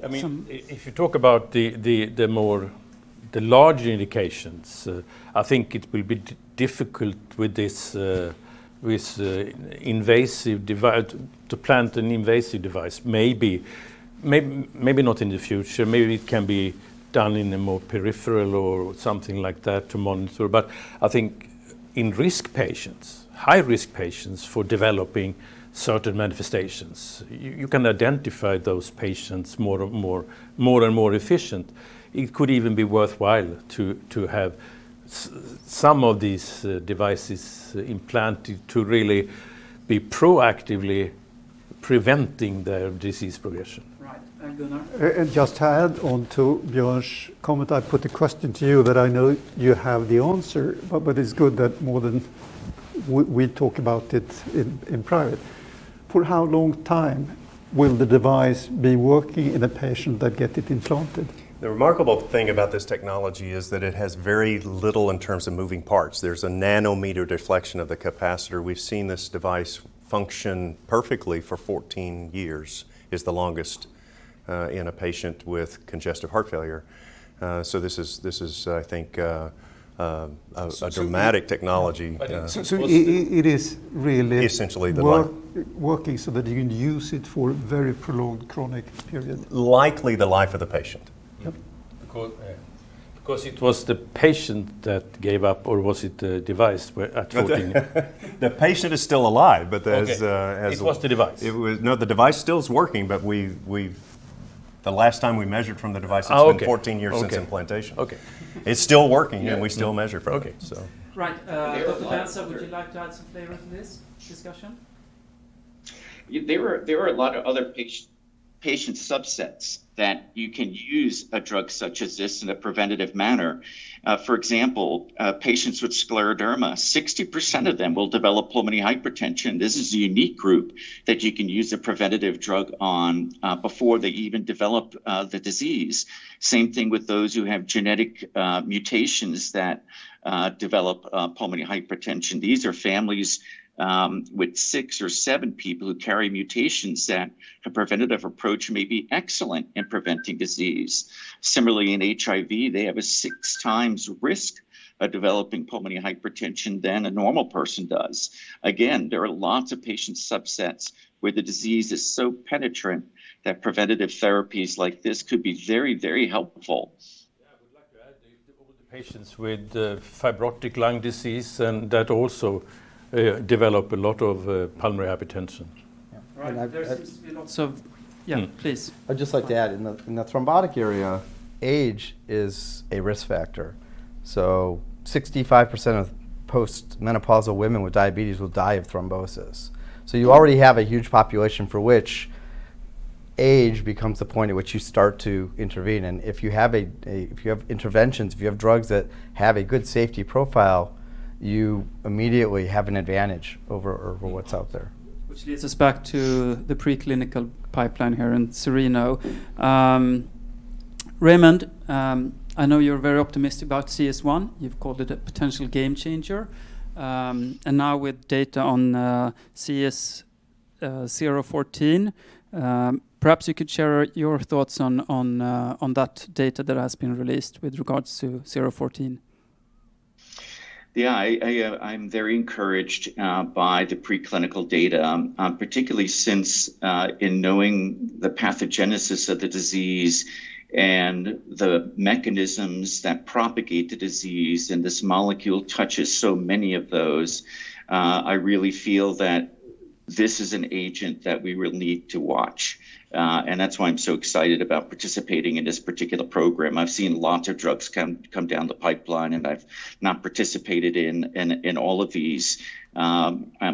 I mean, if you talk about the larger indications, I think it will be difficult with this invasive device to implant an invasive device. Maybe. Maybe not in the future. Maybe it can be done in a more peripheral or something like that to monitor. I think in high-risk patients for developing certain manifestations, you can identify those patients more and more efficiently. It could even be worthwhile to have some of these devices implanted to really be proactively preventing their disease progression. Right. Gunnar? Just to add on to Björn's comment, I put a question to you that I know you have the answer, but it's good that more than we talk about it in private. For how long time will the device be working in a patient that get it implanted? The remarkable thing about this technology is that it has very little in terms of moving parts. There's a nanometer deflection of the capacitor. We've seen this device function perfectly for 14 years, is the longest in a patient with congestive heart failure. This is, I think, a dramatic technology. So, so it is really- Essentially the life. Working so that you can use it for very prolonged chronic period. Likely the life of the patient. Yep. Because it was the patient that gave up, or was it the device where at 14? The patient is still alive, but as Okay. It was the device. The device still is working, but the last time we measured from the device. Oh, okay. It's been 14 years since implantation. Okay, okay. It's still working, and we still measure from it. Okay. So. Right. There are a lot of other- Dr. Raymond Benza, would you like to add some flavor to this discussion? There are a lot of other patient subsets that you can use a drug such as this in a preventative manner. For example, patients with scleroderma, 60% of them will develop pulmonary hypertension. This is a unique group that you can use a preventative drug on, before they even develop the disease. Same thing with those who have genetic mutations that develop pulmonary hypertension. These are families with six or seven people who carry mutations that a preventative approach may be excellent in preventing disease. Similarly, in HIV, they have a six times risk of developing pulmonary hypertension than a normal person does. Again, there are lots of patient subsets where the disease is so penetrant that preventative therapies like this could be very, very helpful. Yeah, I would like to add all the patients with fibrotic lung disease and that also develop a lot of pulmonary hypertension. Right. There seems to be lots of. And I've, uh- Yeah, please. I'd just like to add, in the thrombotic area, age is a risk factor. 65% of post-menopausal women with diabetes will die of thrombosis. You already have a huge population for which age becomes the point at which you start to intervene. If you have interventions, if you have drugs that have a good safety profile, you immediately have an advantage over what's out there. Which leads us back to the preclinical pipeline here and Cereno. Raymond, I know you're very optimistic about CS1. You've called it a potential game changer. Now with data on CS014, perhaps you could share your thoughts on that data that has been released with regards to CS014. I'm very encouraged by the preclinical data, particularly since in knowing the pathogenesis of the disease and the mechanisms that propagate the disease, and this molecule touches so many of those. I really feel that this is an agent that we will need to watch. That's why I'm so excited about participating in this particular program. I've seen lots of drugs come down the pipeline, and I've not participated in all of these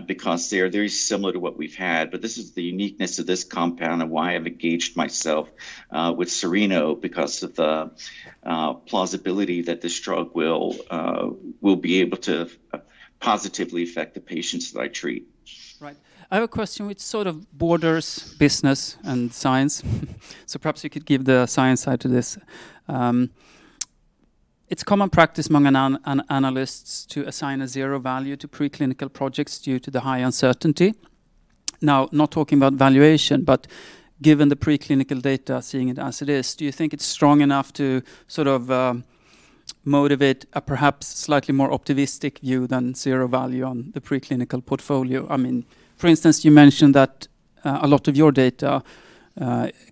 because they are very similar to what we've had. This is the uniqueness of this compound and why I've engaged myself with Cereno because of the plausibility that this drug will be able to positively affect the patients that I treat. Right. I have a question which sort of borders business and science, so perhaps you could give the science side to this. It's common practice among analysts to assign a zero value to preclinical projects due to the high uncertainty. Now, not talking about valuation, but given the preclinical data, seeing it as it is, do you think it's strong enough to sort of motivate a perhaps slightly more optimistic view than zero value on the preclinical portfolio? I mean, for instance, you mentioned that a lot of your data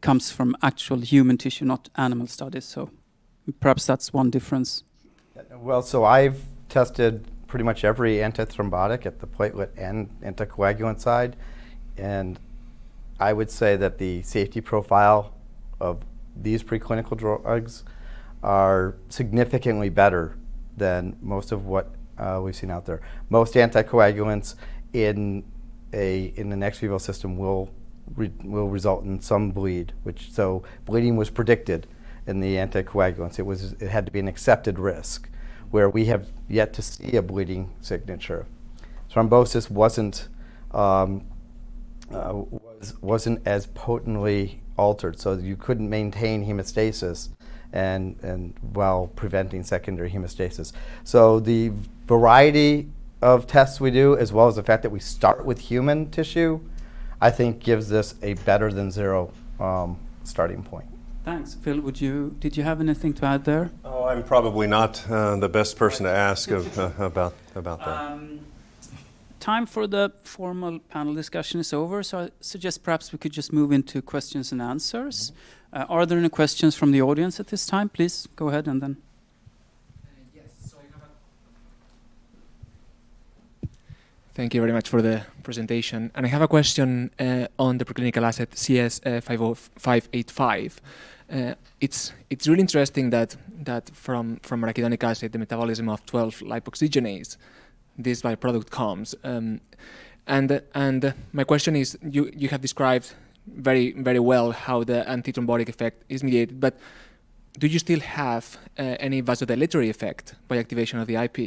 comes from actual human tissue, not animal studies. Perhaps that's one difference. I've tested pretty much every antithrombotic at the platelet and anticoagulant side. I would say that the safety profile of these preclinical drugs are significantly better than most of what we've seen out there. Most anticoagulants in an ex vivo system will result in some bleed, which so bleeding was predicted in the anticoagulants. It had to be an accepted risk where we have yet to see a bleeding signature. Thrombosis wasn't as potently altered, so you couldn't maintain hemostasis and while preventing secondary hemostasis. The variety of tests we do as well as the fact that we start with human tissue, I think gives this a better than zero starting point. Thanks. Phil, did you have anything to add there? Oh, I'm probably not the best person to ask about that. Time for the formal panel discussion is over, so I suggest perhaps we could just move into questions and answers. Mm-hmm. Are there any questions from the audience at this time? Please go ahead and then. Yes. Thank you very much for the presentation. I have a question on the preclinical asset CS585. It's really interesting that from arachidonic acid, the metabolism of 12-lipoxygenase, this by-product comes. My question is, you have described very well how the antithrombotic effect is mediated. Do you still have any vasodilatory effect by activation of the IP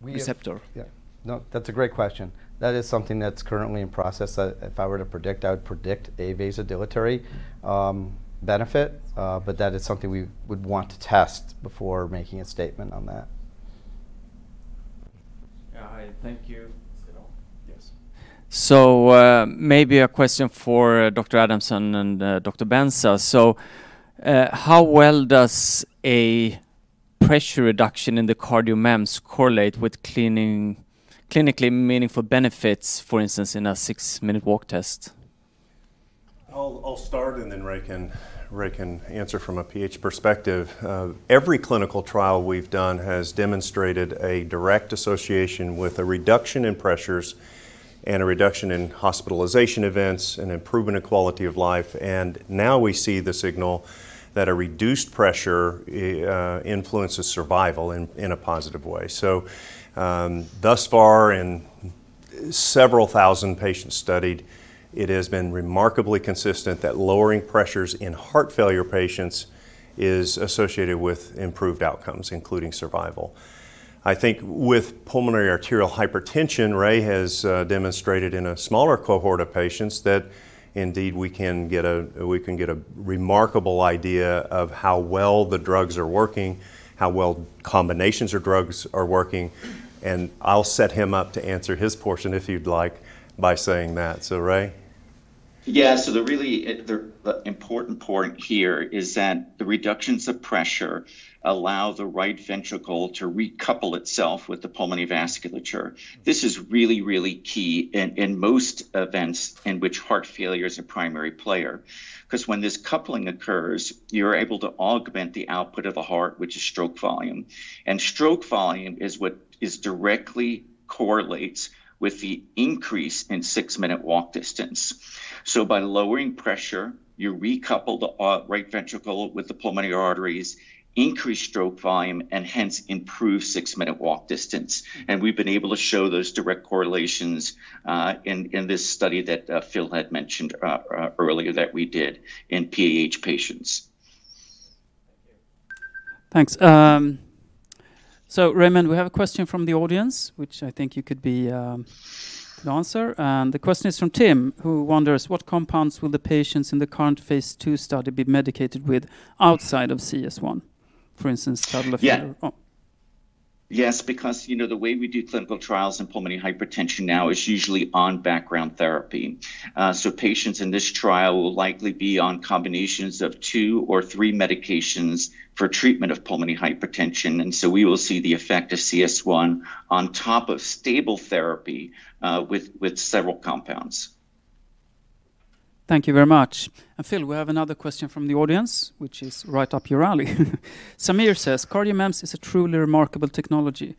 receptor? Yeah. No, that's a great question. That is something that's currently in process. If I were to predict, I would predict a vasodilatory benefit. That is something we would want to test before making a statement on that. Thank you. Is it on? Yes. Maybe a question for Dr. Adamson and Dr. Benza. How well does a pressure reduction in the CardioMEMS correlate with clinically meaningful benefits, for instance, in a six-minute walk test? I'll start, then Ray can answer from a PAH perspective. Every clinical trial we've done has demonstrated a direct association with a reduction in pressures and a reduction in hospitalization events and improvement of quality of life. Now we see the signal that a reduced pressure influences survival in a positive way. Thus far, in several thousand patients studied, it has been remarkably consistent that lowering pressures in heart failure patients is associated with improved outcomes, including survival. I think with pulmonary arterial hypertension, Ray has demonstrated in a smaller cohort of patients that indeed we can get a remarkable idea of how well the drugs are working, how well combinations of drugs are working, and I'll set him up to answer his portion if you'd like by saying that. Ray. Yeah. The really important point here is that the reductions of pressure allow the right ventricle to recouple itself with the pulmonary vasculature. This is really, really key in most events in which heart failure is a primary player, because when this coupling occurs, you're able to augment the output of the heart, which is stroke volume. Stroke volume is what is directly correlates with the increase in six-minute walk distance. By lowering pressure, you recouple the right ventricle with the pulmonary arteries, increase stroke volume, and hence improve six-minute walk distance. We've been able to show those direct correlations in this study that Phil had mentioned earlier that we did in PAH patients. Thank you. Thanks. So Raymond, we have a question from the audience, which I think you could answer. The question is from Tim, who wonders, what compounds will the patients in the current phase II study be medicated with outside of CS1, for instance, sildenafil or- Yeah. Oh. Yes, because, you know, the way we do clinical trials in pulmonary hypertension now is usually on background therapy. Patients in this trial will likely be on combinations of two or three medications for treatment of pulmonary hypertension. We will see the effect of CS1 on top of stable therapy, with several compounds. Thank you very much. Phil, we have another question from the audience, which is right up your alley. Samir says, "CardioMEMS is a truly remarkable technology."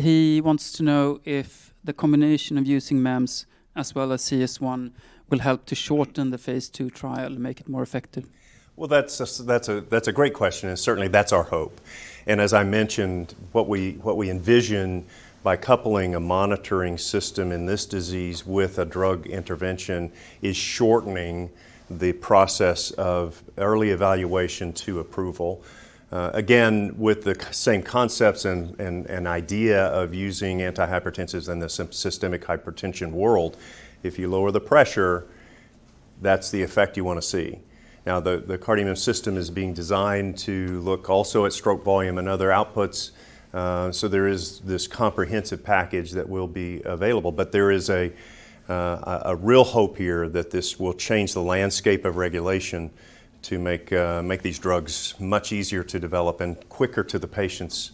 He wants to know if the combination of using MEMS as well as CS1 will help to shorten the phase II trial and make it more effective. Well, that's a great question, and certainly that's our hope. As I mentioned, what we envision by coupling a monitoring system in this disease with a drug intervention is shortening the process of early evaluation to approval, again, with the same concepts and an idea of using antihypertensives in the systemic hypertension world. If you lower the pressure, that's the effect you wanna see. Now, the CardioMEMS system is being designed to look also at stroke volume and other outputs, so there is this comprehensive package that will be available. But there is a real hope here that this will change the landscape of regulation to make these drugs much easier to develop and quicker to the patients,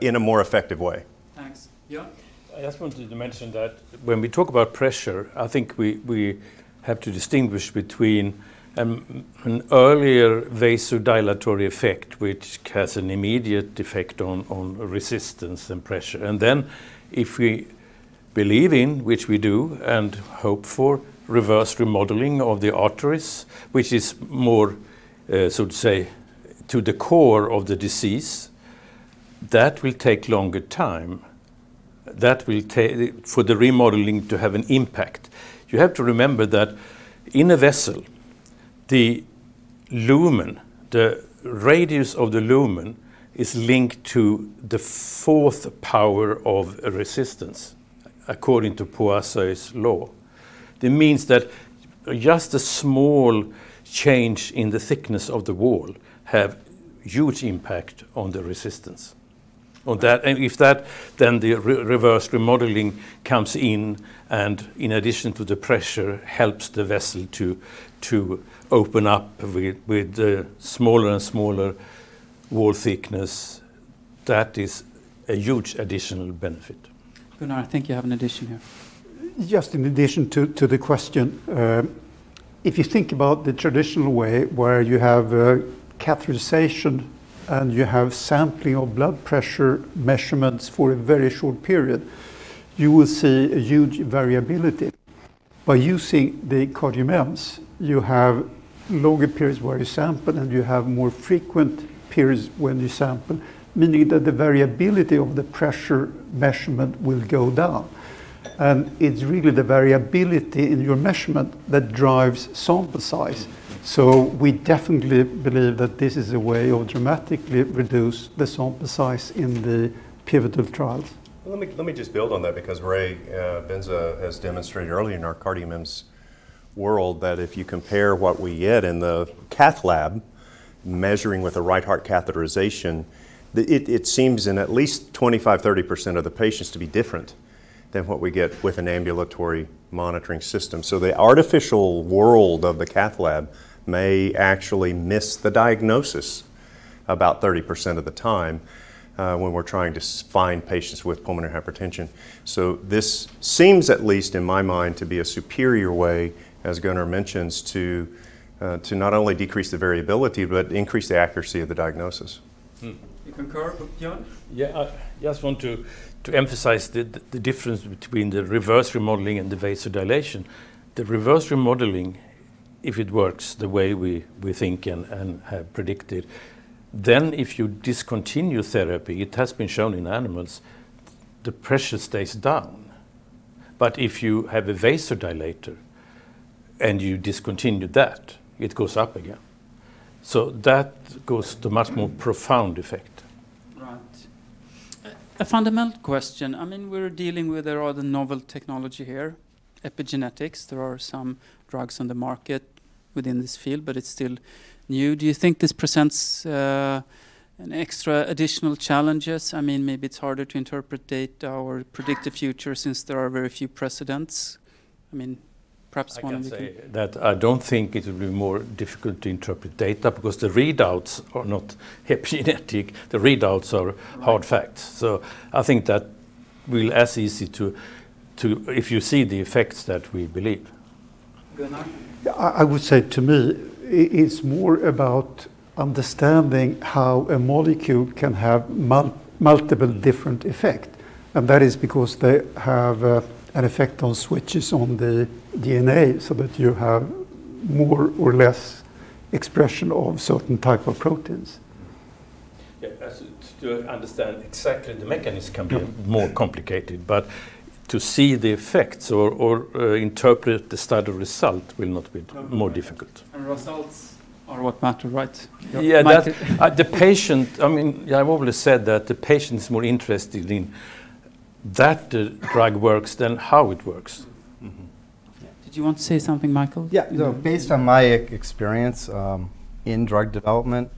in a more effective way. Thanks. Björn? I just wanted to mention that when we talk about pressure, I think we have to distinguish between an earlier vasodilatory effect, which has an immediate effect on resistance and pressure. If we believe in, which we do, and hope for reverse remodeling of the arteries, which is more so to say to the core of the disease. That will take longer time. That will take for the remodeling to have an impact. You have to remember that in a vessel, the lumen, the radius of the lumen is linked to the fourth power of resistance according to Poiseuille's law. That means that just a small change in the thickness of the wall have huge impact on the resistance. On that and if that, then the reverse remodeling comes in and in addition to the pressure, helps the vessel to open up with the smaller and smaller wall thickness. That is a huge additional benefit. Gunnar, I think you have an addition here. Just in addition to the question, if you think about the traditional way where you have catheterization and you have sampling of blood pressure measurements for a very short period, you will see a huge variability. By using the CardioMEMS, you have longer periods where you sample, and you have more frequent periods when you sample, meaning that the variability of the pressure measurement will go down. It's really the variability in your measurement that drives sample size. We definitely believe that this is a way of dramatically reduce the sample size in the pivotal trials. Well, let me just build on that because Raymond Benza has demonstrated earlier in our CardioMEMS world that if you compare what we get in the cath lab measuring with a right heart catheterization, it seems in at least 25%-30% of the patients to be different than what we get with an ambulatory monitoring system. The artificial world of the cath lab may actually miss the diagnosis about 30% of the time when we're trying to find patients with pulmonary hypertension. This seems, at least in my mind, to be a superior way, as Gunnar mentions, to not only decrease the variability, but increase the accuracy of the diagnosis. Mm. You concur, Björn? Yeah. I just want to emphasize the difference between the reverse remodeling and the vasodilation. The reverse remodeling, if it works the way we think and have predicted, then if you discontinue therapy, it has been shown in animals, the pressure stays down. But if you have a vasodilator and you discontinue that, it goes up again. That goes to much more profound effect. Right. A fundamental question. I mean, we're dealing with a rather novel technology here, epigenetics. There are some drugs on the market within this field, but it's still new. Do you think this presents an extra additional challenges? I mean, maybe it's harder to interpret data or predict the future since there are very few precedents. I mean, perhaps one of you can. I can say that I don't think it will be more difficult to interpret data because the readouts are not epigenetic. The readouts are hard facts. Right. I think if you see the effects that we believe. Gunnar? Yeah. I would say to me, it's more about understanding how a molecule can have multiple different effect. That is because they have an effect on switches on the DNA so that you have more or less expression of certain type of proteins. Yeah. As to understand exactly the mechanism can be more complicated, but to see the effects or interpret the study result will not be more difficult. Results are what matter, right? Yeah. Michael? I mean, I've always said that the patient is more interested in that drug works than how it works. Mm-hmm. Did you want to say something, Michael? Yeah. No, based on my experience, in drug development,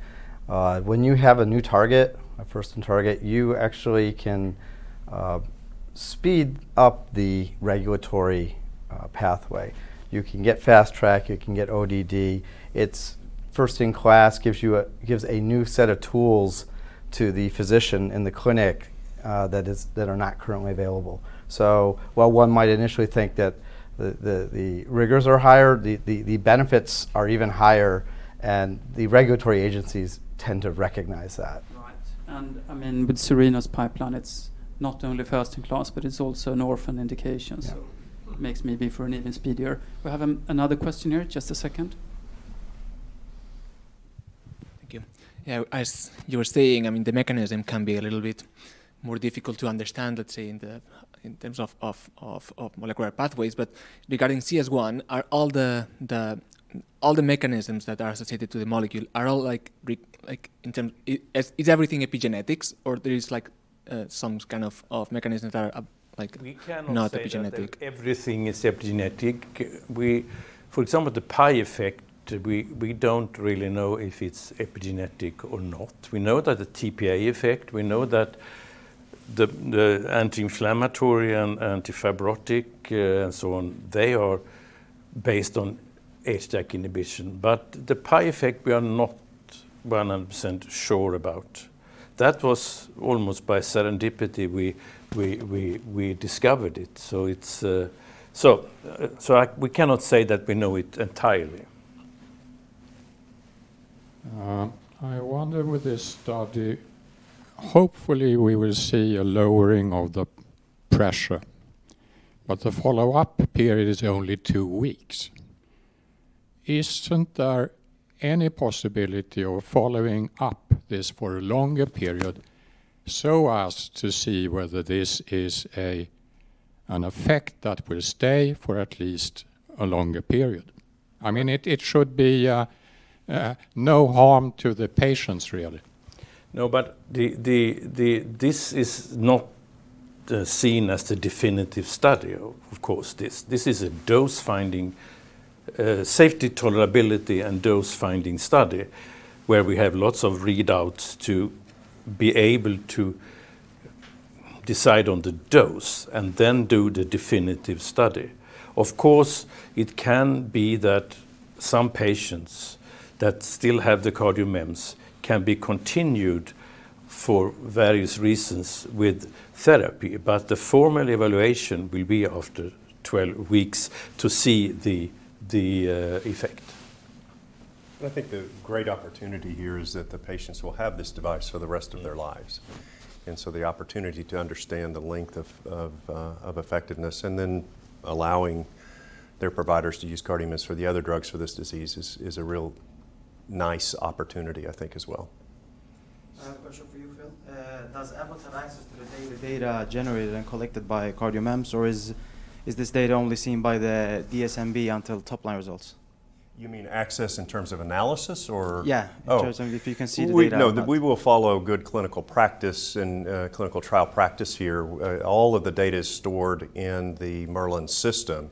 when you have a new target, a first-in-target, you actually can speed up the regulatory pathway. You can get fast track, you can get ODD. It's first in class, gives a new set of tools to the physician in the clinic, that are not currently available. While one might initially think that the rigors are higher, the benefits are even higher, and the regulatory agencies tend to recognize that. Right. I mean, with Cereno's pipeline, it's not only first in class, but it's also an orphan indication. Yeah. Makes maybe for an even speedier. We have another question here. Just a second. Thank you. Yeah, as you were saying, I mean, the mechanism can be a little bit more difficult to understand, let's say, in terms of molecular pathways. Regarding CS1, are all the mechanisms that are associated to the molecule is everything epigenetics or there is like some kind of mechanisms that are like not epigenetic? We cannot say that, like, everything is epigenetic. For example, the IP effect, we don't really know if it's epigenetic or not. We know that the tPA effect, we know that the anti-inflammatory and antifibrotic, and so on, they are based on HDAC inhibition. The IP effect, we are not 100% sure about. That was almost by serendipity, we discovered it. It's, we cannot say that we know it entirely. I wonder with this study, hopefully we will see a lowering of the pressure, but the follow-up period is only two weeks. Isn't there any possibility of following up this for a longer period so as to see whether this is a, an effect that will stay for at least a longer period? I mean, it should be, no harm to the patients, really. No, this is not seen as the definitive study of course. This is a dose-finding safety, tolerability and dose-finding study where we have lots of readouts to be able to decide on the dose and then do the definitive study. Of course, it can be that some patients that still have the CardioMEMS can be continued for various reasons with therapy, but the formal evaluation will be after 12 weeks to see the effect. I think the great opportunity here is that the patients will have this device for the rest of their lives. The opportunity to understand the length of effectiveness and then allowing their providers to use CardioMEMS for the other drugs for this disease is a real nice opportunity, I think, as well. I have a question for you, Phil. Does Abbott access to the daily data generated and collected by CardioMEMS, or is this data only seen by the DSMB until top-line results? You mean access in terms of analysis or? Yeah. Oh. In terms of if you can see the data? No. We will follow good clinical practice and clinical trial practice here. All of the data is stored in the Merlin system,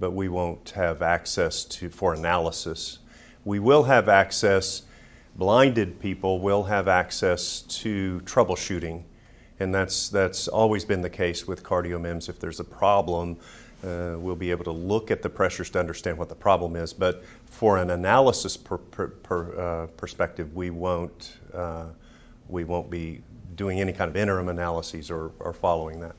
but we won't have access to for analysis. We will have access. Blinded people will have access to troubleshooting, and that's always been the case with CardioMEMS. If there's a problem, we'll be able to look at the pressures to understand what the problem is. For an analysis per perspective, we won't be doing any kind of interim analyses or following that.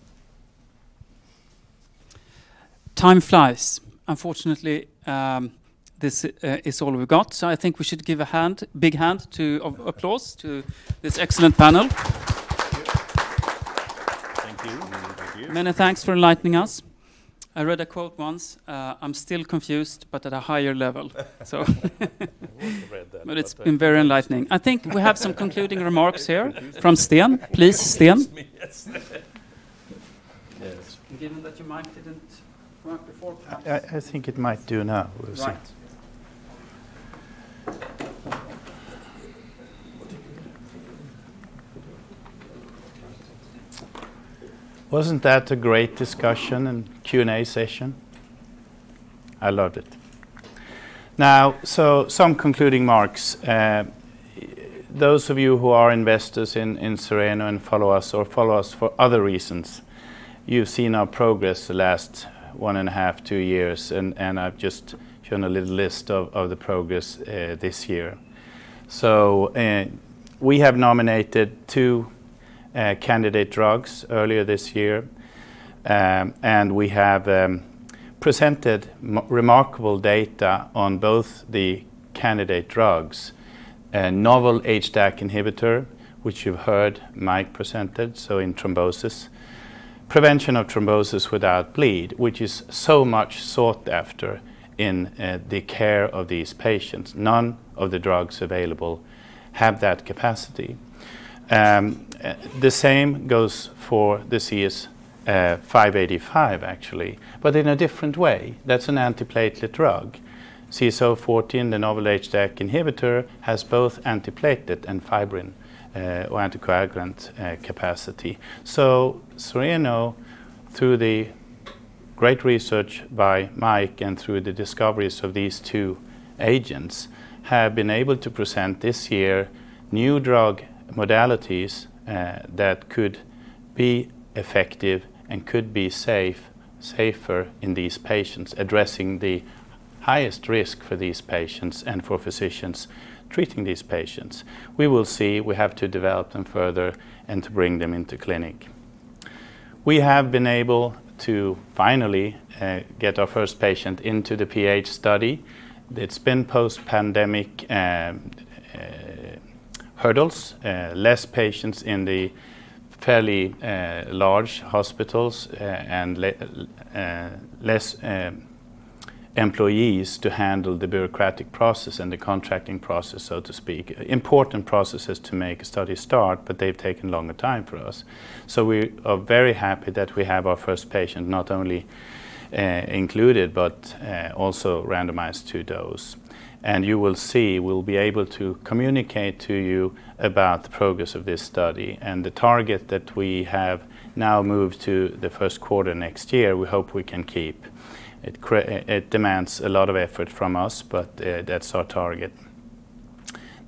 Time flies. Unfortunately, this is all we've got. I think we should give a big hand of applause to this excellent panel. Thank you. Thank you. Many thanks for enlightening us. I read a quote once, "I'm still confused, but at a higher level. I want to read that. It's been very enlightening. I think we have some concluding remarks here from Sten. Please, Sten. Yes, me. Yes. Given that your mic didn't work before, perhaps. I think it might do now. Right. Wasn't that a great discussion and Q&A session? I loved it. Now, some concluding remarks. Those of you who are investors in Cereno and follow us for other reasons, you've seen our progress the last 1.5-2 years, and I've just shown a little list of the progress this year. We have nominated two candidate drugs earlier this year, and we have presented remarkable data on both the candidate drugs, a novel HDAC inhibitor, which you've heard Mike presented, so in thrombosis. Prevention of thrombosis without bleed, which is so much sought after in the care of these patients. None of the drugs available have that capacity. The same goes for the CS585, actually, but in a different way. That's an antiplatelet drug. CS014, the novel HDAC inhibitor, has both antiplatelet and fibrin or anticoagulant capacity. Cereno, through the great research by Mike and through the discoveries of these two agents, have been able to present this year new drug modalities that could be effective and could be safe, safer in these patients, addressing the highest risk for these patients and for physicians treating these patients. We will see. We have to develop them further and to bring them into clinic. We have been able to finally get our first patient into the PH study. It's been post-pandemic hurdles, less patients in the fairly large hospitals, and less employees to handle the bureaucratic process and the contracting process, so to speak. Important processes to make a study start, but they've taken longer time for us. We are very happy that we have our first patient not only included, but also randomized to dose. You will see we'll be able to communicate to you about the progress of this study and the target that we have now moved to the first quarter next year, we hope we can keep. It demands a lot of effort from us, but that's our target.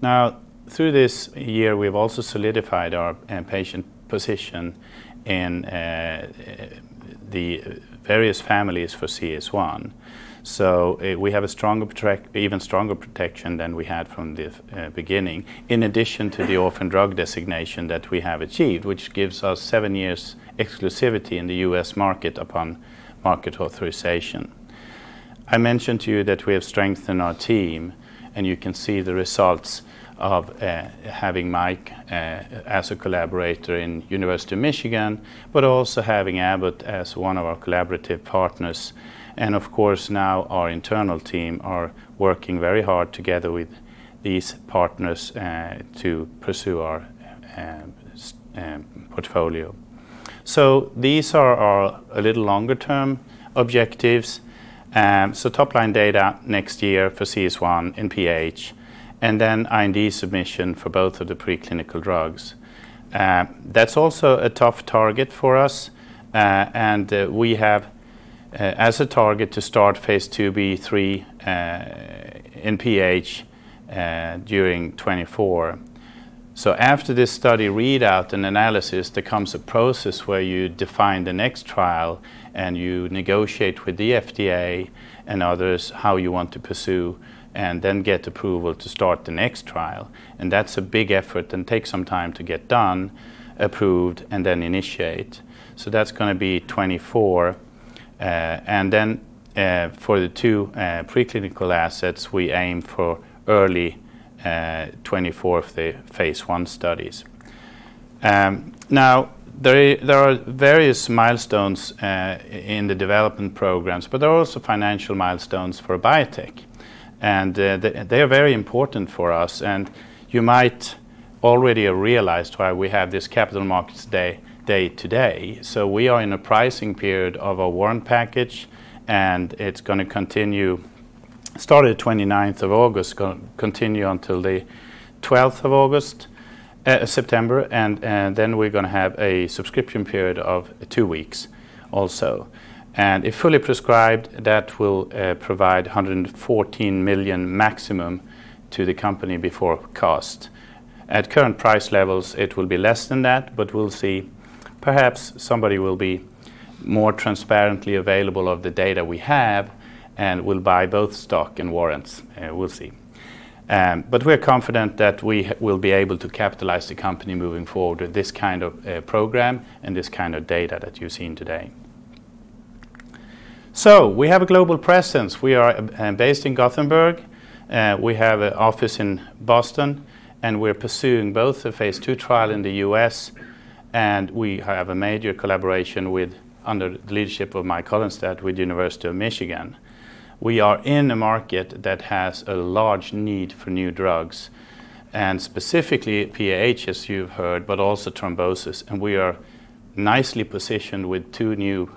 Now, through this year, we've also solidified our patient position in the various families for CS1. We have a stronger even stronger protection than we had from the beginning, in addition to the Orphan Drug Designation that we have achieved, which gives us seven years exclusivity in the U.S. market upon market authorization. I mentioned to you that we have strengthened our team, and you can see the results of having Mike as a collaborator in University of Michigan, but also having Abbott as one of our collaborative partners. Of course, now our internal team are working very hard together with these partners to pursue our portfolio. These are our a little longer term objectives. Top-line data next year for CS1 in PAH, and then IND submission for both of the preclinical drugs. That's also a tough target for us, and we have a target to start phase II-B/III in PAH during 2024. After this study readout and analysis, there comes a process where you define the next trial and you negotiate with the FDA and others how you want to pursue, and then get approval to start the next trial. That's a big effort and takes some time to get done, approved, and then initiate. That's gonna be 2024. For the two preclinical assets, we aim for early 2024 for the phase I studies. There are various milestones in the development programs, but there are also financial milestones for biotech. They are very important for us. You might already have realized why we have this Capital Markets Day today. We are in a pricing period of a warrant package, and it's gonna continue. It started the twenty-ninth of August, continue until the twelfth of September, then we're gonna have a subscription period of two weeks also. If fully prescribed, that will provide 114 million maximum to the company before cost. At current price levels, it will be less than that, but we'll see. Perhaps somebody will be more transparently available of the data we have and will buy both stock and warrants. We'll see. But we're confident that we will be able to capitalize the company moving forward with this kind of program and this kind of data that you've seen today. We have a global presence. We are based in Gothenburg. We have an office in Boston, and we're pursuing both a phase II trial in the U.S., and we have a major collaboration with, under the leadership of Mike Holinstat, with University of Michigan. We are in a market that has a large need for new drugs, and specifically PAH, as you've heard, but also thrombosis. We are nicely positioned with two new,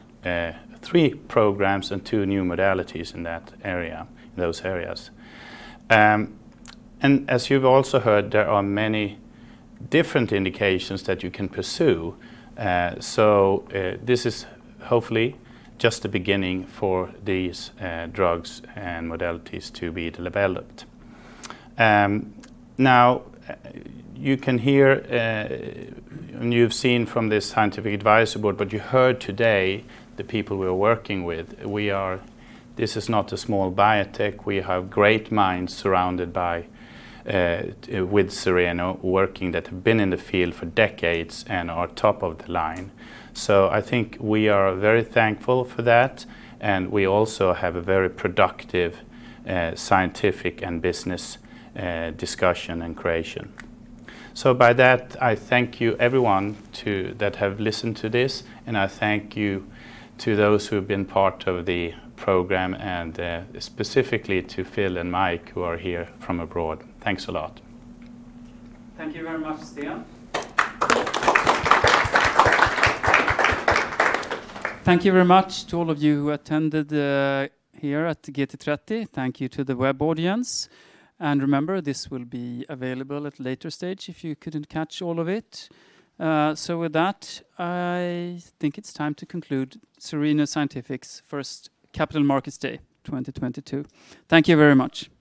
three programs and two new modalities in that area, those areas. As you've also heard, there are many different indications that you can pursue. This is hopefully just the beginning for these, drugs and modalities to be developed. You've seen from the scientific advisory board, but you heard today the people we're working with. This is not a small biotech. We have great minds surrounded by with Cereno working that have been in the field for decades and are top of the line. I think we are very thankful for that, and we also have a very productive scientific and business discussion and creation. By that, I thank you everyone that have listened to this, and I thank you to those who have been part of the program and specifically to Phil and Mike who are here from abroad. Thanks a lot. Thank you very much, Sten. Thank you very much to all of you who attended here at GT30. Thank you to the web audience. Remember, this will be available at later stage if you couldn't catch all of it. With that, I think it's time to conclude Cereno Scientific's first Capital Markets Day 2022. Thank you very much. Thank you, Lars. Thank you.